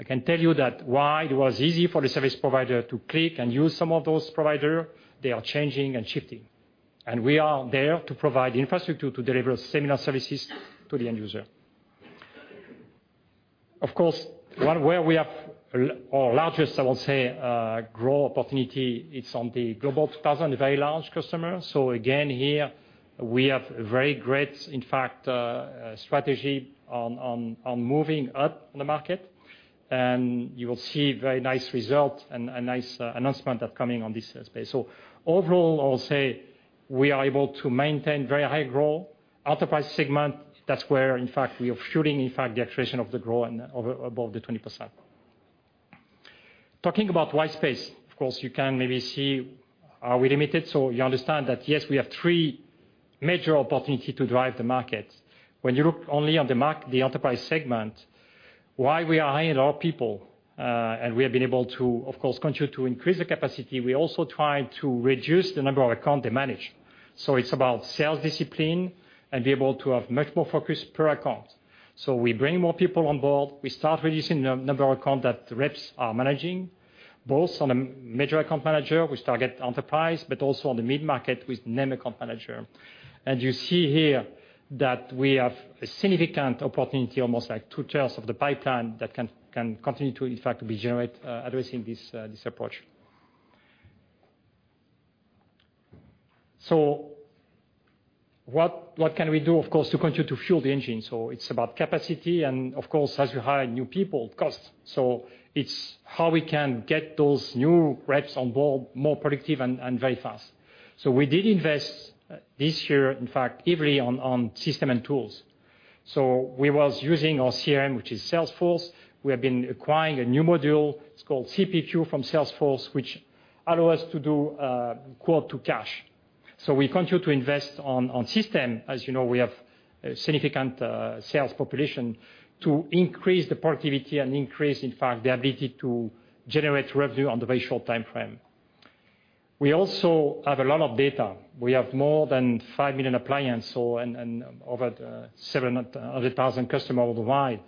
I can tell you that why it was easy for the service provider to click and use some of those providers, they are changing and shifting. We are there to provide infrastructure to deliver similar services to the end user. Of course, where we have our largest, I would say, growth opportunity, it's on the Global 2000 very large customers. Again, here we have very great, in fact, strategy on moving up the market. You will see very nice results and nice announcements that are coming on this space. Overall, I'll say we are able to maintain very high growth. Enterprise segment, that's where, in fact, we are fueling, in fact, the acceleration of the growth above the 20%. Talking about white space, of course, you can maybe see, are we limited? You understand that, yes, we have three major opportunities to drive the market. When you look only on the Enterprise segment, why we are hiring a lot of people, and we have been able to, of course, continue to increase the capacity. We also try to reduce the number of accounts they manage. It's about sales discipline and be able to have much more focus per account. We bring more people on board, we start reducing the number of accounts that the reps are managing, both on a major account manager with target enterprise, but also on the mid-market with name account manager. You see here that we have a significant opportunity, almost like two-thirds of the pipeline, that can continue to, in fact, be addressing this approach. What can we do, of course, to continue to fuel the engine? It's about capacity and, of course, as you hire new people, cost. It's how we can get those new reps on board more productive and very fast. We did invest this year, in fact, heavily on system and tools. We were using our CRM, which is Salesforce. We have been acquiring a new module, it's called CPQ from Salesforce, which allow us to do quote to cash. We continue to invest on system, as you know, we have a significant sales population to increase the productivity and increase, in fact, the ability to generate revenue on the very short timeframe. We also have a lot of data. We have more than 5 million appliances and over 700,000 customers worldwide.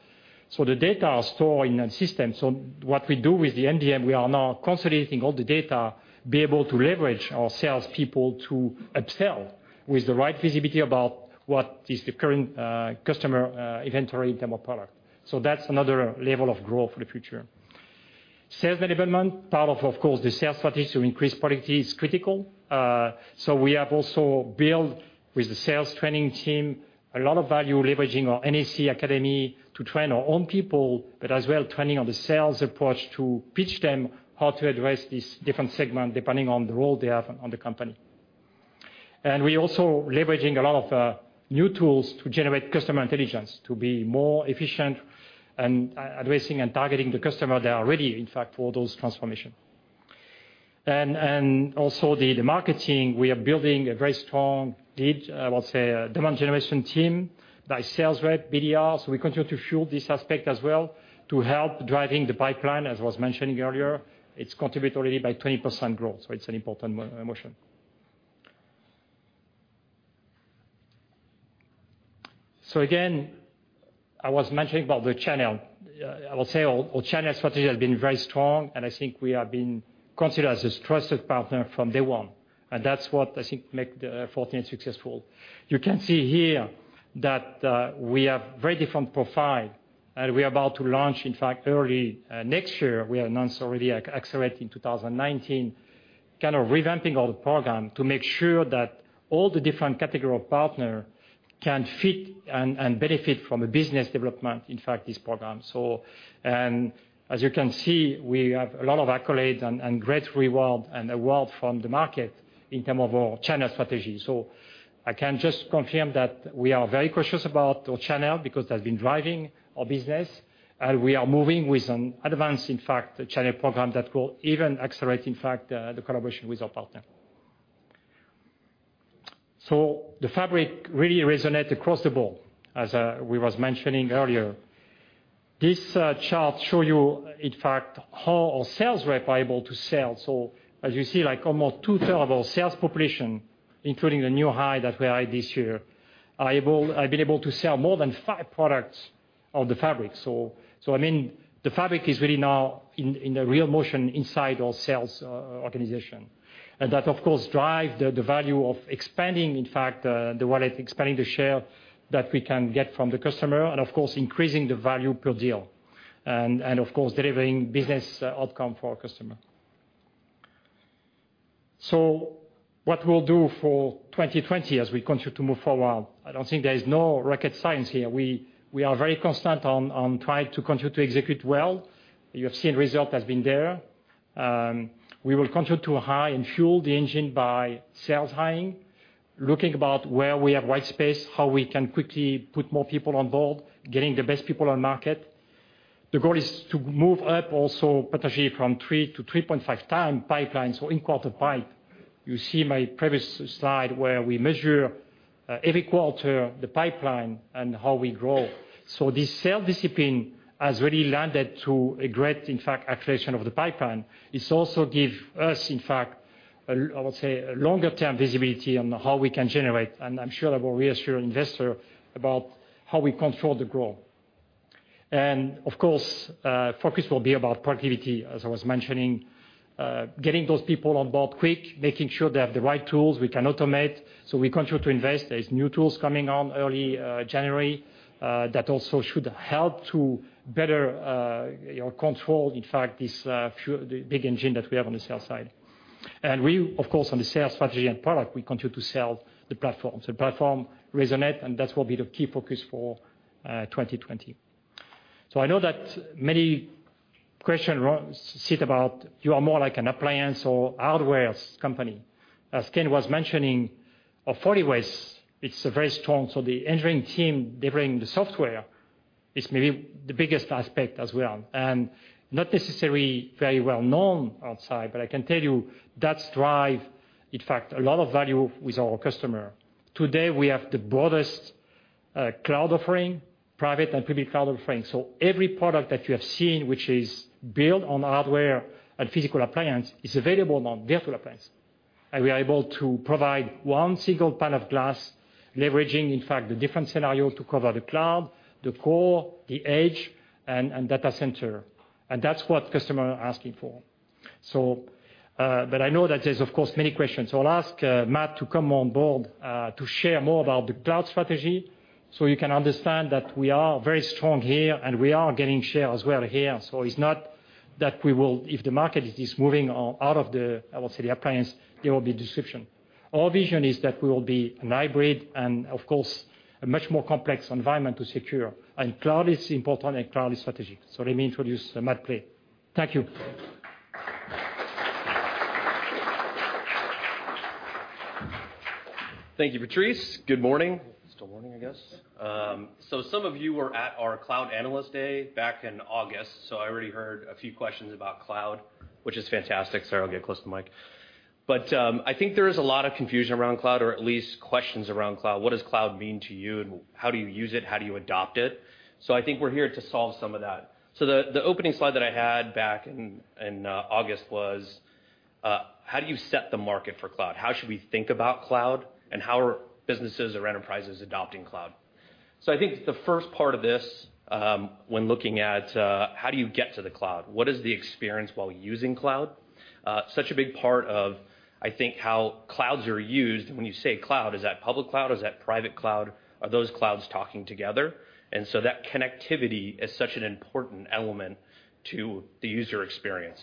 The data are stored in a system. What we do with the MDM, we are now consolidating all the data, be able to leverage our salespeople to upsell with the right visibility about what is the current customer inventory in term of product. That's another level of growth for the future. Sales enablement, part of course, the sales strategy to increase productivity is critical. We have also built with the sales training team, a lot of value leveraging our NSE Academy to train our own people, but as well training on the sales approach to pitch them how to address this different segment depending on the role they have on the company. We're also leveraging a lot of new tools to generate customer intelligence, to be more efficient and addressing and targeting the customer that are ready, in fact, for those transformation. Also the marketing, we are building a very strong lead, I would say, demand generation team by sales rep, BDR. We continue to fuel this aspect as well to help driving the pipeline, as I was mentioning earlier. It's contributed already by 20% growth, so it's an important motion. Again, I was mentioning about the channel. I will say our channel strategy has been very strong, and I think we have been considered as a trusted partner from day one. That's what I think make Fortinet successful. You can see here that we have very different profile, and we are about to launch, in fact, early next year, we announced already accelerating 2019, kind of revamping all the program to make sure that all the different category of partner can fit and benefit from the business development, in fact, this program. As you can see, we have a lot of accolades and great reward and award from the market in terms of our channel strategy. I can just confirm that we are very cautious about our channel because that's been driving our business, and we are moving with an advanced, in fact, channel program that will even accelerate, in fact, the collaboration with our partner. The Fabric really resonate across the board, as we was mentioning earlier. This chart show you, in fact, how our sales rep are able to sell. As you see, almost two-thirds of our sales population, including the new hire that we hired this year, have been able to sell more than five products of the Fabric. The Fabric is really now in the real motion inside our sales organization. That, of course, drive the value of expanding, in fact, the wallet, expanding the share that we can get from the customer, and of course, increasing the value per deal. Of course, delivering business outcome for our customer. What we'll do for 2020 as we continue to move forward, I don't think there is no rocket science here. We are very constant on trying to continue to execute well. You have seen result has been there. We will continue to hire and fuel the engine by sales hiring, looking about where we have white space, how we can quickly put more people on board, getting the best people on market. The goal is to move up also potentially from 3-3.5 times pipeline, so in quarter pipe. You see my previous slide where we measure every quarter the pipeline and how we grow. This sales discipline has really landed to a great, in fact, acceleration of the pipeline. It also give us, in fact, I would say, a longer term visibility on how we can generate, and I'm sure I will reassure investor about how we control the growth. Of course, focus will be about productivity, as I was mentioning. Getting those people on board quick, making sure they have the right tools we can automate. We continue to invest. There's new tools coming on early January, that also should help to better control, in fact, this big engine that we have on the sales side. We, of course, on the sales strategy and product, we continue to sell the platform. The platform resonate, that will be the key focus for 2020. I know that many question sit about you are more like an appliance or hardwares company. As Ken was mentioning, of FortiWeb, it's very strong. The engineering team delivering the software is maybe the biggest aspect as well, and not necessarily very well known outside, but I can tell you that drive, in fact, a lot of value with our customer. Today we have the broadest cloud offering, private and public cloud offering. We are able to provide one single pane of glass leveraging, in fact, the different scenario to cover the cloud, the core, the edge, and data center. That's what customer asking for. I know that there's of course, many questions. I'll ask Matt to come on board, to share more about the cloud strategy, so you can understand that we are very strong here and we are getting share as well here. It's not that if the market is moving out of the, I would say, the appliance, there will be disruption. Our vision is that we will be a hybrid and, of course, a much more complex environment to secure, and cloud is important and cloud is strategic. Let me introduce Matt Clay. Thank you. Thank you, Patrice. Good morning. Still morning, I guess. Some of you were at our Cloud Analyst Day back in August, I already heard a few questions about cloud, which is fantastic. Sorry, I'll get close to the mic. I think there is a lot of confusion around cloud, or at least questions around cloud. What does cloud mean to you, and how do you use it? How do you adopt it? I think we're here to solve some of that. The opening slide that I had back in August was: how do you set the market for cloud? How should we think about cloud, and how are businesses or enterprises adopting cloud? I think the first part of this, when looking at how do you get to the cloud, what is the experience while using cloud? Such a big part of, I think, how clouds are used, when you say cloud, is that public cloud, is that private cloud? Are those clouds talking together? That connectivity is such an important element to the user experience.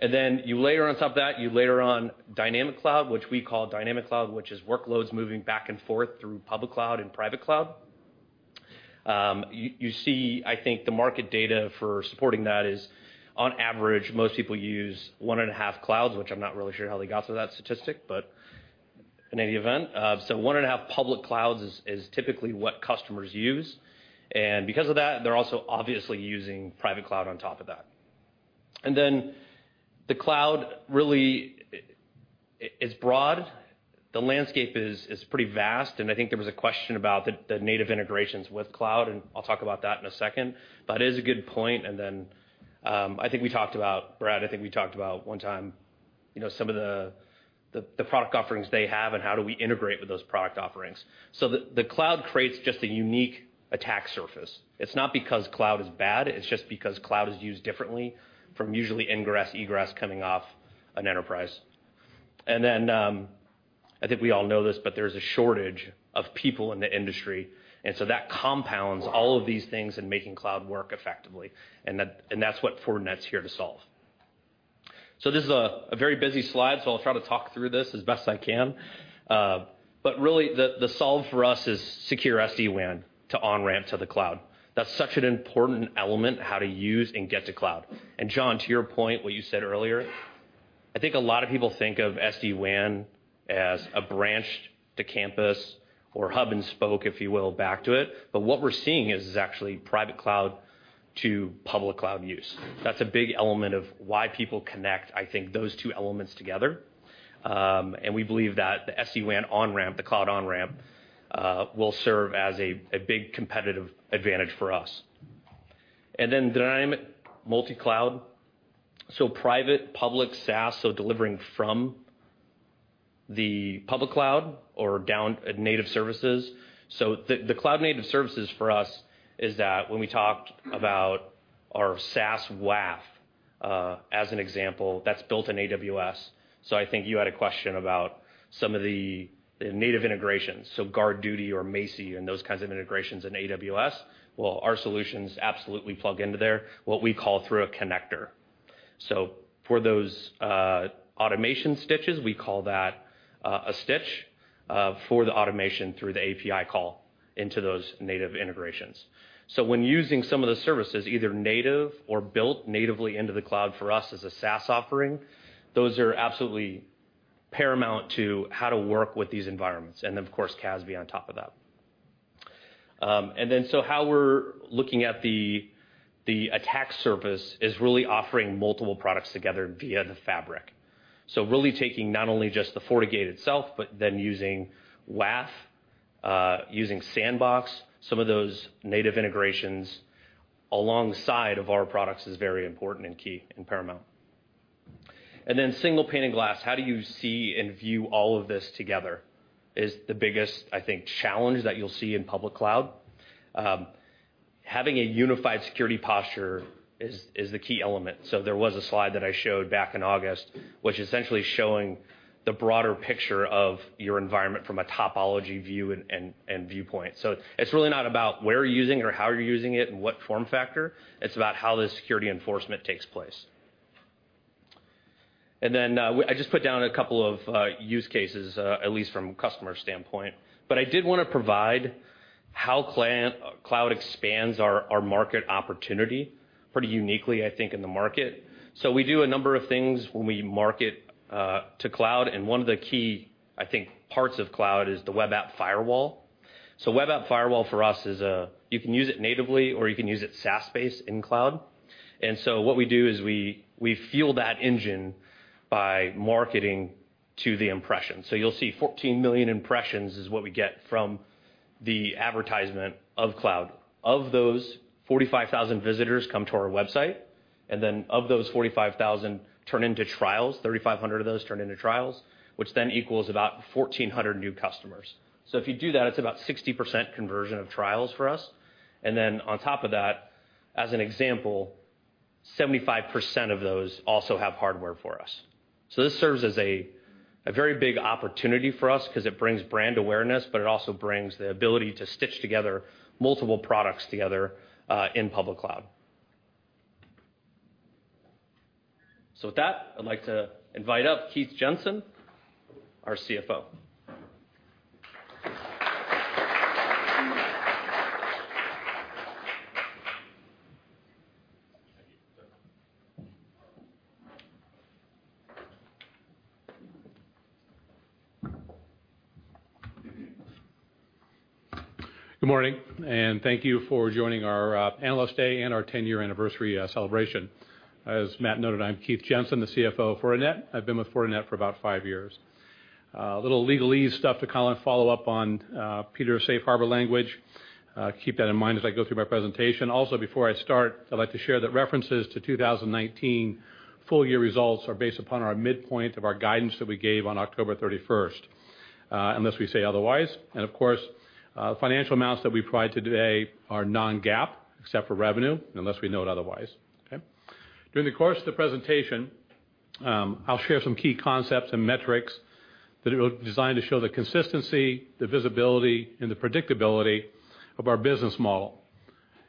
Then you layer on top of that, you layer on dynamic cloud, which we call dynamic cloud, which is workloads moving back and forth through public cloud and private cloud. You see, I think the market data for supporting that is, on average, most people use one and a half clouds, which I'm not really sure how they got to that statistic, but in any event. One and a half public clouds is typically what customers use, and because of that, they're also obviously using private cloud on top of that. Then the cloud really is broad. The landscape is pretty vast, and I think there was a question about the native integrations with cloud, and I'll talk about that in a second, but it is a good point. I think we talked about, Brad, I think we talked about one time some of the product offerings they have, and how do we integrate with those product offerings. The cloud creates just a unique attack surface. It's not because cloud is bad, it's just because cloud is used differently from usually ingress, egress coming off an enterprise. I think we all know this, but there's a shortage of people in the industry, and so that compounds all of these things in making cloud work effectively, and that's what Fortinet's here to solve. This is a very busy slide, so I'll try to talk through this as best I can. Really, the solve for us is Secure SD-WAN to on-ramp to the cloud. That's such an important element, how to use and get to cloud. John, to your point, what you said earlier, I think a lot of people think of SD-WAN as a branch to campus or hub and spoke, if you will, back to it. What we're seeing is actually private cloud to public cloud use. That's a big element of why people connect, I think those two elements together. We believe that the SD-WAN on-ramp, the cloud on-ramp, will serve as a big competitive advantage for us. Dynamic multi-cloud. Private, public SaaS, so delivering from the public cloud or down at native services. The cloud-native services for us is that when we talked about our SaaS WAF, as an example, that's built in AWS. I think you had a question about some of the native integrations, GuardDuty or Macie and those kinds of integrations in AWS. Well, our solutions absolutely plug into there, what we call through a connector. For those automation stitches, we call that a stitch for the automation through the API call into those native integrations. When using some of the services, either native or built natively into the cloud for us as a SaaS offering, those are absolutely paramount to how to work with these environments. Of course, CASB on top of that. Then, how we're looking at the attack surface is really offering multiple products together via the Fabric. Really taking not only just the FortiGate itself, but then using WAF, using sandbox, some of those native integrations alongside of our products is very important and key and paramount. Single pane of glass, how do you see and view all of this together, is the biggest, I think, challenge that you'll see in public cloud. Having a unified security posture is the key element. There was a slide that I showed back in August, which essentially showing the broader picture of your environment from a topology view and viewpoint. It's really not about where you're using or how you're using it and what form factor, it's about how the security enforcement takes place. Then, I just put down a couple of use cases, at least from a customer standpoint. I did want to provide how cloud expands our market opportunity pretty uniquely, I think, in the market. We do a number of things when we market to cloud, and one of the key, I think, parts of cloud is the web app firewall. Web app firewall for us is, you can use it natively or you can use it SaaS-based in cloud. What we do is we fuel that engine by marketing to the impression. You'll see 14 million impressions is what we get from the advertisement of cloud. Of those, 45,000 visitors come to our website, and then of those 45,000 turn into trials, 3,500 of those turn into trials, which then equals about 1,400 new customers. If you do that, it's about 60% conversion of trials for us. On top of that, as an example, 75% of those also have hardware for us. This serves as a very big opportunity for us because it brings brand awareness, but it also brings the ability to stitch together multiple products together, in public cloud. With that, I'd like to invite up Keith Jensen, our CFO. Good morning, thank you for joining our Analyst Day and our 10-year anniversary celebration. As Matt Pley noted, I'm Keith Jensen, the CFO of Fortinet. I've been with Fortinet for about five years. A little legalese stuff to follow up on Peter's safe harbor language. Keep that in mind as I go through my presentation. Before I start, I'd like to share that references to 2019 full-year results are based upon our midpoint of our guidance that we gave on October 31st, unless we say otherwise. Of course, financial amounts that we provide today are non-GAAP, except for revenue, unless we note otherwise. Okay. During the course of the presentation, I'll share some key concepts and metrics that are designed to show the consistency, the visibility, and the predictability of our business model.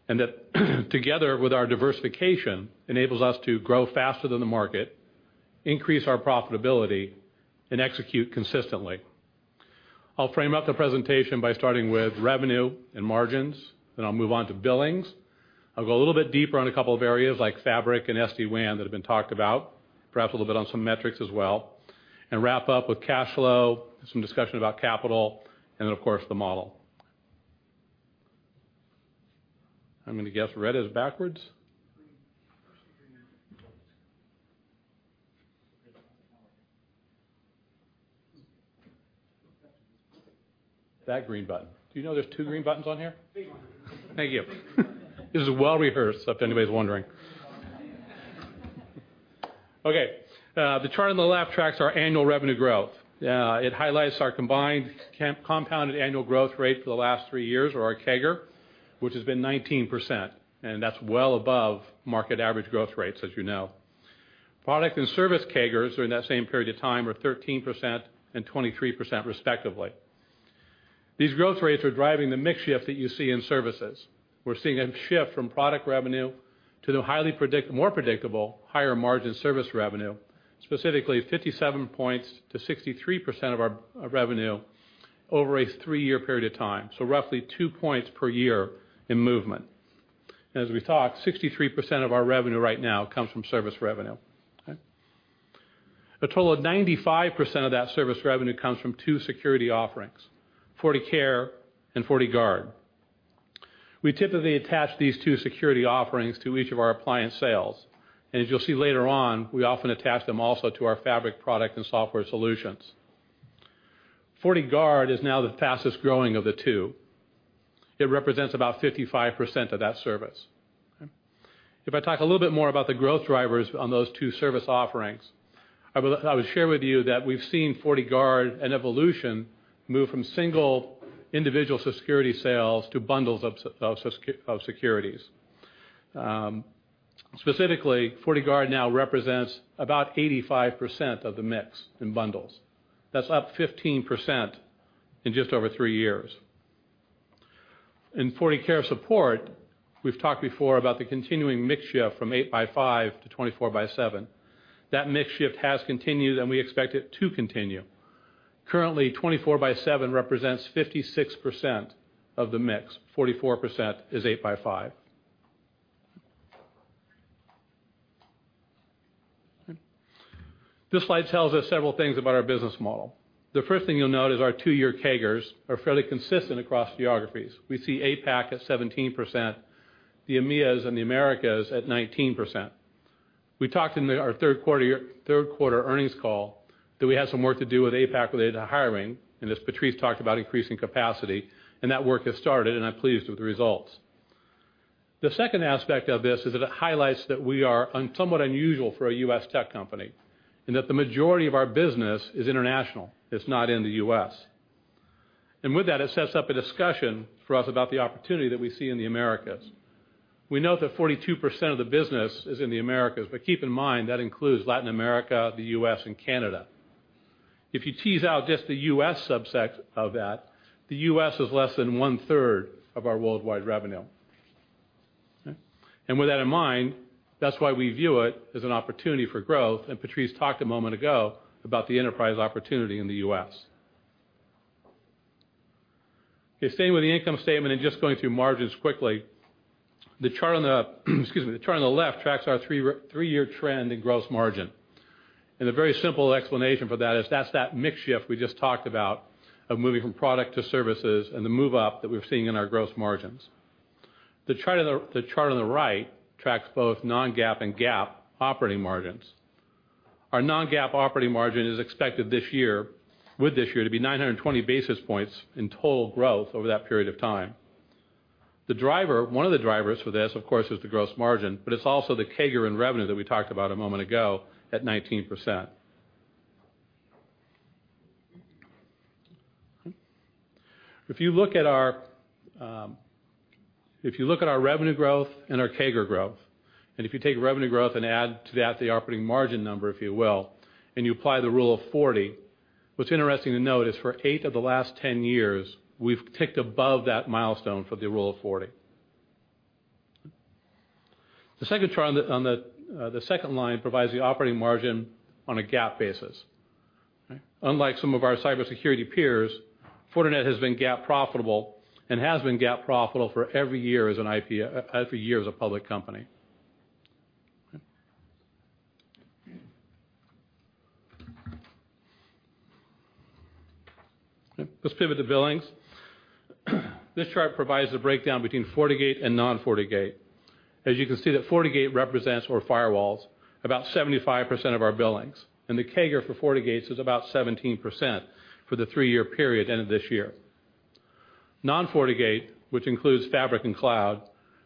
That together with our diversification, enables us to grow faster than the market, increase our profitability, and execute consistently. I'll frame up the presentation by starting with revenue and margins, then I'll move on to billings. I'll go a little bit deeper on a couple of areas like Fabric and SD-WAN that have been talked about, perhaps a little bit on some metrics as well, and wrap up with cash flow, some discussion about capital, and then, of course, the model. I'm going to guess red is backwards. First and green and then the white. That green button. Do you know there's two green buttons on here? Big one. Thank you. This is well-rehearsed, if anybody's wondering. Okay. The chart on the left tracks our annual revenue growth. It highlights our combined compounded annual growth rate for the last three years or our CAGR, which has been 19%, and that's well above market average growth rates, as you know. Product and service CAGRs during that same period of time were 13% and 23% respectively. These growth rates are driving the mix shift that you see in services. We're seeing a shift from product revenue to the more predictable, higher margin service revenue, specifically 57 points to 63% of our revenue over a three-year period of time. Roughly two points per year in movement. As we talk, 63% of our revenue right now comes from service revenue. Okay. A total of 95% of that service revenue comes from two security offerings, FortiCare and FortiGuard. We typically attach these two security offerings to each of our appliance sales. As you'll see later on, we often attach them also to our Fabric product and software solutions. FortiGuard is now the fastest-growing of the two. It represents about 55% of that service. If I talk a little bit more about the growth drivers on those two service offerings, I would share with you that we've seen FortiGuard and FortiCare move from single individual security sales to bundles of security. Specifically, FortiGuard now represents about 85% of the mix in bundles. That's up 15% in just over three years. In FortiCare support, we've talked before about the continuing mix shift from eight by five to 24 by seven. That mix shift has continued, and we expect it to continue. Currently, 24 by seven represents 56% of the mix, 44% is eight by five. This slide tells us several things about our business model. The first thing you'll note is our two-year CAGRs are fairly consistent across geographies. We see APAC at 17%, the EMEAs and the Americas at 19%. We talked in our third quarter earnings call that we had some work to do with APAC related to hiring, and as Patrice talked about increasing capacity, and that work has started, and I'm pleased with the results. The second aspect of this is that it highlights that we are somewhat unusual for a U.S. tech company, and that the majority of our business is international, it's not in the U.S. With that, it sets up a discussion for us about the opportunity that we see in the Americas. We note that 42% of the business is in the Americas, but keep in mind, that includes Latin America, the U.S., and Canada. If you tease out just the U.S. subset of that, the U.S. is less than one-third of our worldwide revenue. With that in mind, that's why we view it as an opportunity for growth, Patrice talked a moment ago about the enterprise opportunity in the U.S. Okay, staying with the income statement and just going through margins quickly. The chart on the left tracks our three-year trend in gross margin. The very simple explanation for that is that's that mix shift we just talked about of moving from product to services and the move up that we're seeing in our gross margins. The chart on the right tracks both non-GAAP and GAAP operating margins. Our non-GAAP operating margin is expected with this year to be 920 basis points in total growth over that period of time. One of the drivers for this, of course, is the gross margin, but it's also the CAGR in revenue that we talked about a moment ago at 19%. If you look at our revenue growth and our CAGR growth, if you take revenue growth and add to that the operating margin number, if you will, and you apply the rule of 40, what's interesting to note is for eight of the last 10 years, we've ticked above that milestone for the rule of 40. The second line provides the operating margin on a GAAP basis. Unlike some of our cybersecurity peers, Fortinet has been GAAP profitable and has been GAAP profitable for every year as a public company. Let's pivot to billings. This chart provides the breakdown between FortiGate and non-FortiGate. As you can see that FortiGate represents, or firewalls, about 75% of our billings, and the CAGR for FortiGates is about 17% for the three-year period end of this year. Non-FortiGate, which includes Fabric and Cloud,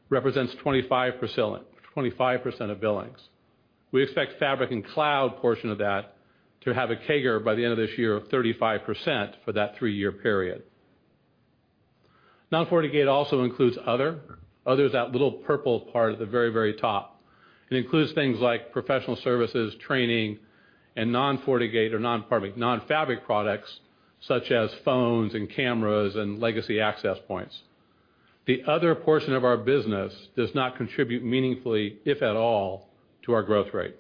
represents 25% of billings. We expect Fabric and Cloud portion of that to have a CAGR by the end of this year of 35% for that three-year period. Non-FortiGate also includes other. Other is that little purple part at the very, very top. It includes things like professional services, training, and non-FortiGate or non-Fabric products, such as phones and cameras and legacy access points. The other portion of our business does not contribute meaningfully, if at all, to our growth rate.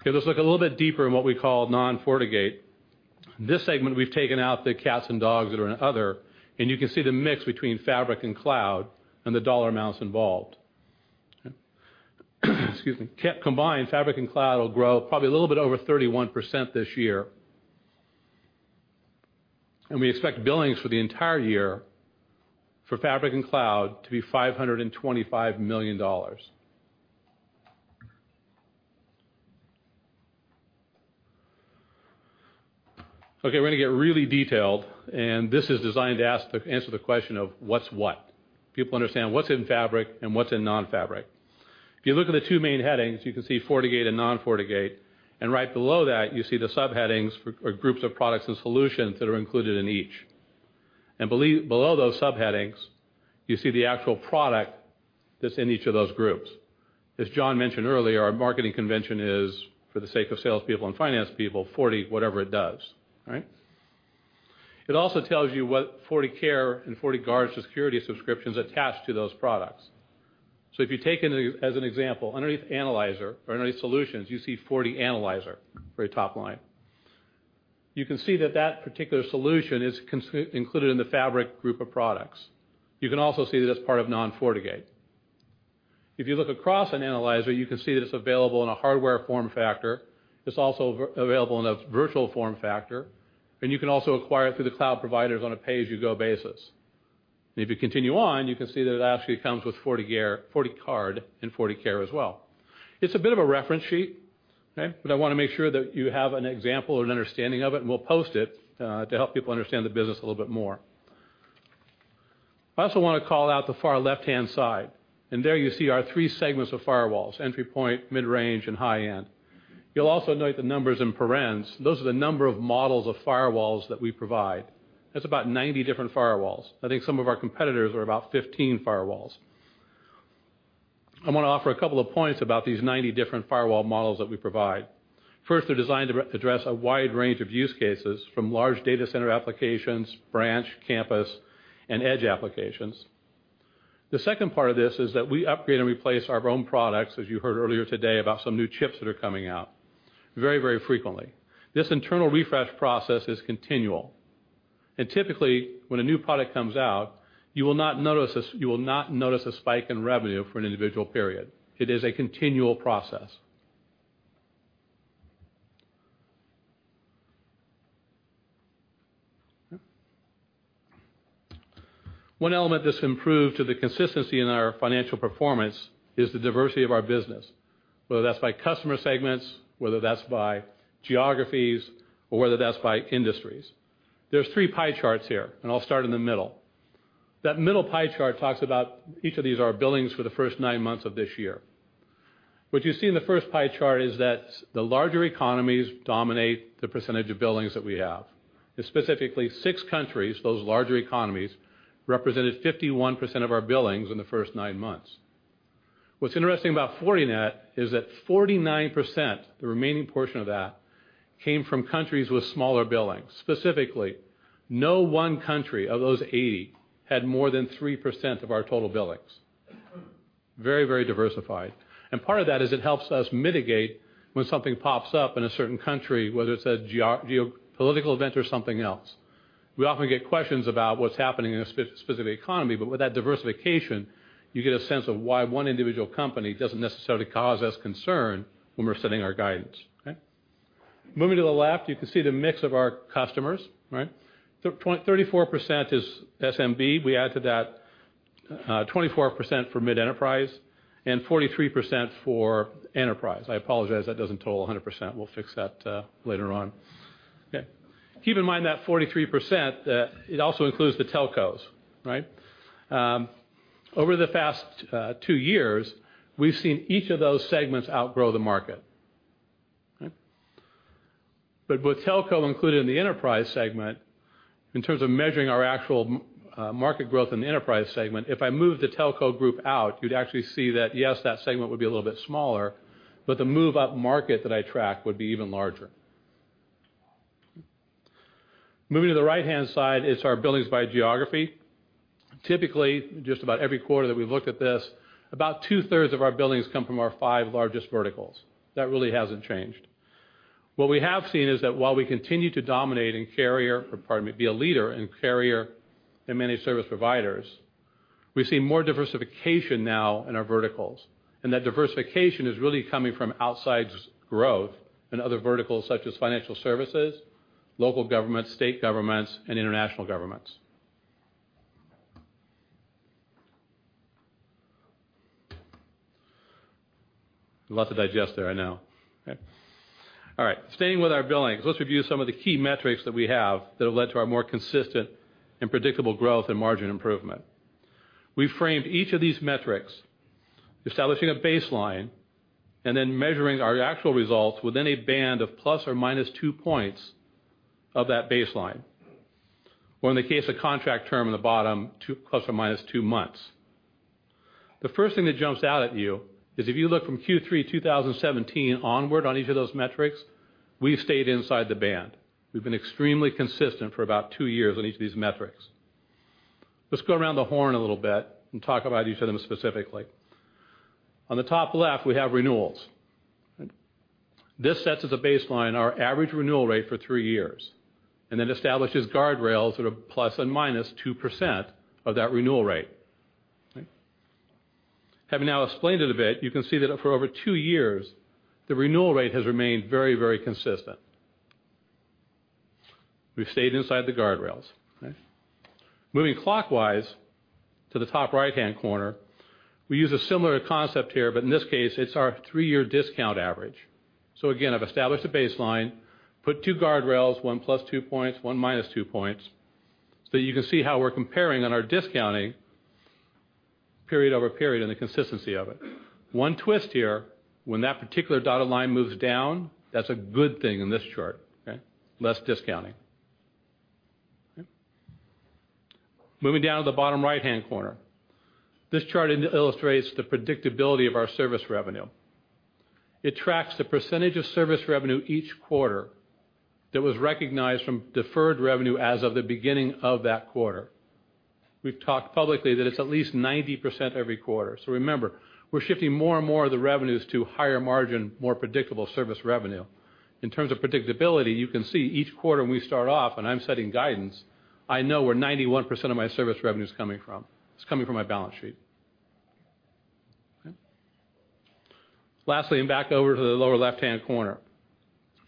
Okay, let's look a little bit deeper in what we call non-FortiGate. This segment, we've taken out the cats and dogs that are in other, and you can see the mix between Fabric and Cloud and the dollar amounts involved. Combined, Fabric and Cloud will grow probably a little bit over 31% this year. We expect billings for the entire year for Fabric and Cloud to be $525 million. Okay, we're going to get really detailed, and this is designed to answer the question of what's what. People understand what's in Fabric and what's in non-Fabric. If you look at the two main headings, you can see FortiGate and non-FortiGate, and right below that, you see the subheadings for groups of products and solutions that are included in each. Below those subheadings, you see the actual product that's in each of those groups. As John mentioned earlier, our marketing convention is for the sake of salespeople and finance people, Forti whatever it does. It also tells you what FortiCare and FortiGuard security subscriptions attach to those products. If you take as an example, underneath FortiAnalyzer or underneath solutions, you see FortiAnalyzer, very top line. You can see that that particular solution is included in the Fabric group of products. You can also see that it's part of non-FortiGate. If you look across a FortiAnalyzer, you can see that it's available in a hardware form factor. It's also available in a virtual form factor, and you can also acquire it through the cloud providers on a pay-as-you-go basis. If you continue on, you can see that it actually comes with FortiGuard and FortiCare as well. It's a bit of a reference sheet. I want to make sure that you have an example and an understanding of it, and we'll post it to help people understand the business a little bit more. I also want to call out the far left-hand side, and there you see our 3 segments of firewalls: entry point, mid-range, and high-end. You'll also note the numbers in parentheses. Those are the number of models of firewalls that we provide. That's about 90 different firewalls. I think some of our competitors are about 15 firewalls. I want to offer a couple of points about these 90 different firewall models that we provide. First, they're designed to address a wide range of use cases, from large data center applications, branch, campus, and edge applications. The second part of this is that we upgrade and replace our own products, as you heard earlier today about some new chips that are coming out very frequently. This internal refresh process is continual, and typically, when a new product comes out, you will not notice a spike in revenue for an individual period. It is a continual process. One element that's improved to the consistency in our financial performance is the diversity of our business, whether that's by customer segments, whether that's by geographies, or whether that's by industries. There's three pie charts here, and I'll start in the middle. That middle pie chart talks about each of these are billings for the first nine months of this year. What you see in the first pie chart is that the larger economies dominate the percentage of billings that we have. Specifically, six countries, those larger economies, represented 51% of our billings in the first nine months. What's interesting about Fortinet is that 49%, the remaining portion of that, came from countries with smaller billings. Specifically, no one country of those 80 had more than 3% of our total billings. Very diversified. Part of that is it helps us mitigate when something pops up in a certain country, whether it's a geopolitical event or something else. We often get questions about what's happening in a specific economy, with that diversification, you get a sense of why one individual company doesn't necessarily cause us concern when we're setting our guidance. Okay? Moving to the left, you can see the mix of our customers, right? 34% is SMB. We add to that 24% for mid-enterprise and 43% for enterprise. I apologize, that doesn't total 100%. We'll fix that later on. Okay. Keep in mind that 43%, it also includes the telcos. Over the past two years, we've seen each of those segments outgrow the market. With telco included in the enterprise segment, in terms of measuring our actual market growth in the enterprise segment, if I move the telco group out, you'd actually see that, yes, that segment would be a little bit smaller, but the move-up market that I track would be even larger. Moving to the right-hand side is our billings by geography. Typically, just about every quarter that we've looked at this, about two-thirds of our billings come from our five largest verticals. That really hasn't changed. What we have seen is that while we continue to dominate in carrier, or pardon me, be a leader in carrier and managed service providers, we have seen more diversification now in our verticals. That diversification is really coming from outside growth in other verticals such as financial services, local governments, state governments, and international governments. A lot to digest there, I know. All right. Staying with our billings, let us review some of the key metrics that we have that have led to our more consistent and predictable growth and margin improvement. We framed each of these metrics, establishing a baseline, and then measuring our actual results within a band of ±2 points of that baseline. In the case of contract term in the bottom, ±2 months. The first thing that jumps out at you is if you look from Q3 2017 onward on each of those metrics, we've stayed inside the band. We've been extremely consistent for about two years on each of these metrics. Let's go around the horn a little bit and talk about each of them specifically. On the top left, we have renewals. This sets as a baseline our average renewal rate for three years, and then establishes guardrails that are plus and minus 2% of that renewal rate. Having now explained it a bit, you can see that for over two years, the renewal rate has remained very consistent. We've stayed inside the guardrails. Moving clockwise to the top right-hand corner, we use a similar concept here, but in this case, it's our three-year discount average. Again, I've established a baseline, put two guardrails, one +2 points, one -2 points, so you can see how we're comparing on our discounting period-over-period and the consistency of it. One twist here, when that particular dotted line moves down, that's a good thing in this chart. Less discounting. Moving down to the bottom right-hand corner. This chart illustrates the predictability of our service revenue. It tracks the percentage of service revenue each quarter that was recognized from deferred revenue as of the beginning of that quarter. We've talked publicly that it's at least 90% every quarter. Remember, we're shifting more and more of the revenues to higher margin, more predictable service revenue. In terms of predictability, you can see each quarter we start off, and I'm setting guidance, I know where 91% of my service revenue is coming from. It's coming from my balance sheet. Lastly, back over to the lower left-hand corner.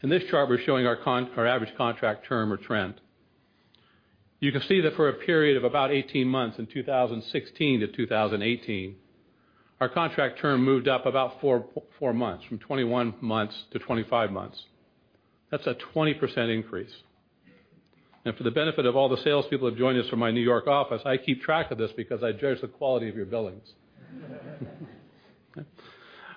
In this chart, we're showing our average contract term or trend. You can see that for a period of about 18 months in 2016 to 2018, our contract term moved up about four months, from 21 months to 25 months. That's a 20% increase. For the benefit of all the salespeople who have joined us from my N.Y. office, I keep track of this because I judge the quality of your billings.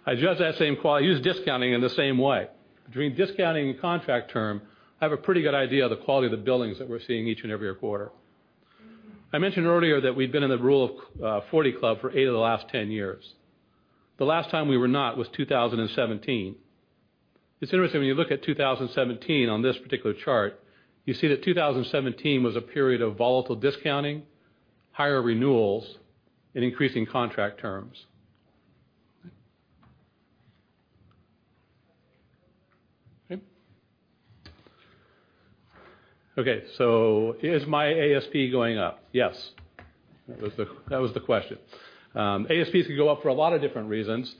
I judge that same quality, use discounting in the same way. Between discounting and contract term, I have a pretty good idea of the quality of the billings that we're seeing each and every quarter. I mentioned earlier that we've been in the rule of 40 club for eight of the last 10 years. The last time we were not was 2017. It's interesting when you look at 2017 on this particular chart, you see that 2017 was a period of volatile discounting, higher renewals, and increasing contract terms. Okay, is my ASP going up? Yes. That was the question. ASPs can go up for a lot of different reasons.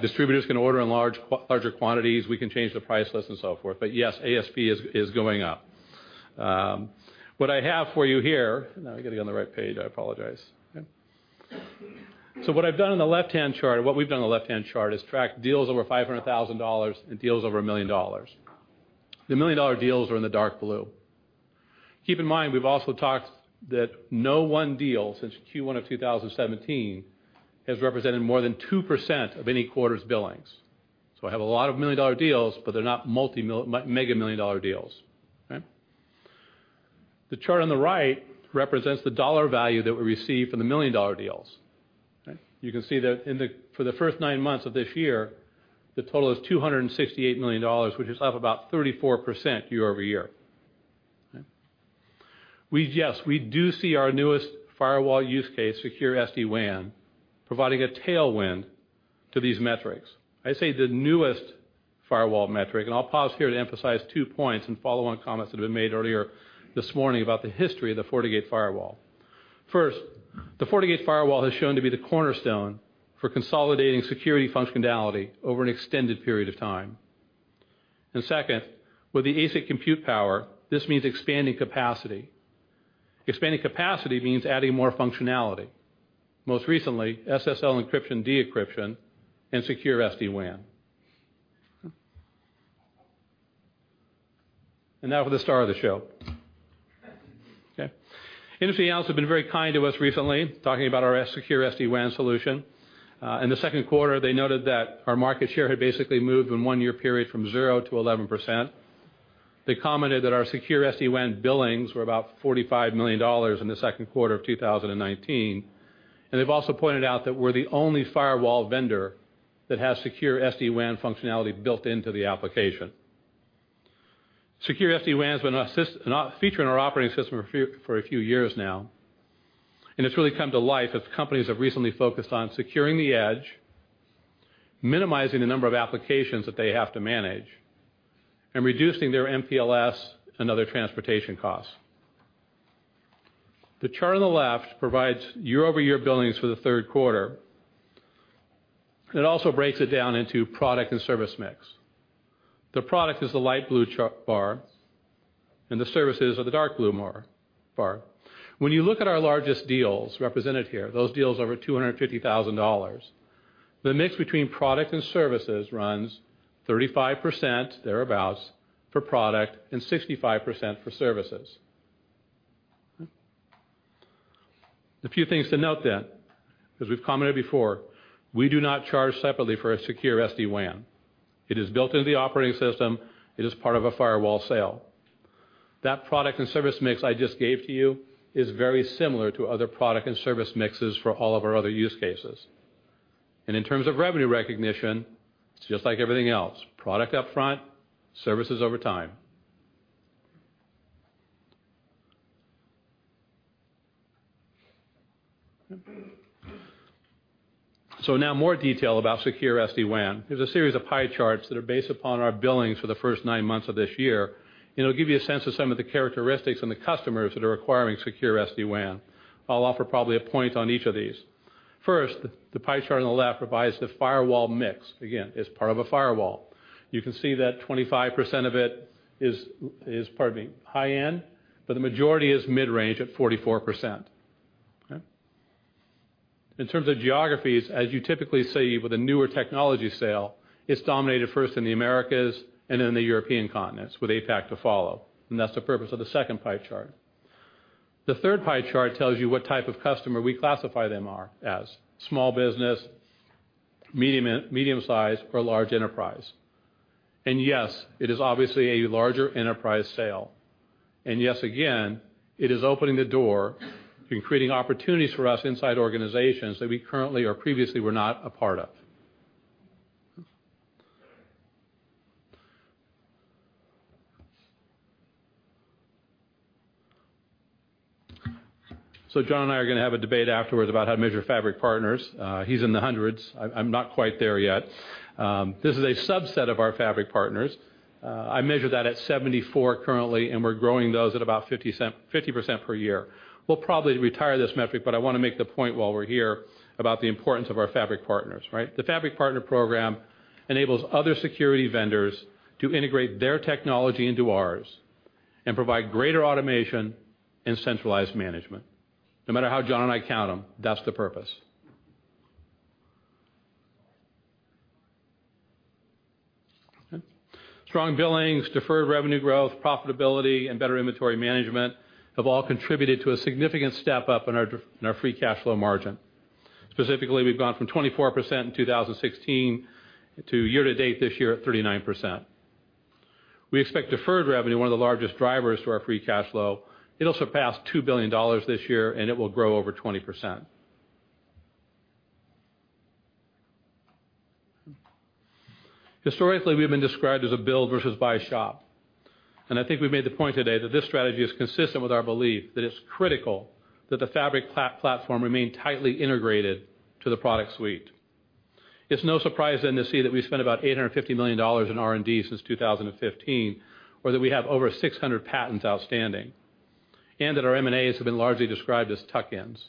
Distributors can order in larger quantities. We can change the price list and so forth. Yes, ASP is going up. What I have for you here. I got to get on the right page, I apologize. What we've done on the left-hand chart is track deals over $500,000 and deals over a million dollars. The million-dollar deals are in the dark blue. Keep in mind, we've also talked that no one deal since Q1 of 2017 has represented more than 2% of any quarter's billings. I have a lot of million-dollar deals, but they're not mega-million-dollar deals. The chart on the right represents the dollar value that we receive from the million-dollar deals. You can see that for the first 9 months of this year, the total is $268 million, which is up about 34% year-over-year. Yes, we do see our newest firewall use case, Secure SD-WAN, providing a tailwind to these metrics. I say the newest firewall metric, and I'll pause here to emphasize 2 points and follow on comments that have been made earlier this morning about the history of the FortiGate Firewall. First, the FortiGate Firewall has shown to be the cornerstone for consolidating security functionality over an extended period of time. Second, with the ASIC compute power, this means expanding capacity. Expanding capacity means adding more functionality. Most recently, SSL encryption, de-encryption, and Secure SD-WAN. Now for the star of the show. IDC has been very kind to us recently, talking about our Secure SD-WAN solution. In the second quarter, they noted that our market share had basically moved in one year period from zero to 11%. They commented that our Secure SD-WAN billings were about $45 million in the second quarter of 2019. They've also pointed out that we're the only firewall vendor that has Secure SD-WAN functionality built into the application. Secure SD-WAN has been a feature in our operating system for a few years now, and it's really come to life as companies have recently focused on securing the edge, minimizing the number of applications that they have to manage, and reducing their MPLS and other transportation costs. The chart on the left provides year-over-year billings for the third quarter. It also breaks it down into product and service mix. The product is the light blue bar, and the services are the dark blue bar. When you look at our largest deals represented here, those deals over $250,000, the mix between product and services runs 35%, thereabouts, for product and 65% for services. A few things to note then, as we've commented before, we do not charge separately for a Secure SD-WAN. It is built into the operating system. It is part of a firewall sale. That product and service mix I just gave to you is very similar to other product and service mixes for all of our other use cases. In terms of revenue recognition, it's just like everything else, product upfront, services over time. Now more detail about Secure SD-WAN. There's a series of pie charts that are based upon our billings for the first nine months of this year. It'll give you a sense of some of the characteristics on the customers that are requiring Secure SD-WAN. I'll offer probably a point on each of these. First, the pie chart on the left provides the firewall mix. Again, as part of a firewall. You can see that 25% of it is high-end, but the majority is mid-range at 44%. In terms of geographies, as you typically see with a newer technology sale, it's dominated first in the Americas and in the European continents with APAC to follow. That's the purpose of the second pie chart. The third pie chart tells you what type of customer we classify them as, small business, medium-sized, or large enterprise. Yes, it is obviously a larger enterprise sale. Yes, again, it is opening the door and creating opportunities for us inside organizations that we currently or previously were not a part of. John and I are going to have a debate afterwards about how to measure Fabric partners. He's in the hundreds. I'm not quite there yet. This is a subset of our Fabric partners. I measure that at 74 currently, and we're growing those at about 50% per year. We'll probably retire this metric, but I want to make the point while we're here about the importance of our Fabric partners. The Fabric Partner Program enables other security vendors to integrate their technology into ours and provide greater automation and centralized management. No matter how John and I count them, that's the purpose. Strong billings, deferred revenue growth, profitability, and better inventory management have all contributed to a significant step up in our free cash flow margin. Specifically, we've gone from 24% in 2016 to year to date this year at 39%. We expect deferred revenue, one of the largest drivers to our free cash flow, it'll surpass $2 billion this year, and it will grow over 20%. I think we've made the point today that this strategy is consistent with our belief that it's critical that the Fabric platform remain tightly integrated to the product suite. It's no surprise then to see that we spent about $850 million in R&D since 2015, or that we have over 600 patents outstanding, and that our M&As have been largely described as tuck-ins.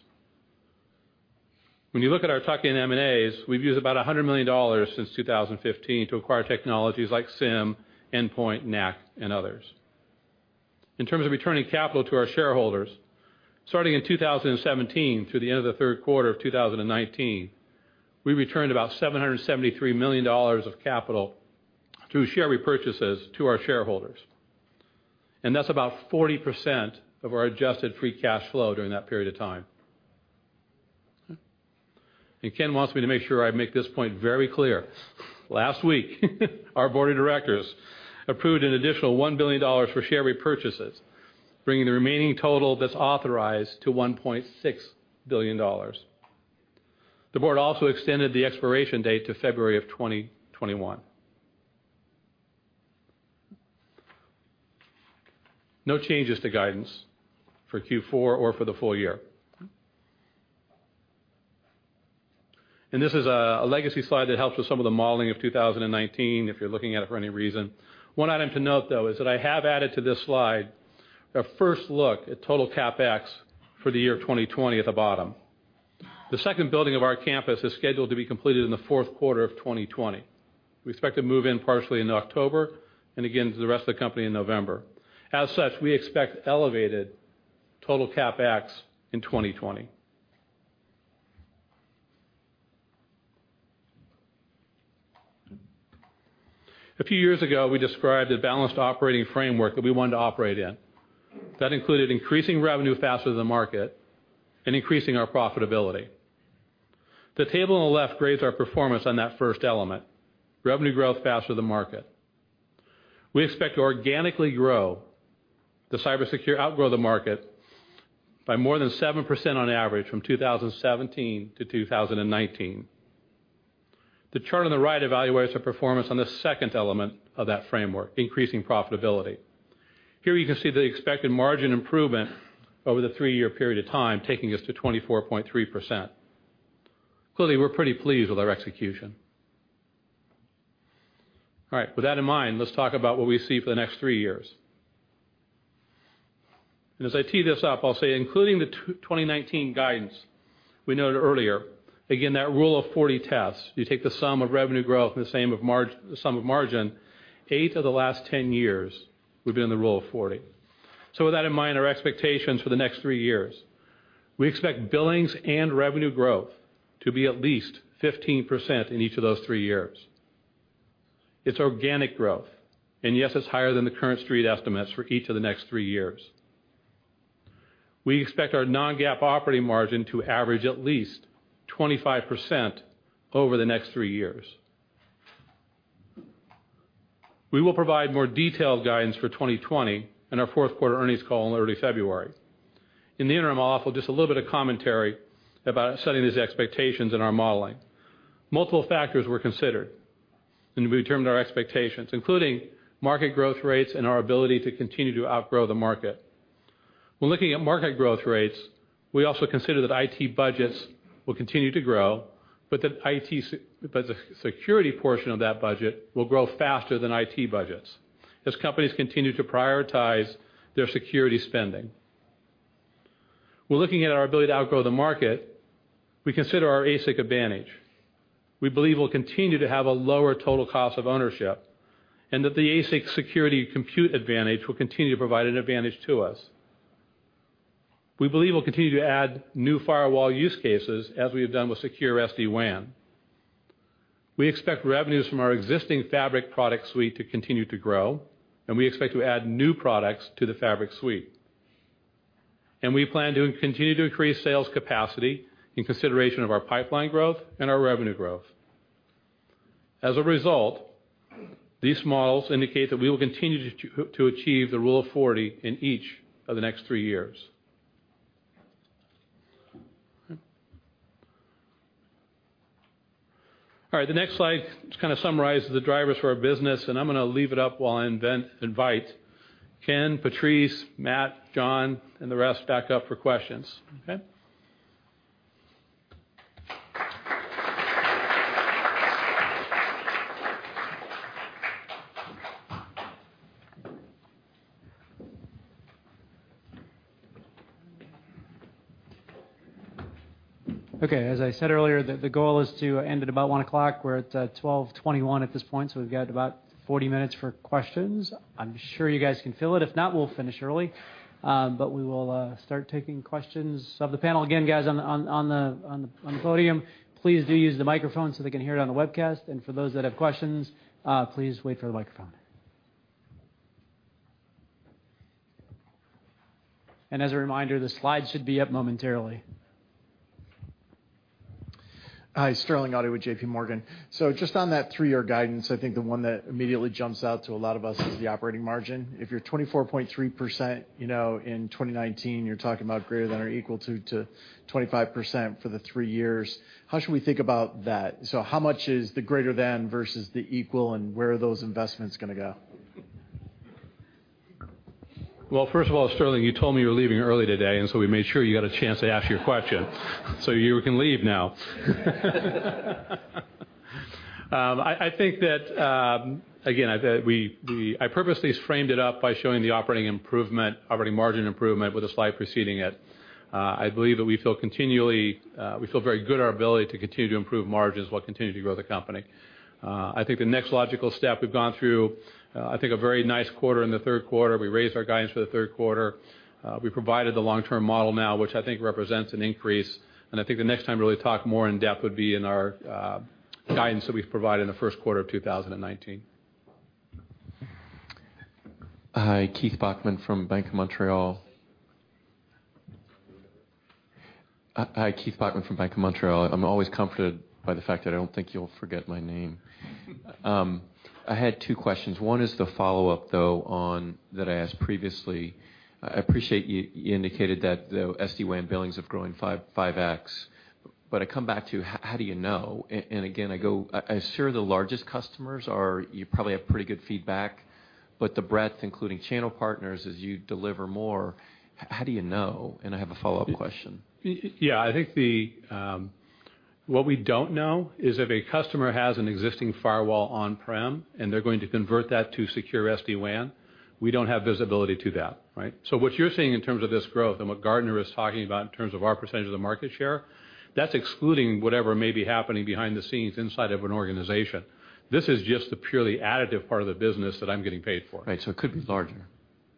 When you look at our tuck-in M&As, we've used about $100 million since 2015 to acquire technologies like SIEM, Endpoint, NAC, and others. In terms of returning capital to our shareholders, starting in 2017 through the end of the third quarter of 2019, we returned about $773 million of capital through share repurchases to our shareholders, and that's about 40% of our adjusted free cash flow during that period of time. Ken wants me to make sure I make this point very clear. Last week, our board of directors approved an additional $1 billion for share repurchases, bringing the remaining total that's authorized to $1.6 billion. The board also extended the expiration date to February of 2021. No changes to guidance for Q4 or for the full year. This is a legacy slide that helps with some of the modeling of 2019, if you're looking at it for any reason. One item to note, though, is that I have added to this slide a first look at total CapEx for the year 2020 at the bottom. The second building of our campus is scheduled to be completed in the fourth quarter of 2020. We expect to move in partially in October, and again to the rest of the company in November. As such, we expect elevated total CapEx in 2020. A few years ago, we described a balanced operating framework that we wanted to operate in. That included increasing revenue faster than the market and increasing our profitability. The table on the left grades our performance on that first element, revenue growth faster than the market. We expect to organically grow, the cybersecurity outgrow the market by more than 7% on average from 2017 to 2019. The chart on the right evaluates our performance on the second element of that framework, increasing profitability. Here you can see the expected margin improvement over the three-year period of time, taking us to 24.3%. Clearly, we're pretty pleased with our execution. All right. With that in mind, let's talk about what we see for the next three years. As I tee this up, I'll say including the 2019 guidance we noted earlier, again, that rule of 40 tests, you take the sum of revenue growth and the sum of margin, eight of the last 10 years we've been in the rule of 40. With that in mind, our expectations for the next three years, we expect billings and revenue growth to be at least 15% in each of those three years. It's organic growth, and yes, it's higher than the current Street estimates for each of the next three years. We expect our non-GAAP operating margin to average at least 25% over the next three years. We will provide more detailed guidance for 2020 in our fourth quarter earnings call in early February. In the interim, I'll offer just a little bit of commentary about setting these expectations in our modeling. Multiple factors were considered when we determined our expectations, including market growth rates and our ability to continue to outgrow the market. When looking at market growth rates, we also consider that IT budgets will continue to grow, but the security portion of that budget will grow faster than IT budgets as companies continue to prioritize their security spending. When looking at our ability to outgrow the market, we consider our ASIC advantage. We believe we'll continue to have a lower total cost of ownership, and that the ASIC security compute advantage will continue to provide an advantage to us. We believe we'll continue to add new firewall use cases as we have done with Secure SD-WAN. We expect revenues from our existing Fabric product suite to continue to grow, and we expect to add new products to the Fabric suite. We plan to continue to increase sales capacity in consideration of our pipeline growth and our revenue growth. As a result, these models indicate that we will continue to achieve the rule of 40 in each of the next three years. All right. The next slide just kind of summarizes the drivers for our business, and I'm going to leave it up while I invite Ken, Patrice, Matt, John, and the rest back up for questions. Okay? Okay, as I said earlier, the goal is to end at about 1:00. We're at 12:21 at this point, so we've got about 40 minutes for questions. I'm sure you guys can fill it. If not, we'll finish early. We will start taking questions of the panel. Again, guys on the podium, please do use the microphone so they can hear it on the webcast. For those that have questions, please wait for the microphone. As a reminder, the slides should be up momentarily. Hi, Sterling Auty with JPMorgan. Just on that three-year guidance, I think the one that immediately jumps out to a lot of us is the operating margin. If you're 24.3% in 2019, you're talking about greater than or equal to 25% for the three years. How should we think about that? How much is the greater than versus the equal, and where are those investments going to go? Well, first of all, Sterling, you told me you were leaving early today, so we made sure you got a chance to ask your question, so you can leave now. I think that, again, I purposely framed it up by showing the operating margin improvement with a slide preceding it. I believe that we feel very good our ability to continue to improve margins while continuing to grow the company. I think the next logical step, we've gone through, I think a very nice quarter in the third quarter. We raised our guidance for the third quarter. We provided the long-term model now, which I think represents an increase, and I think the next time to really talk more in depth would be in our guidance that we provide in the first quarter of 2019. Hi, Keith Bachman from Bank of Montreal. I'm always comforted by the fact that I don't think you'll forget my name. I had two questions. One is the follow-up, though, that I asked previously. I appreciate you indicated that the SD-WAN billings have grown 5x, I come back to how do you know? Again, I assume the largest customers you probably have pretty good feedback, the breadth, including channel partners, as you deliver more, how do you know? I have a follow-up question. Yeah. I think what we don't know is if a customer has an existing firewall on-prem, and they're going to convert that to Secure SD-WAN, we don't have visibility to that, right? What you're seeing in terms of this growth and what Gartner is talking about in terms of our percentage of the market share, that's excluding whatever may be happening behind the scenes inside of an organization. This is just the purely additive part of the business that I'm getting paid for. Right. It could be larger.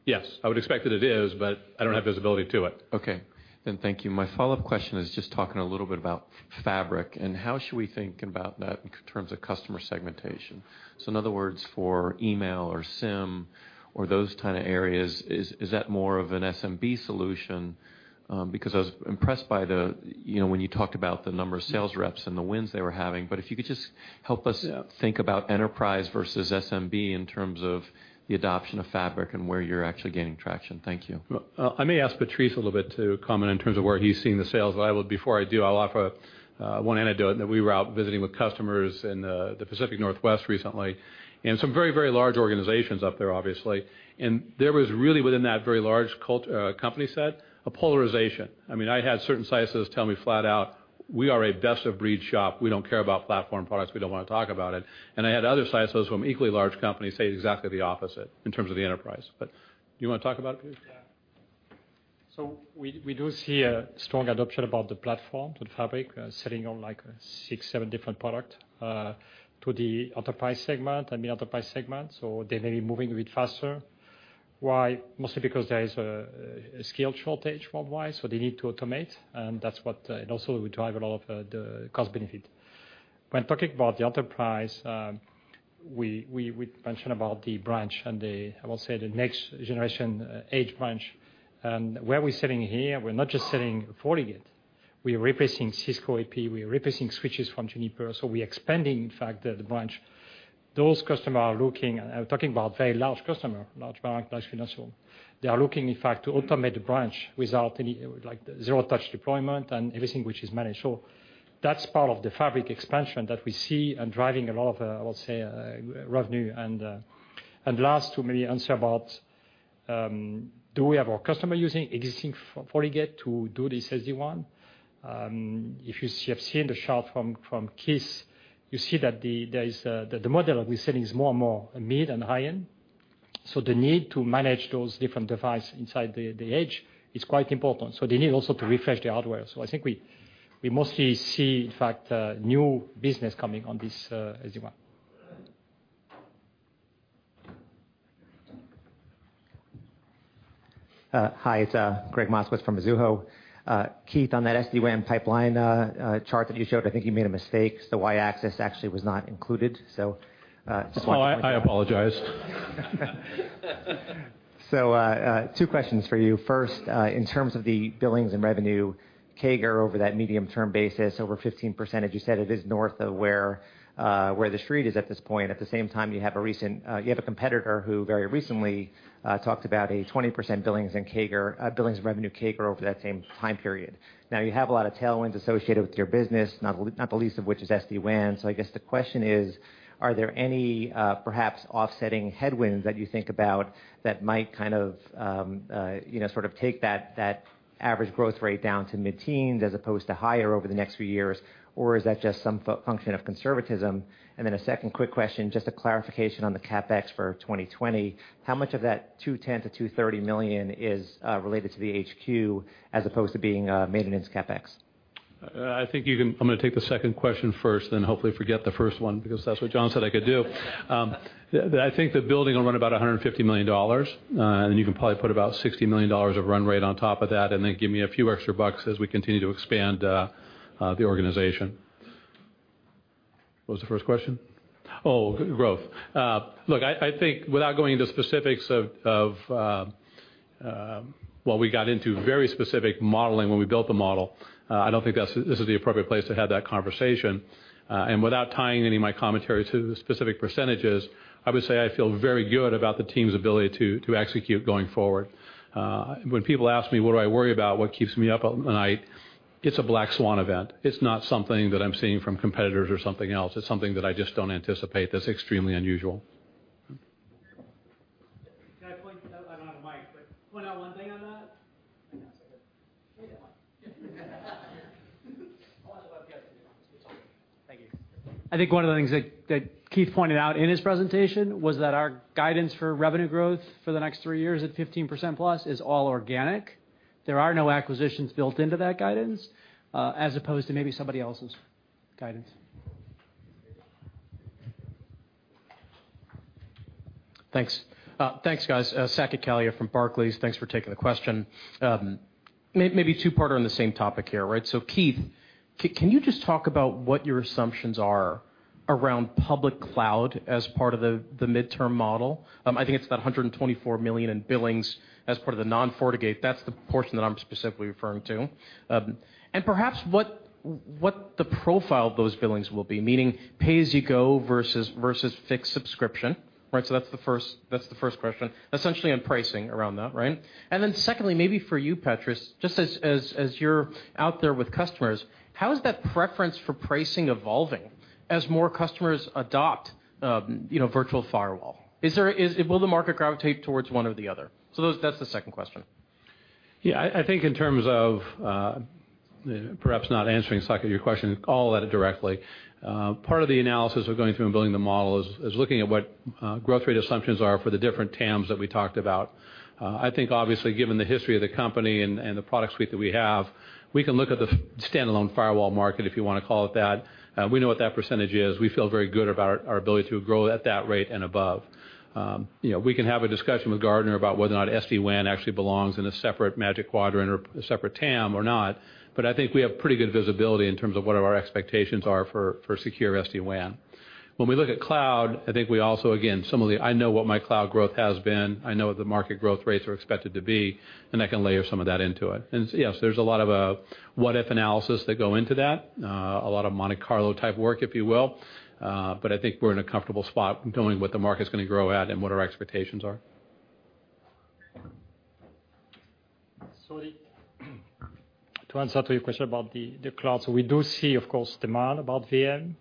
Yes. I would expect that it is, but I don't have visibility to it. Okay. Thank you. My follow-up question is just talking a little bit about Fabric and how should we think about that in terms of customer segmentation. In other words, for email or SIEM or those kind of areas, is that more of an SMB solution? Because I was impressed by when you talked about the number of sales reps and the wins they were having. If you could just help us. Yeah think about enterprise versus SMB in terms of the adoption of Fabric and where you're actually gaining traction. Thank you. I may ask Patrice a little bit to comment in terms of where he's seeing the sales. Before I do, I'll offer one anecdote that we were out visiting with customers in the Pacific Northwest recently and some very large organizations up there, obviously. There was really within that very large company set, a polarization. I had certain CISOs tell me flat out, "We are a best-of-breed shop. We don't care about platform products. We don't want to talk about it." I had other CISOs from equally large companies say exactly the opposite in terms of the enterprise. Do you want to talk about it, Patrice? We do see a strong adoption about the platform, with Fabric sitting on six, seven different product, to the enterprise segment. They may be moving a bit faster. Why? Mostly because there is a scale shortage worldwide, they need to automate, and also we drive a lot of the cost benefit. When talking about the enterprise, we mentioned about the branch and the next generation edge branch, where we're sitting here, we're not just selling Fortinet. We are replacing Cisco AP, we are replacing switches from Juniper. We expanding, in fact, the branch. Those customer are looking, I'm talking about very large customer, large bank, large financial. They are looking, in fact, to automate the branch with zero touch deployment and everything which is managed. That's part of the Fabric expansion that we see and driving a lot of, I will say, revenue. Last, to maybe answer about, do we have our customer using existing Fortinet to do this SD-WAN? If you have seen the chart from Keith, you see that the model that we're selling is more and more mid and high-end. The need to manage those different device inside the edge is quite important. They need also to refresh the hardware. I think we mostly see, in fact, new business coming on this SD-WAN. Hi, it's Gregg Moskowitz from Mizuho. Keith, on that SD-WAN pipeline chart that you showed, I think you made a mistake. The Y-axis actually was not included. Oh, I apologize. Two questions for you. First, in terms of the billings and revenue CAGR over that medium-term basis, over 15%, as you said, it is north of where the street is at this point. At the same time, you have a competitor who very recently talked about a 20% billings revenue CAGR over that same time period. You have a lot of tailwinds associated with your business, not the least of which is SD-WAN. I guess the question is, are there any perhaps offsetting headwinds that you think about that might take that average growth rate down to mid-teens as opposed to higher over the next few years? Or is that just some function of conservatism? A second quick question, just a clarification on the CapEx for 2020. How much of that $210 million-$230 million is related to the HQ as opposed to being maintenance CapEx? I'm going to take the second question first, then hopefully forget the first one because that's what John said I could do. I think the building will run about $150 million, and you can probably put about $60 million of run rate on top of that and then give me a few extra bucks as we continue to expand the organization. What was the first question? Growth. Look, I think without going into specifics of what we got into very specific modeling when we built the model, I don't think this is the appropriate place to have that conversation. Without tying any of my commentary to the specific %, I would say I feel very good about the team's ability to execute going forward. When people ask me what do I worry about, what keeps me up at night, it's a black swan event. It's not something that I'm seeing from competitors or something else. It's something that I just don't anticipate that's extremely unusual. Want to add one thing on that? I think that's good. Yeah. I'll let the other guys answer that. Thank you. I think one of the things that Keith pointed out in his presentation was that our guidance for revenue growth for the next three years at 15% plus is all organic. There are no acquisitions built into that guidance, as opposed to maybe somebody else's guidance. Thanks. Thanks, guys. Saket Kalia from Barclays. Thanks for taking the question. Maybe a two-parter on the same topic here. Keith, can you just talk about what your assumptions are around public cloud as part of the midterm model? I think it's about $124 million in billings as part of the non-FortiGate. That's the portion that I'm specifically referring to. Perhaps what the profile of those billings will be, meaning pay-as-you-go versus fixed subscription. That's the first question, essentially on pricing around that. Secondly, maybe for you, Patrice, just as you're out there with customers, how is that preference for pricing evolving as more customers adopt virtual firewall? Will the market gravitate towards one or the other? That's the second question. Yeah, I think in terms of, perhaps not answering, Saket, your question all that directly. Part of the analysis we're going through in building the model is looking at what growth rate assumptions are for the different TAMs that we talked about. I think obviously given the history of the company and the product suite that we have, we can look at the standalone firewall market, if you want to call it that. We know what that percentage is. We feel very good about our ability to grow at that rate and above. We can have a discussion with Gartner about whether or not SD-WAN actually belongs in a separate Magic Quadrant or a separate TAM or not, but I think we have pretty good visibility in terms of what our expectations are for Secure SD-WAN. When we look at cloud, I think we also, again, I know what my cloud growth has been. I know what the market growth rates are expected to be, I can layer some of that into it. Yes, there's a lot of what-if analysis that go into that, a lot of Monte Carlo type work, if you will. I think we're in a comfortable spot knowing what the market's going to grow at and what our expectations are. Sorry. To answer to your question about the cloud, we do see, of course, demand about VM.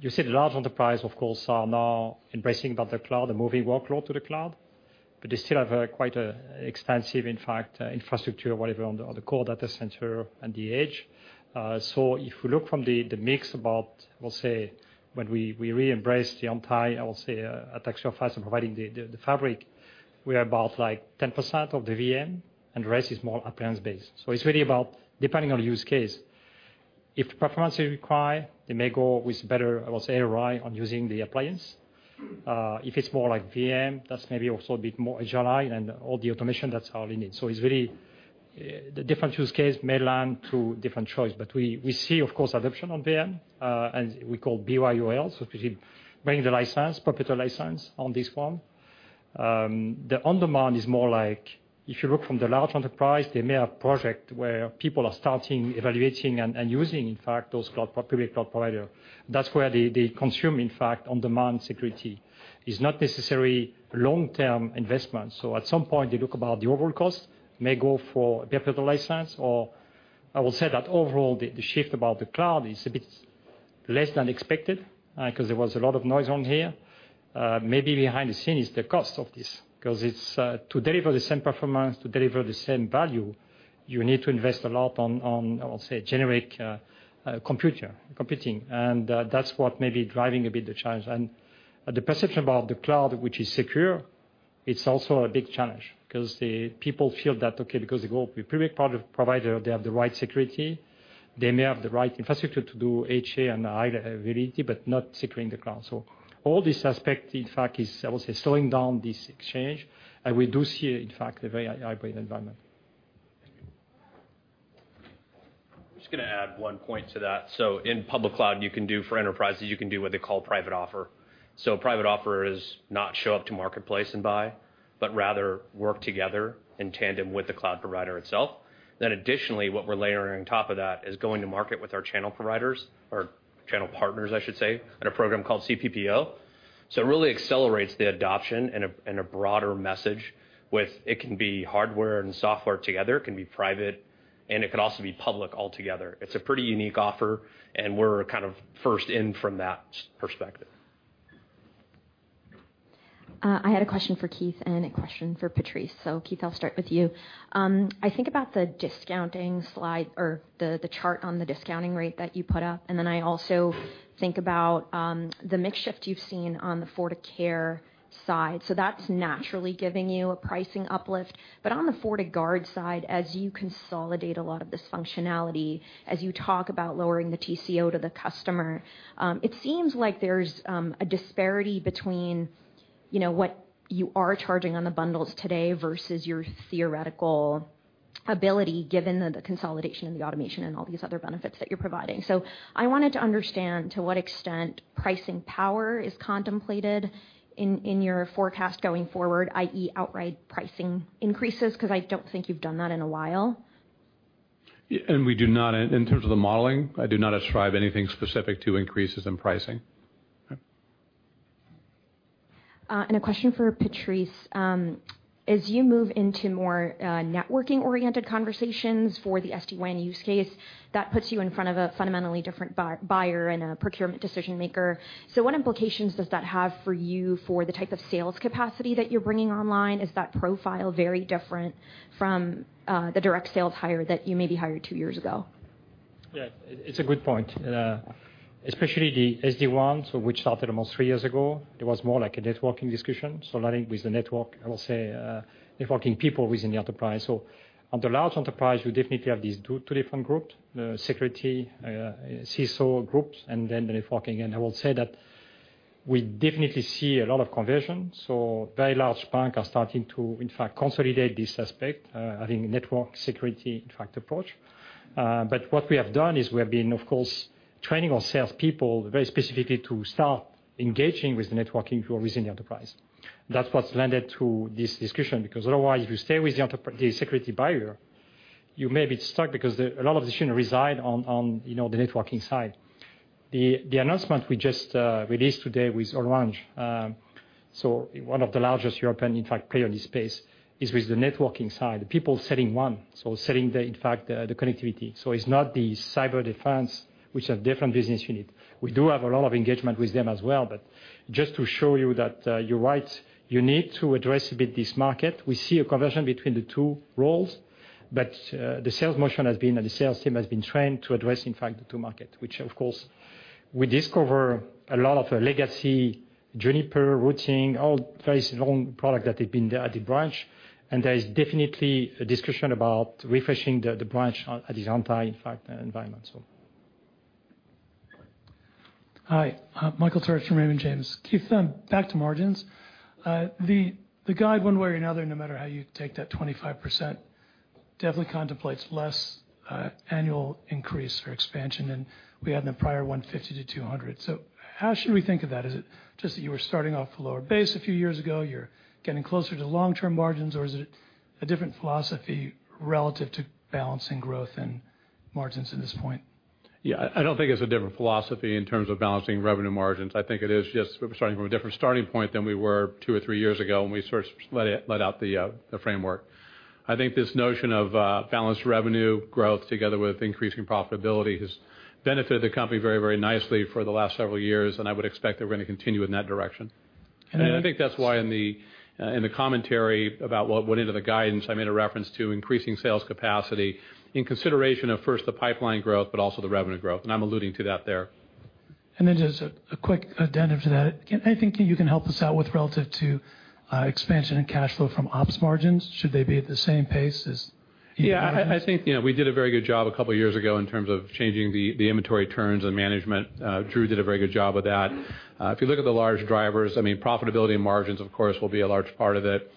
You see the large enterprise, of course, are now embracing about the cloud and moving workload to the cloud. They still have quite an extensive, in fact, infrastructure or whatever on the core data center and the edge. If you look from the mix about, we'll say, when we re-embrace the on-prem, I would say, at extra fast and providing the Fabric, we are about 10% of the VM and the rest is more appliance-based. It's really about depending on the use case. If the performance is required, they may go with better, I would say, ROI on using the appliance. If it's more like VM, that's maybe also a bit more agile and all the automation that's already in. It's really the different use case may land to different choice, but we see, of course, adoption on VM, and we call BYOL, so bring your license, perpetual license on this one. The on-demand is more like if you look from the large enterprise, they may have project where people are starting evaluating and using, in fact, those public cloud provider. That's where they consume, in fact, on-demand security. It's not necessary long-term investment. At some point, they look about the overall cost, may go for a perpetual license or I will say that overall, the shift about the cloud is a bit less than expected, because there was a lot of noise on here. Maybe behind the scene is the cost of this, because to deliver the same performance, to deliver the same value, you need to invest a lot on, I would say, generic computing. That's what may be driving a bit the challenge. The perception about the cloud, which is secure, it's also a big challenge, because the people feel that, okay, because they go with the public cloud provider, they have the right security, they may have the right infrastructure to do HA and high availability, but not securing the cloud. All this aspect, in fact, is, I would say, slowing down this exchange. We do see, in fact, a very hybrid environment. Thank you. I'm just going to add one point to that. In public cloud, you can do for enterprises, you can do what they call private offer. Private offer is not show up to marketplace and buy, but rather work together in tandem with the cloud provider itself. Additionally, what we're layering on top of that is going to market with our channel providers or channel partners, I should say, on a program called CPPO. It really accelerates the adoption and a broader message with it can be hardware and software together, it can be private, and it could also be public altogether. It's a pretty unique offer, and we're kind of first in from that perspective. I had a question for Keith and a question for Patrice. Keith, I'll start with you. I think about the discounting slide or the chart on the discounting rate that you put up, and then I also think about the mix shift you've seen on the FortiCare side. That's naturally giving you a pricing uplift. On the FortiGuard side, as you consolidate a lot of this functionality, as you talk about lowering the TCO to the customer, it seems like there's a disparity between what you are charging on the bundles today versus your theoretical ability, given the consolidation and the automation and all these other benefits that you're providing. I wanted to understand to what extent pricing power is contemplated in your forecast going forward, i.e. outright pricing increases, because I don't think you've done that in a while. We do not, in terms of the modeling, I do not ascribe anything specific to increases in pricing. A question for Patrice. As you move into more networking-oriented conversations for the SD-WAN use case, that puts you in front of a fundamentally different buyer and a procurement decision maker. What implications does that have for you for the type of sales capacity that you're bringing online? Is that profile very different from the direct sales hire that you maybe hired two years ago? Yeah, it's a good point. Especially the SD-WAN, so which started almost three years ago. It was more like a networking discussion, so not with the network, I will say, networking people within the enterprise. On the large enterprise, we definitely have these two different groups, the security CSO groups, and then the networking. I will say that we definitely see a lot of conversion. Very large bank are starting to, in fact, consolidate this aspect, having network security tracked approach. What we have done is we have been, of course, training our salespeople very specifically to start engaging with the networking who are within the enterprise. That's what's lended to this discussion, because otherwise, if you stay with the security buyer, you may be stuck because a lot of the issue reside on the networking side. The announcement we just released today with Orange, one of the largest European, in fact, player in this space, is with the networking side, the people selling WAN, selling the, in fact, the connectivity. It's not the cyber defense, which are different business unit. We do have a lot of engagement with them as well, just to show you that you're right, you need to address a bit this market. We see a conversion between the two roles, the sales motion has been, and the sales team has been trained to address, in fact, the two market. Of course, we discover a lot of legacy, Juniper routing, old, very long product that have been there at the branch. There is definitely a discussion about refreshing the branch at this entire, in fact, environment. Hi. Michael Turits from Raymond James. Keith, back to margins. The guide one way or another, no matter how you take that 25%, definitely contemplates less annual increase or expansion than we had in the prior one, 50-100. How should we think of that? Is it just that you were starting off a lower base a few years ago, you're getting closer to long-term margins, or is it a different philosophy relative to balancing growth and margins at this point? Yeah. I don't think it's a different philosophy in terms of balancing revenue margins. I think it is just we're starting from a different starting point than we were two or three years ago when we sort of let out the framework. I think this notion of balanced revenue growth together with increasing profitability has benefited the company very, very nicely for the last several years. I would expect that we're going to continue in that direction. I think that's why in the commentary about what went into the guidance, I made a reference to increasing sales capacity in consideration of, first, the pipeline growth, but also the revenue growth. I'm alluding to that there. Just a quick addendum to that. Anything you can help us out with relative to expansion and cash flow from ops margins? Should they be at the same pace as? Yeah, I think, we did a very good job a couple of years ago in terms of changing the inventory turns and management. Drew did a very good job with that. If you look at the large drivers, profitability and margins, of course, will be a large part of it.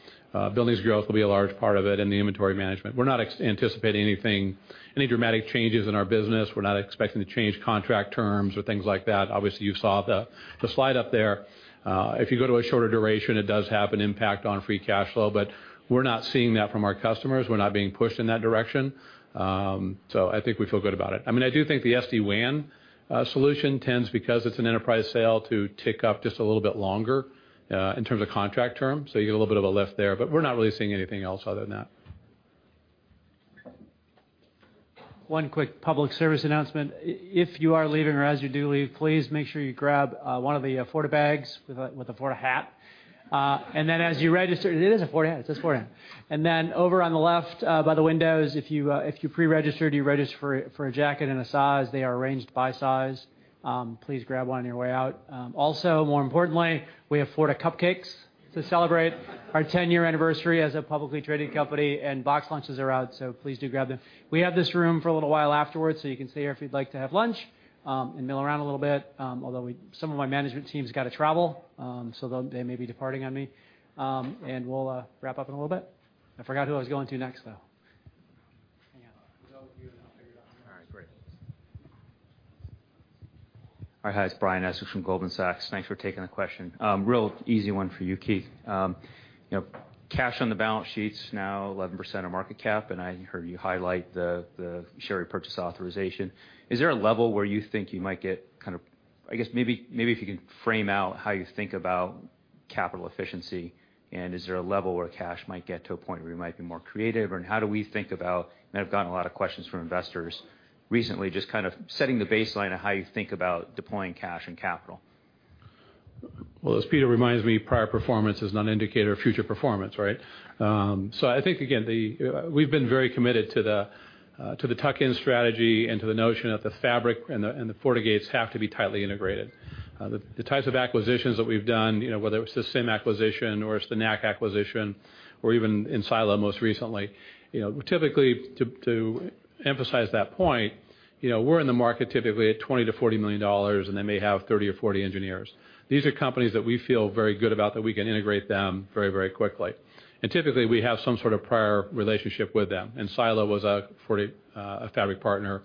Billings growth will be a large part of it and the inventory management. We're not anticipating any dramatic changes in our business. We're not expecting to change contract terms or things like that. Obviously, you saw the slide up there. If you go to a shorter duration, it does have an impact on free cash flow, but we're not seeing that from our customers. We're not being pushed in that direction. I think we feel good about it. I do think the SD-WAN solution tends, because it's an enterprise sale, to tick up just a little bit longer, in terms of contract terms. You get a little bit of a lift there, but we're not really seeing anything else other than that. One quick public service announcement. If you are leaving or as you do leave, please make sure you grab one of the Forti bags with a Forti hat. As you register, it is a Forti hat, it says Forti hat. Over on the left, by the windows, if you pre-registered, you registered for a jacket and a size, they are arranged by size. Please grab one on your way out. More importantly, we have Forti cupcakes to celebrate our 10-year anniversary as a publicly traded company, and box lunches are out, so please do grab them. We have this room for a little while afterwards, so you can stay here if you'd like to have lunch, and mill around a little bit. Some of my management team's got to travel, so they may be departing on me. We'll wrap up in a little bit. I forgot who I was going to next, though. Hang on. We'll go with you, and I'll figure it out. All right, great. All right. Hi, it's Brian Essex from Goldman Sachs. Thanks for taking the question. Real easy one for you, Keith. Cash on the balance sheet's now 11% of market cap, and I heard you highlight the share re-purchase authorization. Is there a level where you think you might get kind of I guess maybe if you could frame out how you think about capital efficiency, and is there a level where cash might get to a point where you might be more creative, or how do we think about, and I've gotten a lot of questions from investors recently, just kind of setting the baseline of how you think about deploying cash and capital. Well, as Peter reminds me, prior performance is not an indicator of future performance, right? I think, again, we've been very committed to the tuck-in strategy and to the notion that the Fabric and the FortiGates have to be tightly integrated. The types of acquisitions that we've done, whether it was the SIEM acquisition or it's the NAC acquisition, or even enSilo most recently, typically, to emphasize that point, we're in the market typically at $20 million-$40 million, and they may have 30 or 40 engineers. These are companies that we feel very good about, that we can integrate them very, very quickly. Typically, we have some sort of prior relationship with them. enSilo was a FortiFabric partner.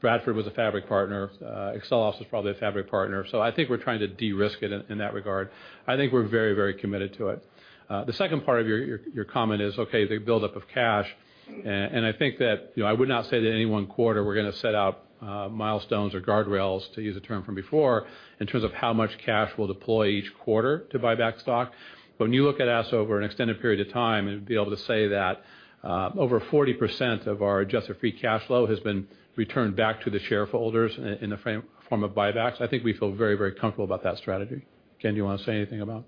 Bradford was a Fabric partner. AccelOps was probably a Fabric partner. I think we're trying to de-risk it in that regard. I think we're very, very committed to it. The second part of your comment is, okay, the buildup of cash, and I think that I would not say that any one quarter we're going to set out milestones or guardrails, to use a term from before, in terms of how much cash we'll deploy each quarter to buy back stock. But when you look at us over an extended period of time, and be able to say that over 40% of our adjusted free cash flow has been returned back to the shareholders in the form of buybacks, I think we feel very, very comfortable about that strategy. Ken, do you want to say anything about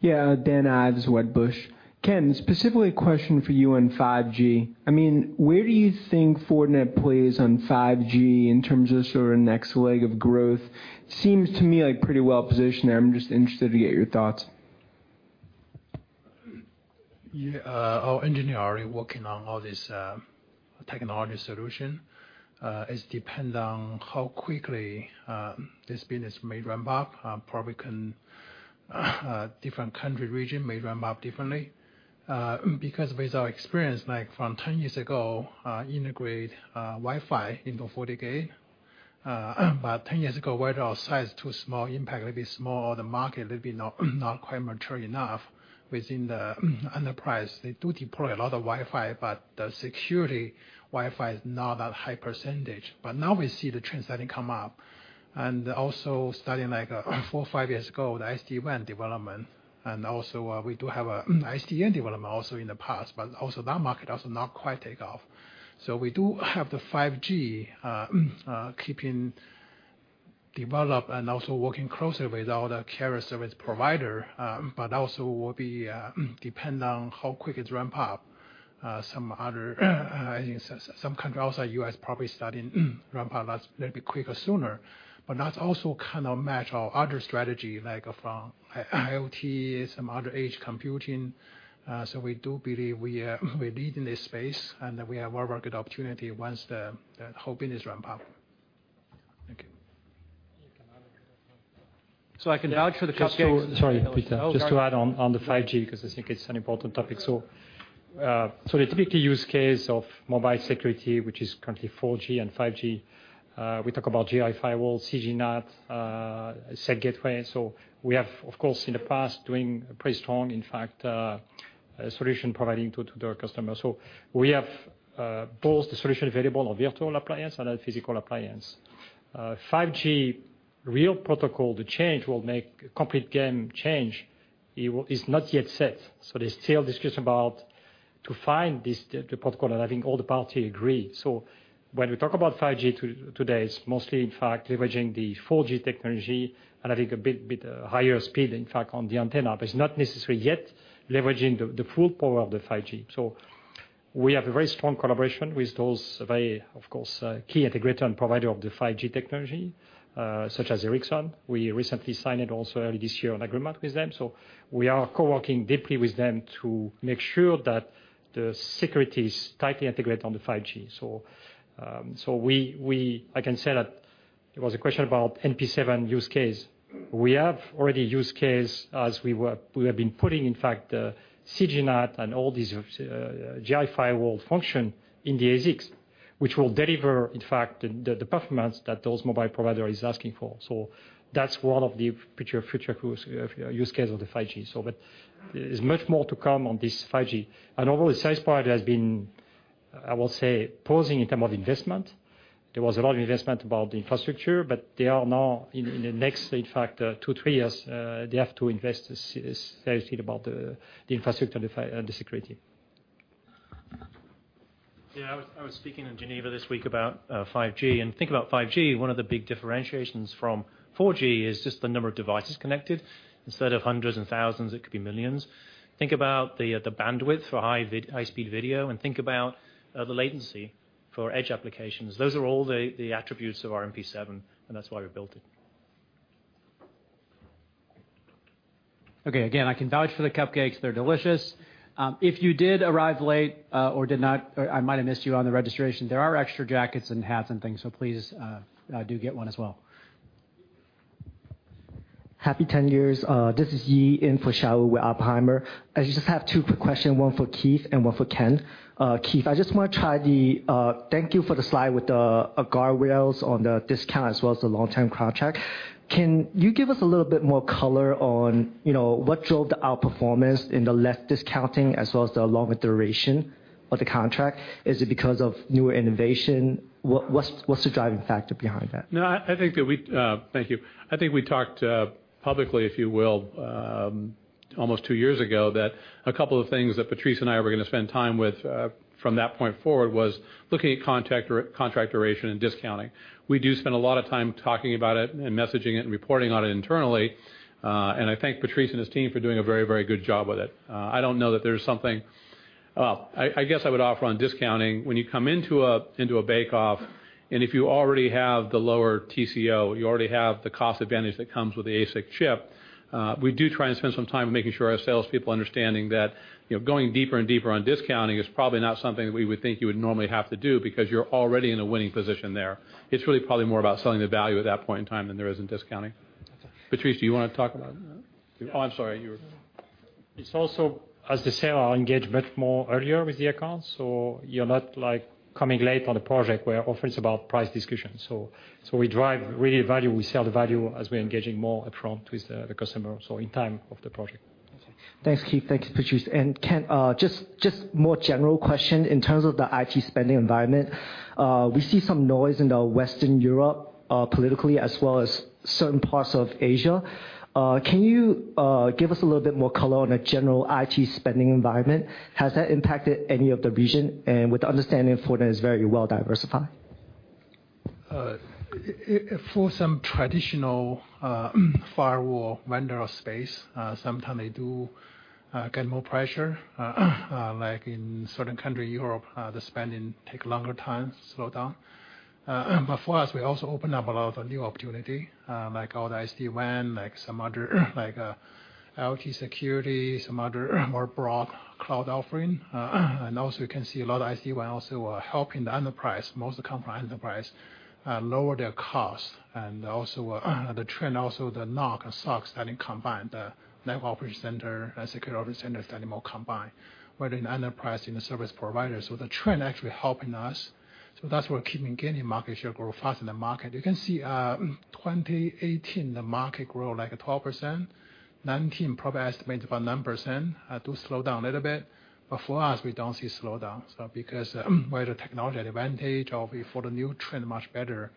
Yeah. Dan Ives, Wedbush. Ken, specifically a question for you on 5G. Where do you think Fortinet plays on 5G in terms of sort of next leg of growth? Seems to me like pretty well positioned there. I'm just interested to get your thoughts. Our engineer already working on all this technology solution. It's depend on how quickly this business may ramp up. Probably can different country region may ramp up differently. With our experience, like from 10 years ago, integrate Wi-Fi into FortiGate. 10 years ago, where our size too small, impact will be small, or the market will be not quite mature enough within the enterprise. They do deploy a lot of Wi-Fi, the security Wi-Fi is not that high percentage. Now we see the trends starting come up, also starting like 4 or 5 years ago, the SD-WAN development. Also, we do have a SDM development also in the past, also that market also not quite take off. We do have the 5G keeping developed and also working closely with all the carrier service provider, but also will be depend on how quick it ramp up. Some country outside U.S. probably starting ramp up that's maybe quicker sooner. That's also kind of match our other strategy, like from IoT, some other edge computing. We do believe we're leading this space, and we have very good opportunity once the whole business ramp up. Thank you. I can vouch for the cupcakes. Sorry, Peter. Just to add on the 5G, because I think it's an important topic. The typical use case of mobile security, which is currently 4G and 5G, we talk about Gi firewall, CG NAT, SGi gateway. We have of course in the past doing pretty strong, in fact, solution providing to the customer. We have both the solution available on virtual appliance and a physical appliance. 5G real protocol, the change will make complete game change is not yet set. They still discuss about to find this, the protocol, and I think all the party agree. When we talk about 5G today, it's mostly in fact leveraging the 4G technology and I think a bit higher speed, in fact, on the antenna. It's not necessary yet leveraging the full power of the 5G. We have a very strong collaboration with those very, of course, key integrator and provider of the 5G technology, such as Ericsson. We recently signed it also early this year, an agreement with them. We are co-working deeply with them to make sure that the security is tightly integrated on the 5G. We, I can say that there was a question about NP7 use case. We have already use case as we have been putting in fact, the CG NAT and all these Gi firewall function in the ASICs. Which will deliver, in fact, the performance that those mobile provider is asking for. That's one of the future use case of the 5G. There's much more to come on this 5G. Although the sales part has been, I will say, pausing in term of investment, there was a lot of investment about the infrastructure, but they are now in the next, in fact, two, three years, they have to invest seriously about the infrastructure and the security. Yeah, I was speaking in Geneva this week about 5G. Think about 5G, one of the big differentiations from 4G is just the number of devices connected. Instead of hundreds and thousands, it could be millions. Think about the bandwidth for high-speed video, and think about the latency for edge applications. Those are all the attributes of our NP7, and that's why we built it. Okay, again, I can vouch for the cupcakes. They're delicious. If you did arrive late, or did not, or I might have missed you on the registration, there are extra jackets and hats and things, so please, do get one as well. Happy 10 years. This is Yi in for Shaul Eyal with Oppenheimer. I just have two quick question, one for Keith and one for Ken. Keith, Thank you for the slide with the guardrails on the discount as well as the long-term contract. Can you give us a little bit more color on what drove the outperformance in the less discounting as well as the longer duration of the contract? Is it because of newer innovation? What's the driving factor behind that? Thank you. I think we talked publicly, if you will, almost two years ago, that a couple of things that Patrice and I were going to spend time with from that point forward was looking at contract duration and discounting. We do spend a lot of time talking about it and messaging it and reporting on it internally. I thank Patrice and his team for doing a very good job with it. Well, I guess I would offer on discounting. When you come into a bake-off, and if you already have the lower TCO, you already have the cost advantage that comes with the ASIC chip, we do try and spend some time making sure our salespeople understanding that going deeper and deeper on discounting is probably not something that we would think you would normally have to do because you're already in a winning position there. It's really probably more about selling the value at that point in time than there is in discounting. That's all. Patrice, do you want to talk about it? Oh, I'm sorry, you were- It's also, as they say, our engagement more earlier with the account. You're not like coming late on a project where often it's about price discussion. We drive really value, we sell the value as we're engaging more upfront with the customer, so in time of the project. That's it. Thanks, Keith. Thank you, Patrice. Ken, just more general question? In terms of the IT spending environment, we see some noise in the Western Europe, politically, as well as certain parts of Asia. Can you give us a little bit more color on a general IT spending environment? Has that impacted any of the region? With the understanding Fortinet is very well diversified. For some traditional firewall vendor space, sometimes they do get more pressure, like in certain country, Europe, the spending take longer time, slow down. For us, we also open up a lot of new opportunity, like all the SD-WAN, like some other IoT security, some other more broad cloud offering. We can see a lot of SD-WAN also helping the enterprise, most of the company enterprise, lower their cost. The trend also, the NOC and SOC starting combine the network operation center and security operation center, starting more combine, whether in enterprise, in the service provider. The trend actually helping us. That's why we're keeping gaining market share, grow faster than the market. You can see 2018, the market grow like 12%, 2019 probably estimate about 9%, do slow down a little bit. For us, we don't see a slowdown. Because by the technology advantage or for the new trend much better.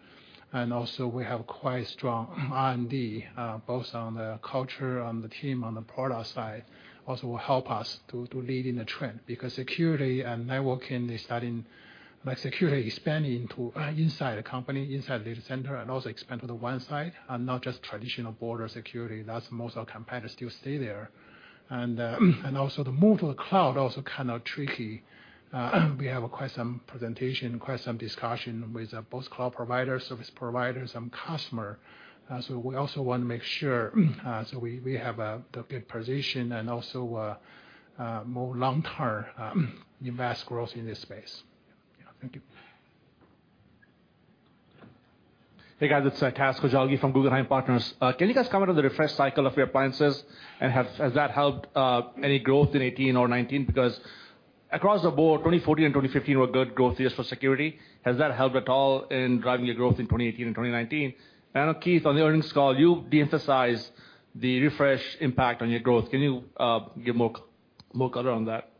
We have quite strong R&D both on the culture, on the team, on the product side, also will help us to lead in the trend. Because security and networking, they're starting, like security expanding to inside the company, inside data center, and also expand to the WAN side and not just traditional border security. That's most our competitors still stay there. The move to the cloud also kind of tricky. We have quite some presentation, quite some discussion with both cloud providers, service providers, and customer. We also want to make sure, so we have a good position and also more long-term invest growth in this space. Yeah. Thank you. Hey, guys. It's Taz Koujalgi from Guggenheim Partners. Can you guys comment on the refresh cycle of your appliances and has that helped any growth in 2018 or 2019? Across the board, 2014 and 2015 were good growth years for security. Has that helped at all in driving your growth in 2018 and 2019? I know, Keith, on the earnings call, you de-emphasized the refresh impact on your growth. Can you give more color on that?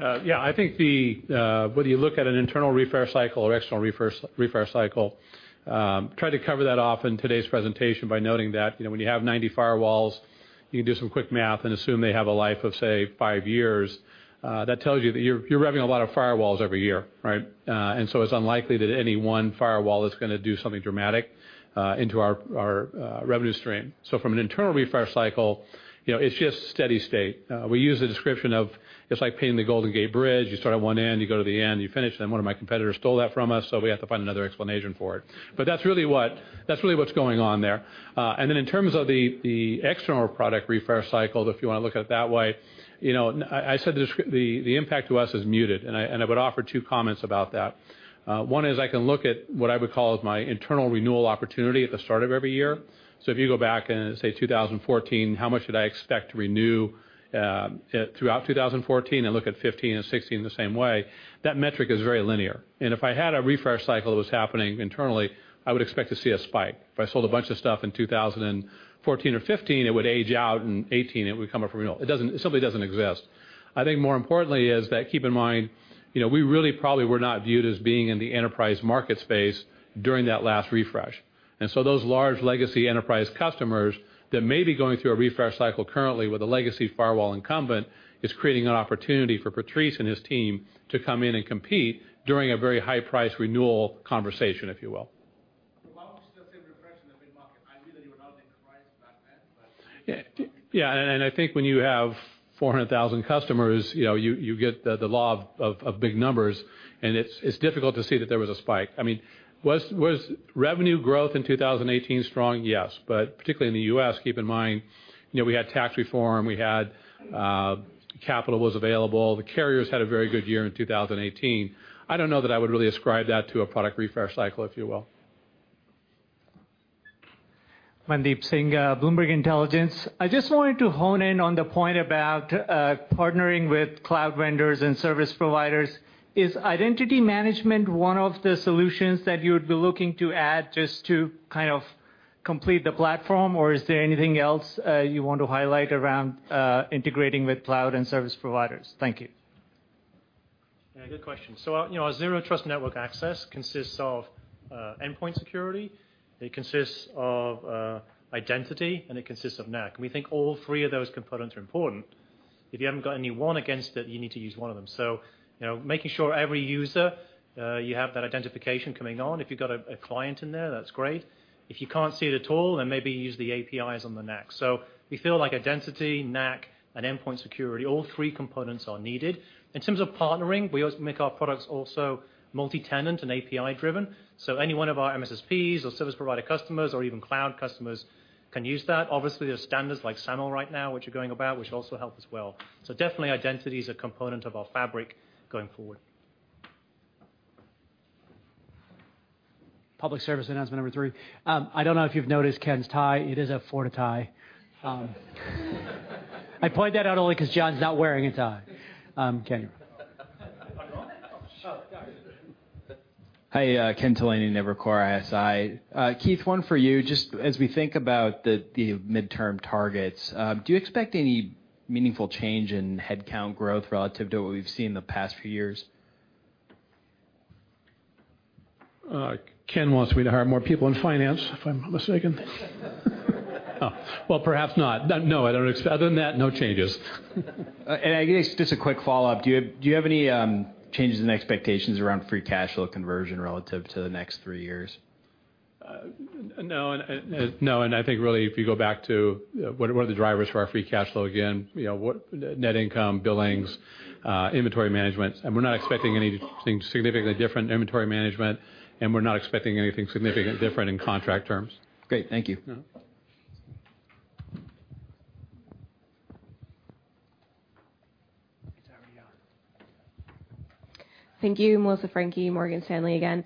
I think whether you look at an internal refresh cycle or external refresh cycle, tried to cover that off in today's presentation by noting that when you have 90 firewalls, you can do some quick math and assume they have a life of, say, five years, that tells you that you're revving a lot of firewalls every year, right? It's unlikely that any one firewall is going to do something dramatic into our revenue stream. From an internal refresh cycle, it's just steady state. We use the description of it's like painting the Golden Gate Bridge. You start at one end, you go to the end, you finish. One of my competitors stole that from us, so we have to find another explanation for it. That's really what's going on there. In terms of the external product refresh cycle, if you want to look at it that way, I said the impact to us is muted, and I would offer two comments about that. One is I can look at what I would call is my internal renewal opportunity at the start of every year. If you go back and, say, 2014, how much did I expect to renew throughout 2014, and look at 2015 and 2016 in the same way, that metric is very linear. If I had a refresh cycle that was happening internally, I would expect to see a spike. If I sold a bunch of stuff in 2014 or 2015, it would age out, in 2018, it would come up for renewal. It simply doesn't exist. I think more importantly is that keep in mind, we really probably were not viewed as being in the enterprise market space during that last refresh. Those large legacy enterprise customers that may be going through a refresh cycle currently with a legacy firewall incumbent, is creating an opportunity for Patrice and his team to come in and compete during a very high price renewal conversation, if you will. Why would you still say refresh in a big market? I agree that you were not in enterprise back then. Yeah, I think when you have 400,000 customers, you get the law of big numbers, and it's difficult to see that there was a spike. Was revenue growth in 2018 strong? Yes. Particularly in the U.S., keep in mind, we had tax reform, capital was available. The carriers had a very good year in 2018. I don't know that I would really ascribe that to a product refresh cycle, if you will. Mandeep Singh, Bloomberg Intelligence. I just wanted to hone in on the point about partnering with cloud vendors and service providers. Is identity management one of the solutions that you would be looking to add just to kind of complete the platform, or is there anything else you want to highlight around integrating with cloud and service providers? Thank you. Yeah, good question. Our zero trust network access consists of endpoint security, it consists of identity, and it consists of NAC. We think all three of those components are important. If you haven't got any one against it, you need to use one of them. Making sure every user, you have that identification coming on. If you've got a client in there, that's great. If you can't see it at all, then maybe use the APIs on the NAC. We feel like identity, NAC, and endpoint security, all three components are needed. In terms of partnering, we also make our products also multi-tenant and API-driven. Any one of our MSSPs or service provider customers or even cloud customers can use that. Obviously, there's standards like SAML right now, which are going about, which will also help as well. Definitely identity is a component of our Fabric going forward. Public service announcement number three. I don't know if you've noticed Ken's tie. It is a Forti. I point that out only because John's not wearing a tie. Ken. Oh. Oh, sorry. Hi, Ken Talanian, Evercore ISI. Keith, one for you. Just as we think about the midterm targets, do you expect any meaningful change in headcount growth relative to what we've seen in the past few years? Ken wants me to hire more people in finance, if I'm not mistaken. Oh. Well, perhaps not. No, I don't expect. Other than that, no changes. I guess, just a quick follow-up, do you have any changes in expectations around free cash flow conversion relative to the next three years? No. I think really, if you go back to what are the drivers for our free cash flow again, net income, billings, inventory management. We're not expecting anything significantly different in inventory management, and we're not expecting anything significantly different in contract terms. Great. Thank you. Is that already on? Thank you. Melissa Franchi, Morgan Stanley again.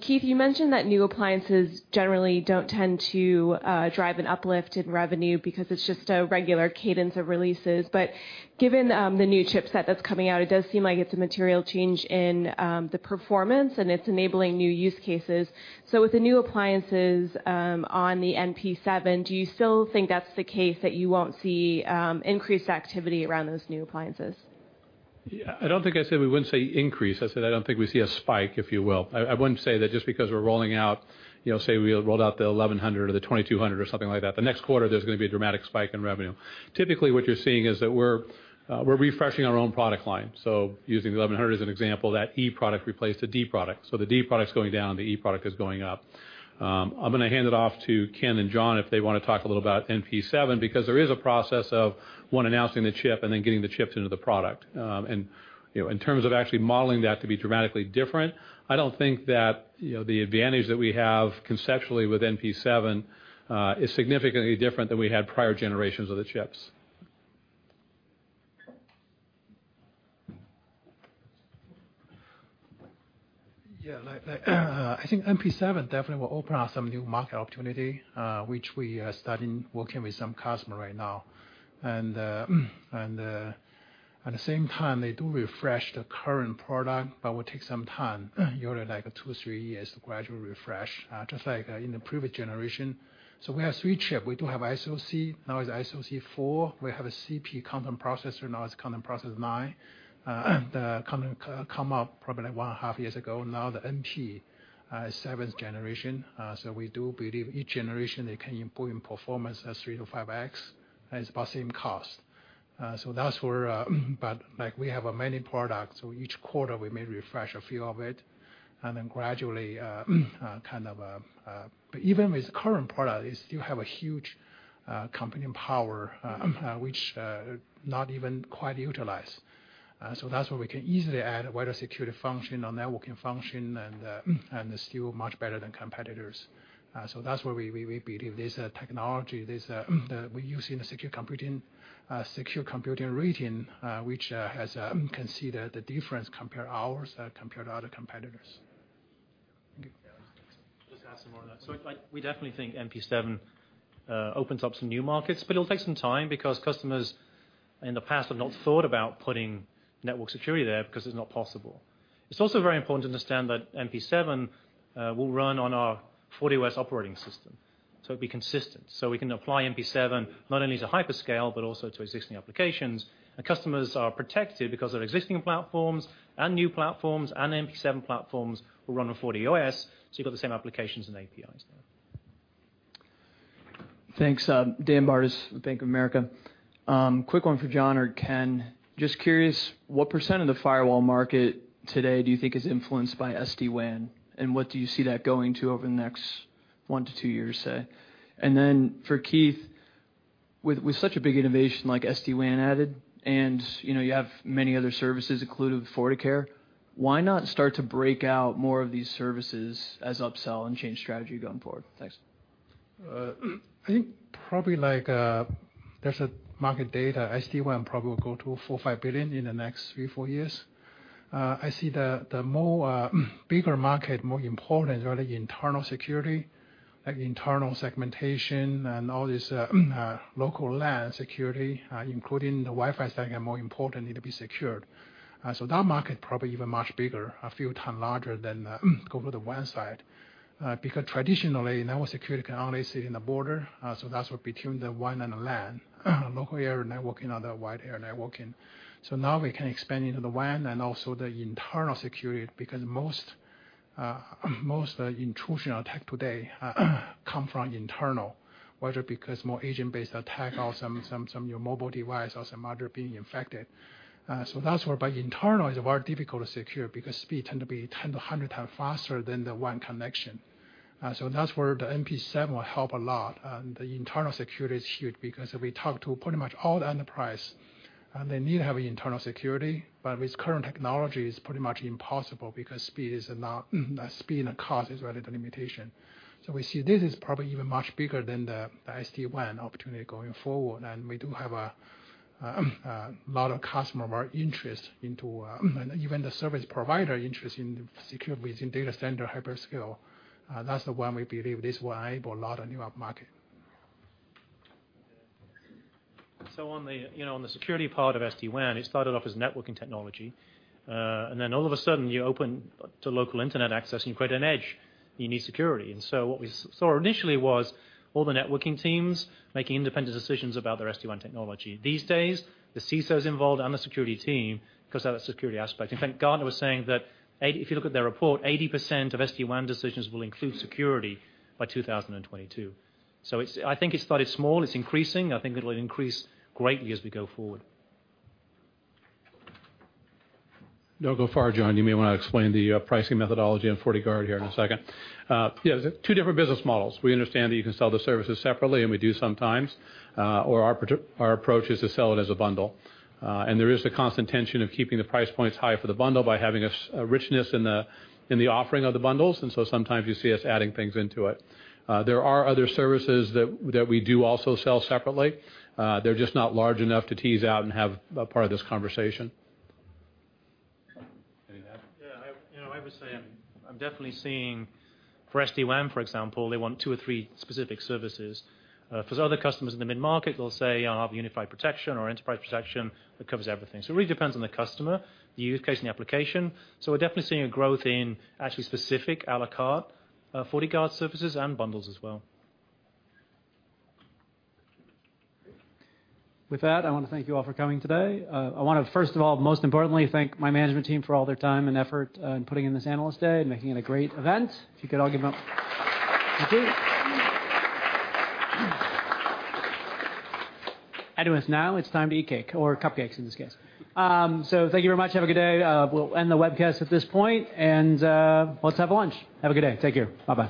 Keith, you mentioned that new appliances generally don't tend to drive an uplift in revenue because it's just a regular cadence of releases. Given the new chipset that's coming out, it does seem like it's a material change in the performance, and it's enabling new use cases. With the new appliances on the NP7, do you still think that's the case, that you won't see increased activity around those new appliances? I don't think I said we wouldn't see an increase. I said I don't think we see a spike, if you will. I wouldn't say that just because we're rolling out, say, we rolled out the 1100 or the 2200 or something like that, the next quarter there's going to be a dramatic spike in revenue. Typically, what you're seeing is that we're refreshing our own product line. Using the 1100 as an example, that E product replaced a D product. The D product's going down, the E product is going up. I'm going to hand it off to Ken and John if they want to talk a little about NP7, because there is a process of, one, announcing the chip, and then getting the chips into the product. In terms of actually modeling that to be dramatically different, I don't think that the advantage that we have conceptually with NP7 is significantly different than we had prior generations of the chips. Yeah. I think NP7 definitely will open up some new market opportunity, which we are starting working with some customer right now. At the same time, they do refresh the current product, but will take some time, usually like two, three years to gradually refresh, just like in the previous generation. We have three chip. We do have SoC, now is SoC4. We have a CP content processor, now it's Content Processor 9. The content come out probably one and a half years ago, now the NP seventh generation. We do believe each generation they can improve in performance as 3 to 5x, and it's about same cost. That's where, but we have a many products. Each quarter we may refresh a few of it, and then gradually kind of. Even with current product, they still have a huge computing power, which not even quite utilized. That's where we can easily add wider security function or networking function, and it's still much better than competitors. That's where we believe there's a technology that we use in a Security Compute Rating, which can see the difference compare ours, compared other competitors. Okay. Just to add some more on that. We definitely think NP7 opens up some new markets, but it'll take some time because customers in the past have not thought about putting network security there because it's not possible. It's also very important to understand that NP7 will run on our FortiOS operating system, so it'll be consistent. We can apply NP7 not only to hyperscale, but also to existing applications. Customers are protected because their existing platforms and new platforms and NP7 platforms will run on FortiOS, so you've got the same applications and APIs there. Thanks. Dan Bartus, Bank of America. Quick one for John or Ken. Just curious, what % of the firewall market today do you think is influenced by SD-WAN? What do you see that going to over the next one to two years, say? Then for Keith, with such a big innovation like SD-WAN added, and you have many other services including FortiCare, why not start to break out more of these services as upsell and change strategy going forward? Thanks. I think probably there's a market data. SD-WAN probably will go to $4 or $5 billion in the next three, four years. I see the more bigger market, more important is really internal security, like internal segmentation and all this local LAN security, including the Wi-Fi segment, more importantly, to be secured. That market probably even much bigger, a few times larger than go to the WAN side. Traditionally, network security can only sit in the border, that's what between the WAN and the LAN, local area networking or the wide area networking. Now we can expand into the WAN and also the internal security, because most intrusion attack today come from internal, whether because more agent-based attack or some your mobile device or some other being infected. That's where, but internal is very difficult to secure because speed tend to be 10 to 100 times faster than the WAN connection. That's where the NP7 will help a lot. The internal security is huge because if we talk to pretty much all the enterprise, and they need to have internal security, but with current technology, it's pretty much impossible because speed and cost is really the limitation. We see this is probably even much bigger than the SD-WAN opportunity going forward, and we do have a lot of customer interest into, and even the service provider interest in security within data center hyperscale. That's the one we believe this will enable a lot of new upmarket. On the security part of SD-WAN, it started off as networking technology. All of a sudden, you open to local internet access and you create an edge. You need security. What we saw initially was all the networking teams making independent decisions about their SD-WAN technology. These days, the CISO's involved and the security team because of that security aspect. In fact, Gartner was saying that, if you look at their report, 80% of SD-WAN decisions will include security by 2022. I think it started small. It's increasing. I think it'll increase greatly as we go forward. Don't go far, John. You may want to explain the pricing methodology on FortiGuard here in a second. There's two different business models. We understand that you can sell the services separately, and we do sometimes. Our approach is to sell it as a bundle. There is the constant tension of keeping the price points high for the bundle by having a richness in the offering of the bundles. Sometimes you see us adding things into it. There are other services that we do also sell separately. They're just not large enough to tease out and have a part of this conversation. Anything to add? Yeah. I would say I'm definitely seeing for SD-WAN, for example, they want two or three specific services. For other customers in the mid-market, they'll say, I'll have unified protection or enterprise protection that covers everything. It really depends on the customer, the use case, and the application. We're definitely seeing a growth in actually specific, à la carte FortiGuard services and bundles as well. With that, I want to thank you all for coming today. I want to first of all, most importantly, thank my management team for all their time and effort in putting in this Analyst Day and making it a great event. If you could all give them up. Thank you. Now it's time to eat cake, or cupcakes in this case. Thank you very much. Have a good day. We'll end the webcast at this point, and let's have lunch. Have a good day. Take care. Bye-bye.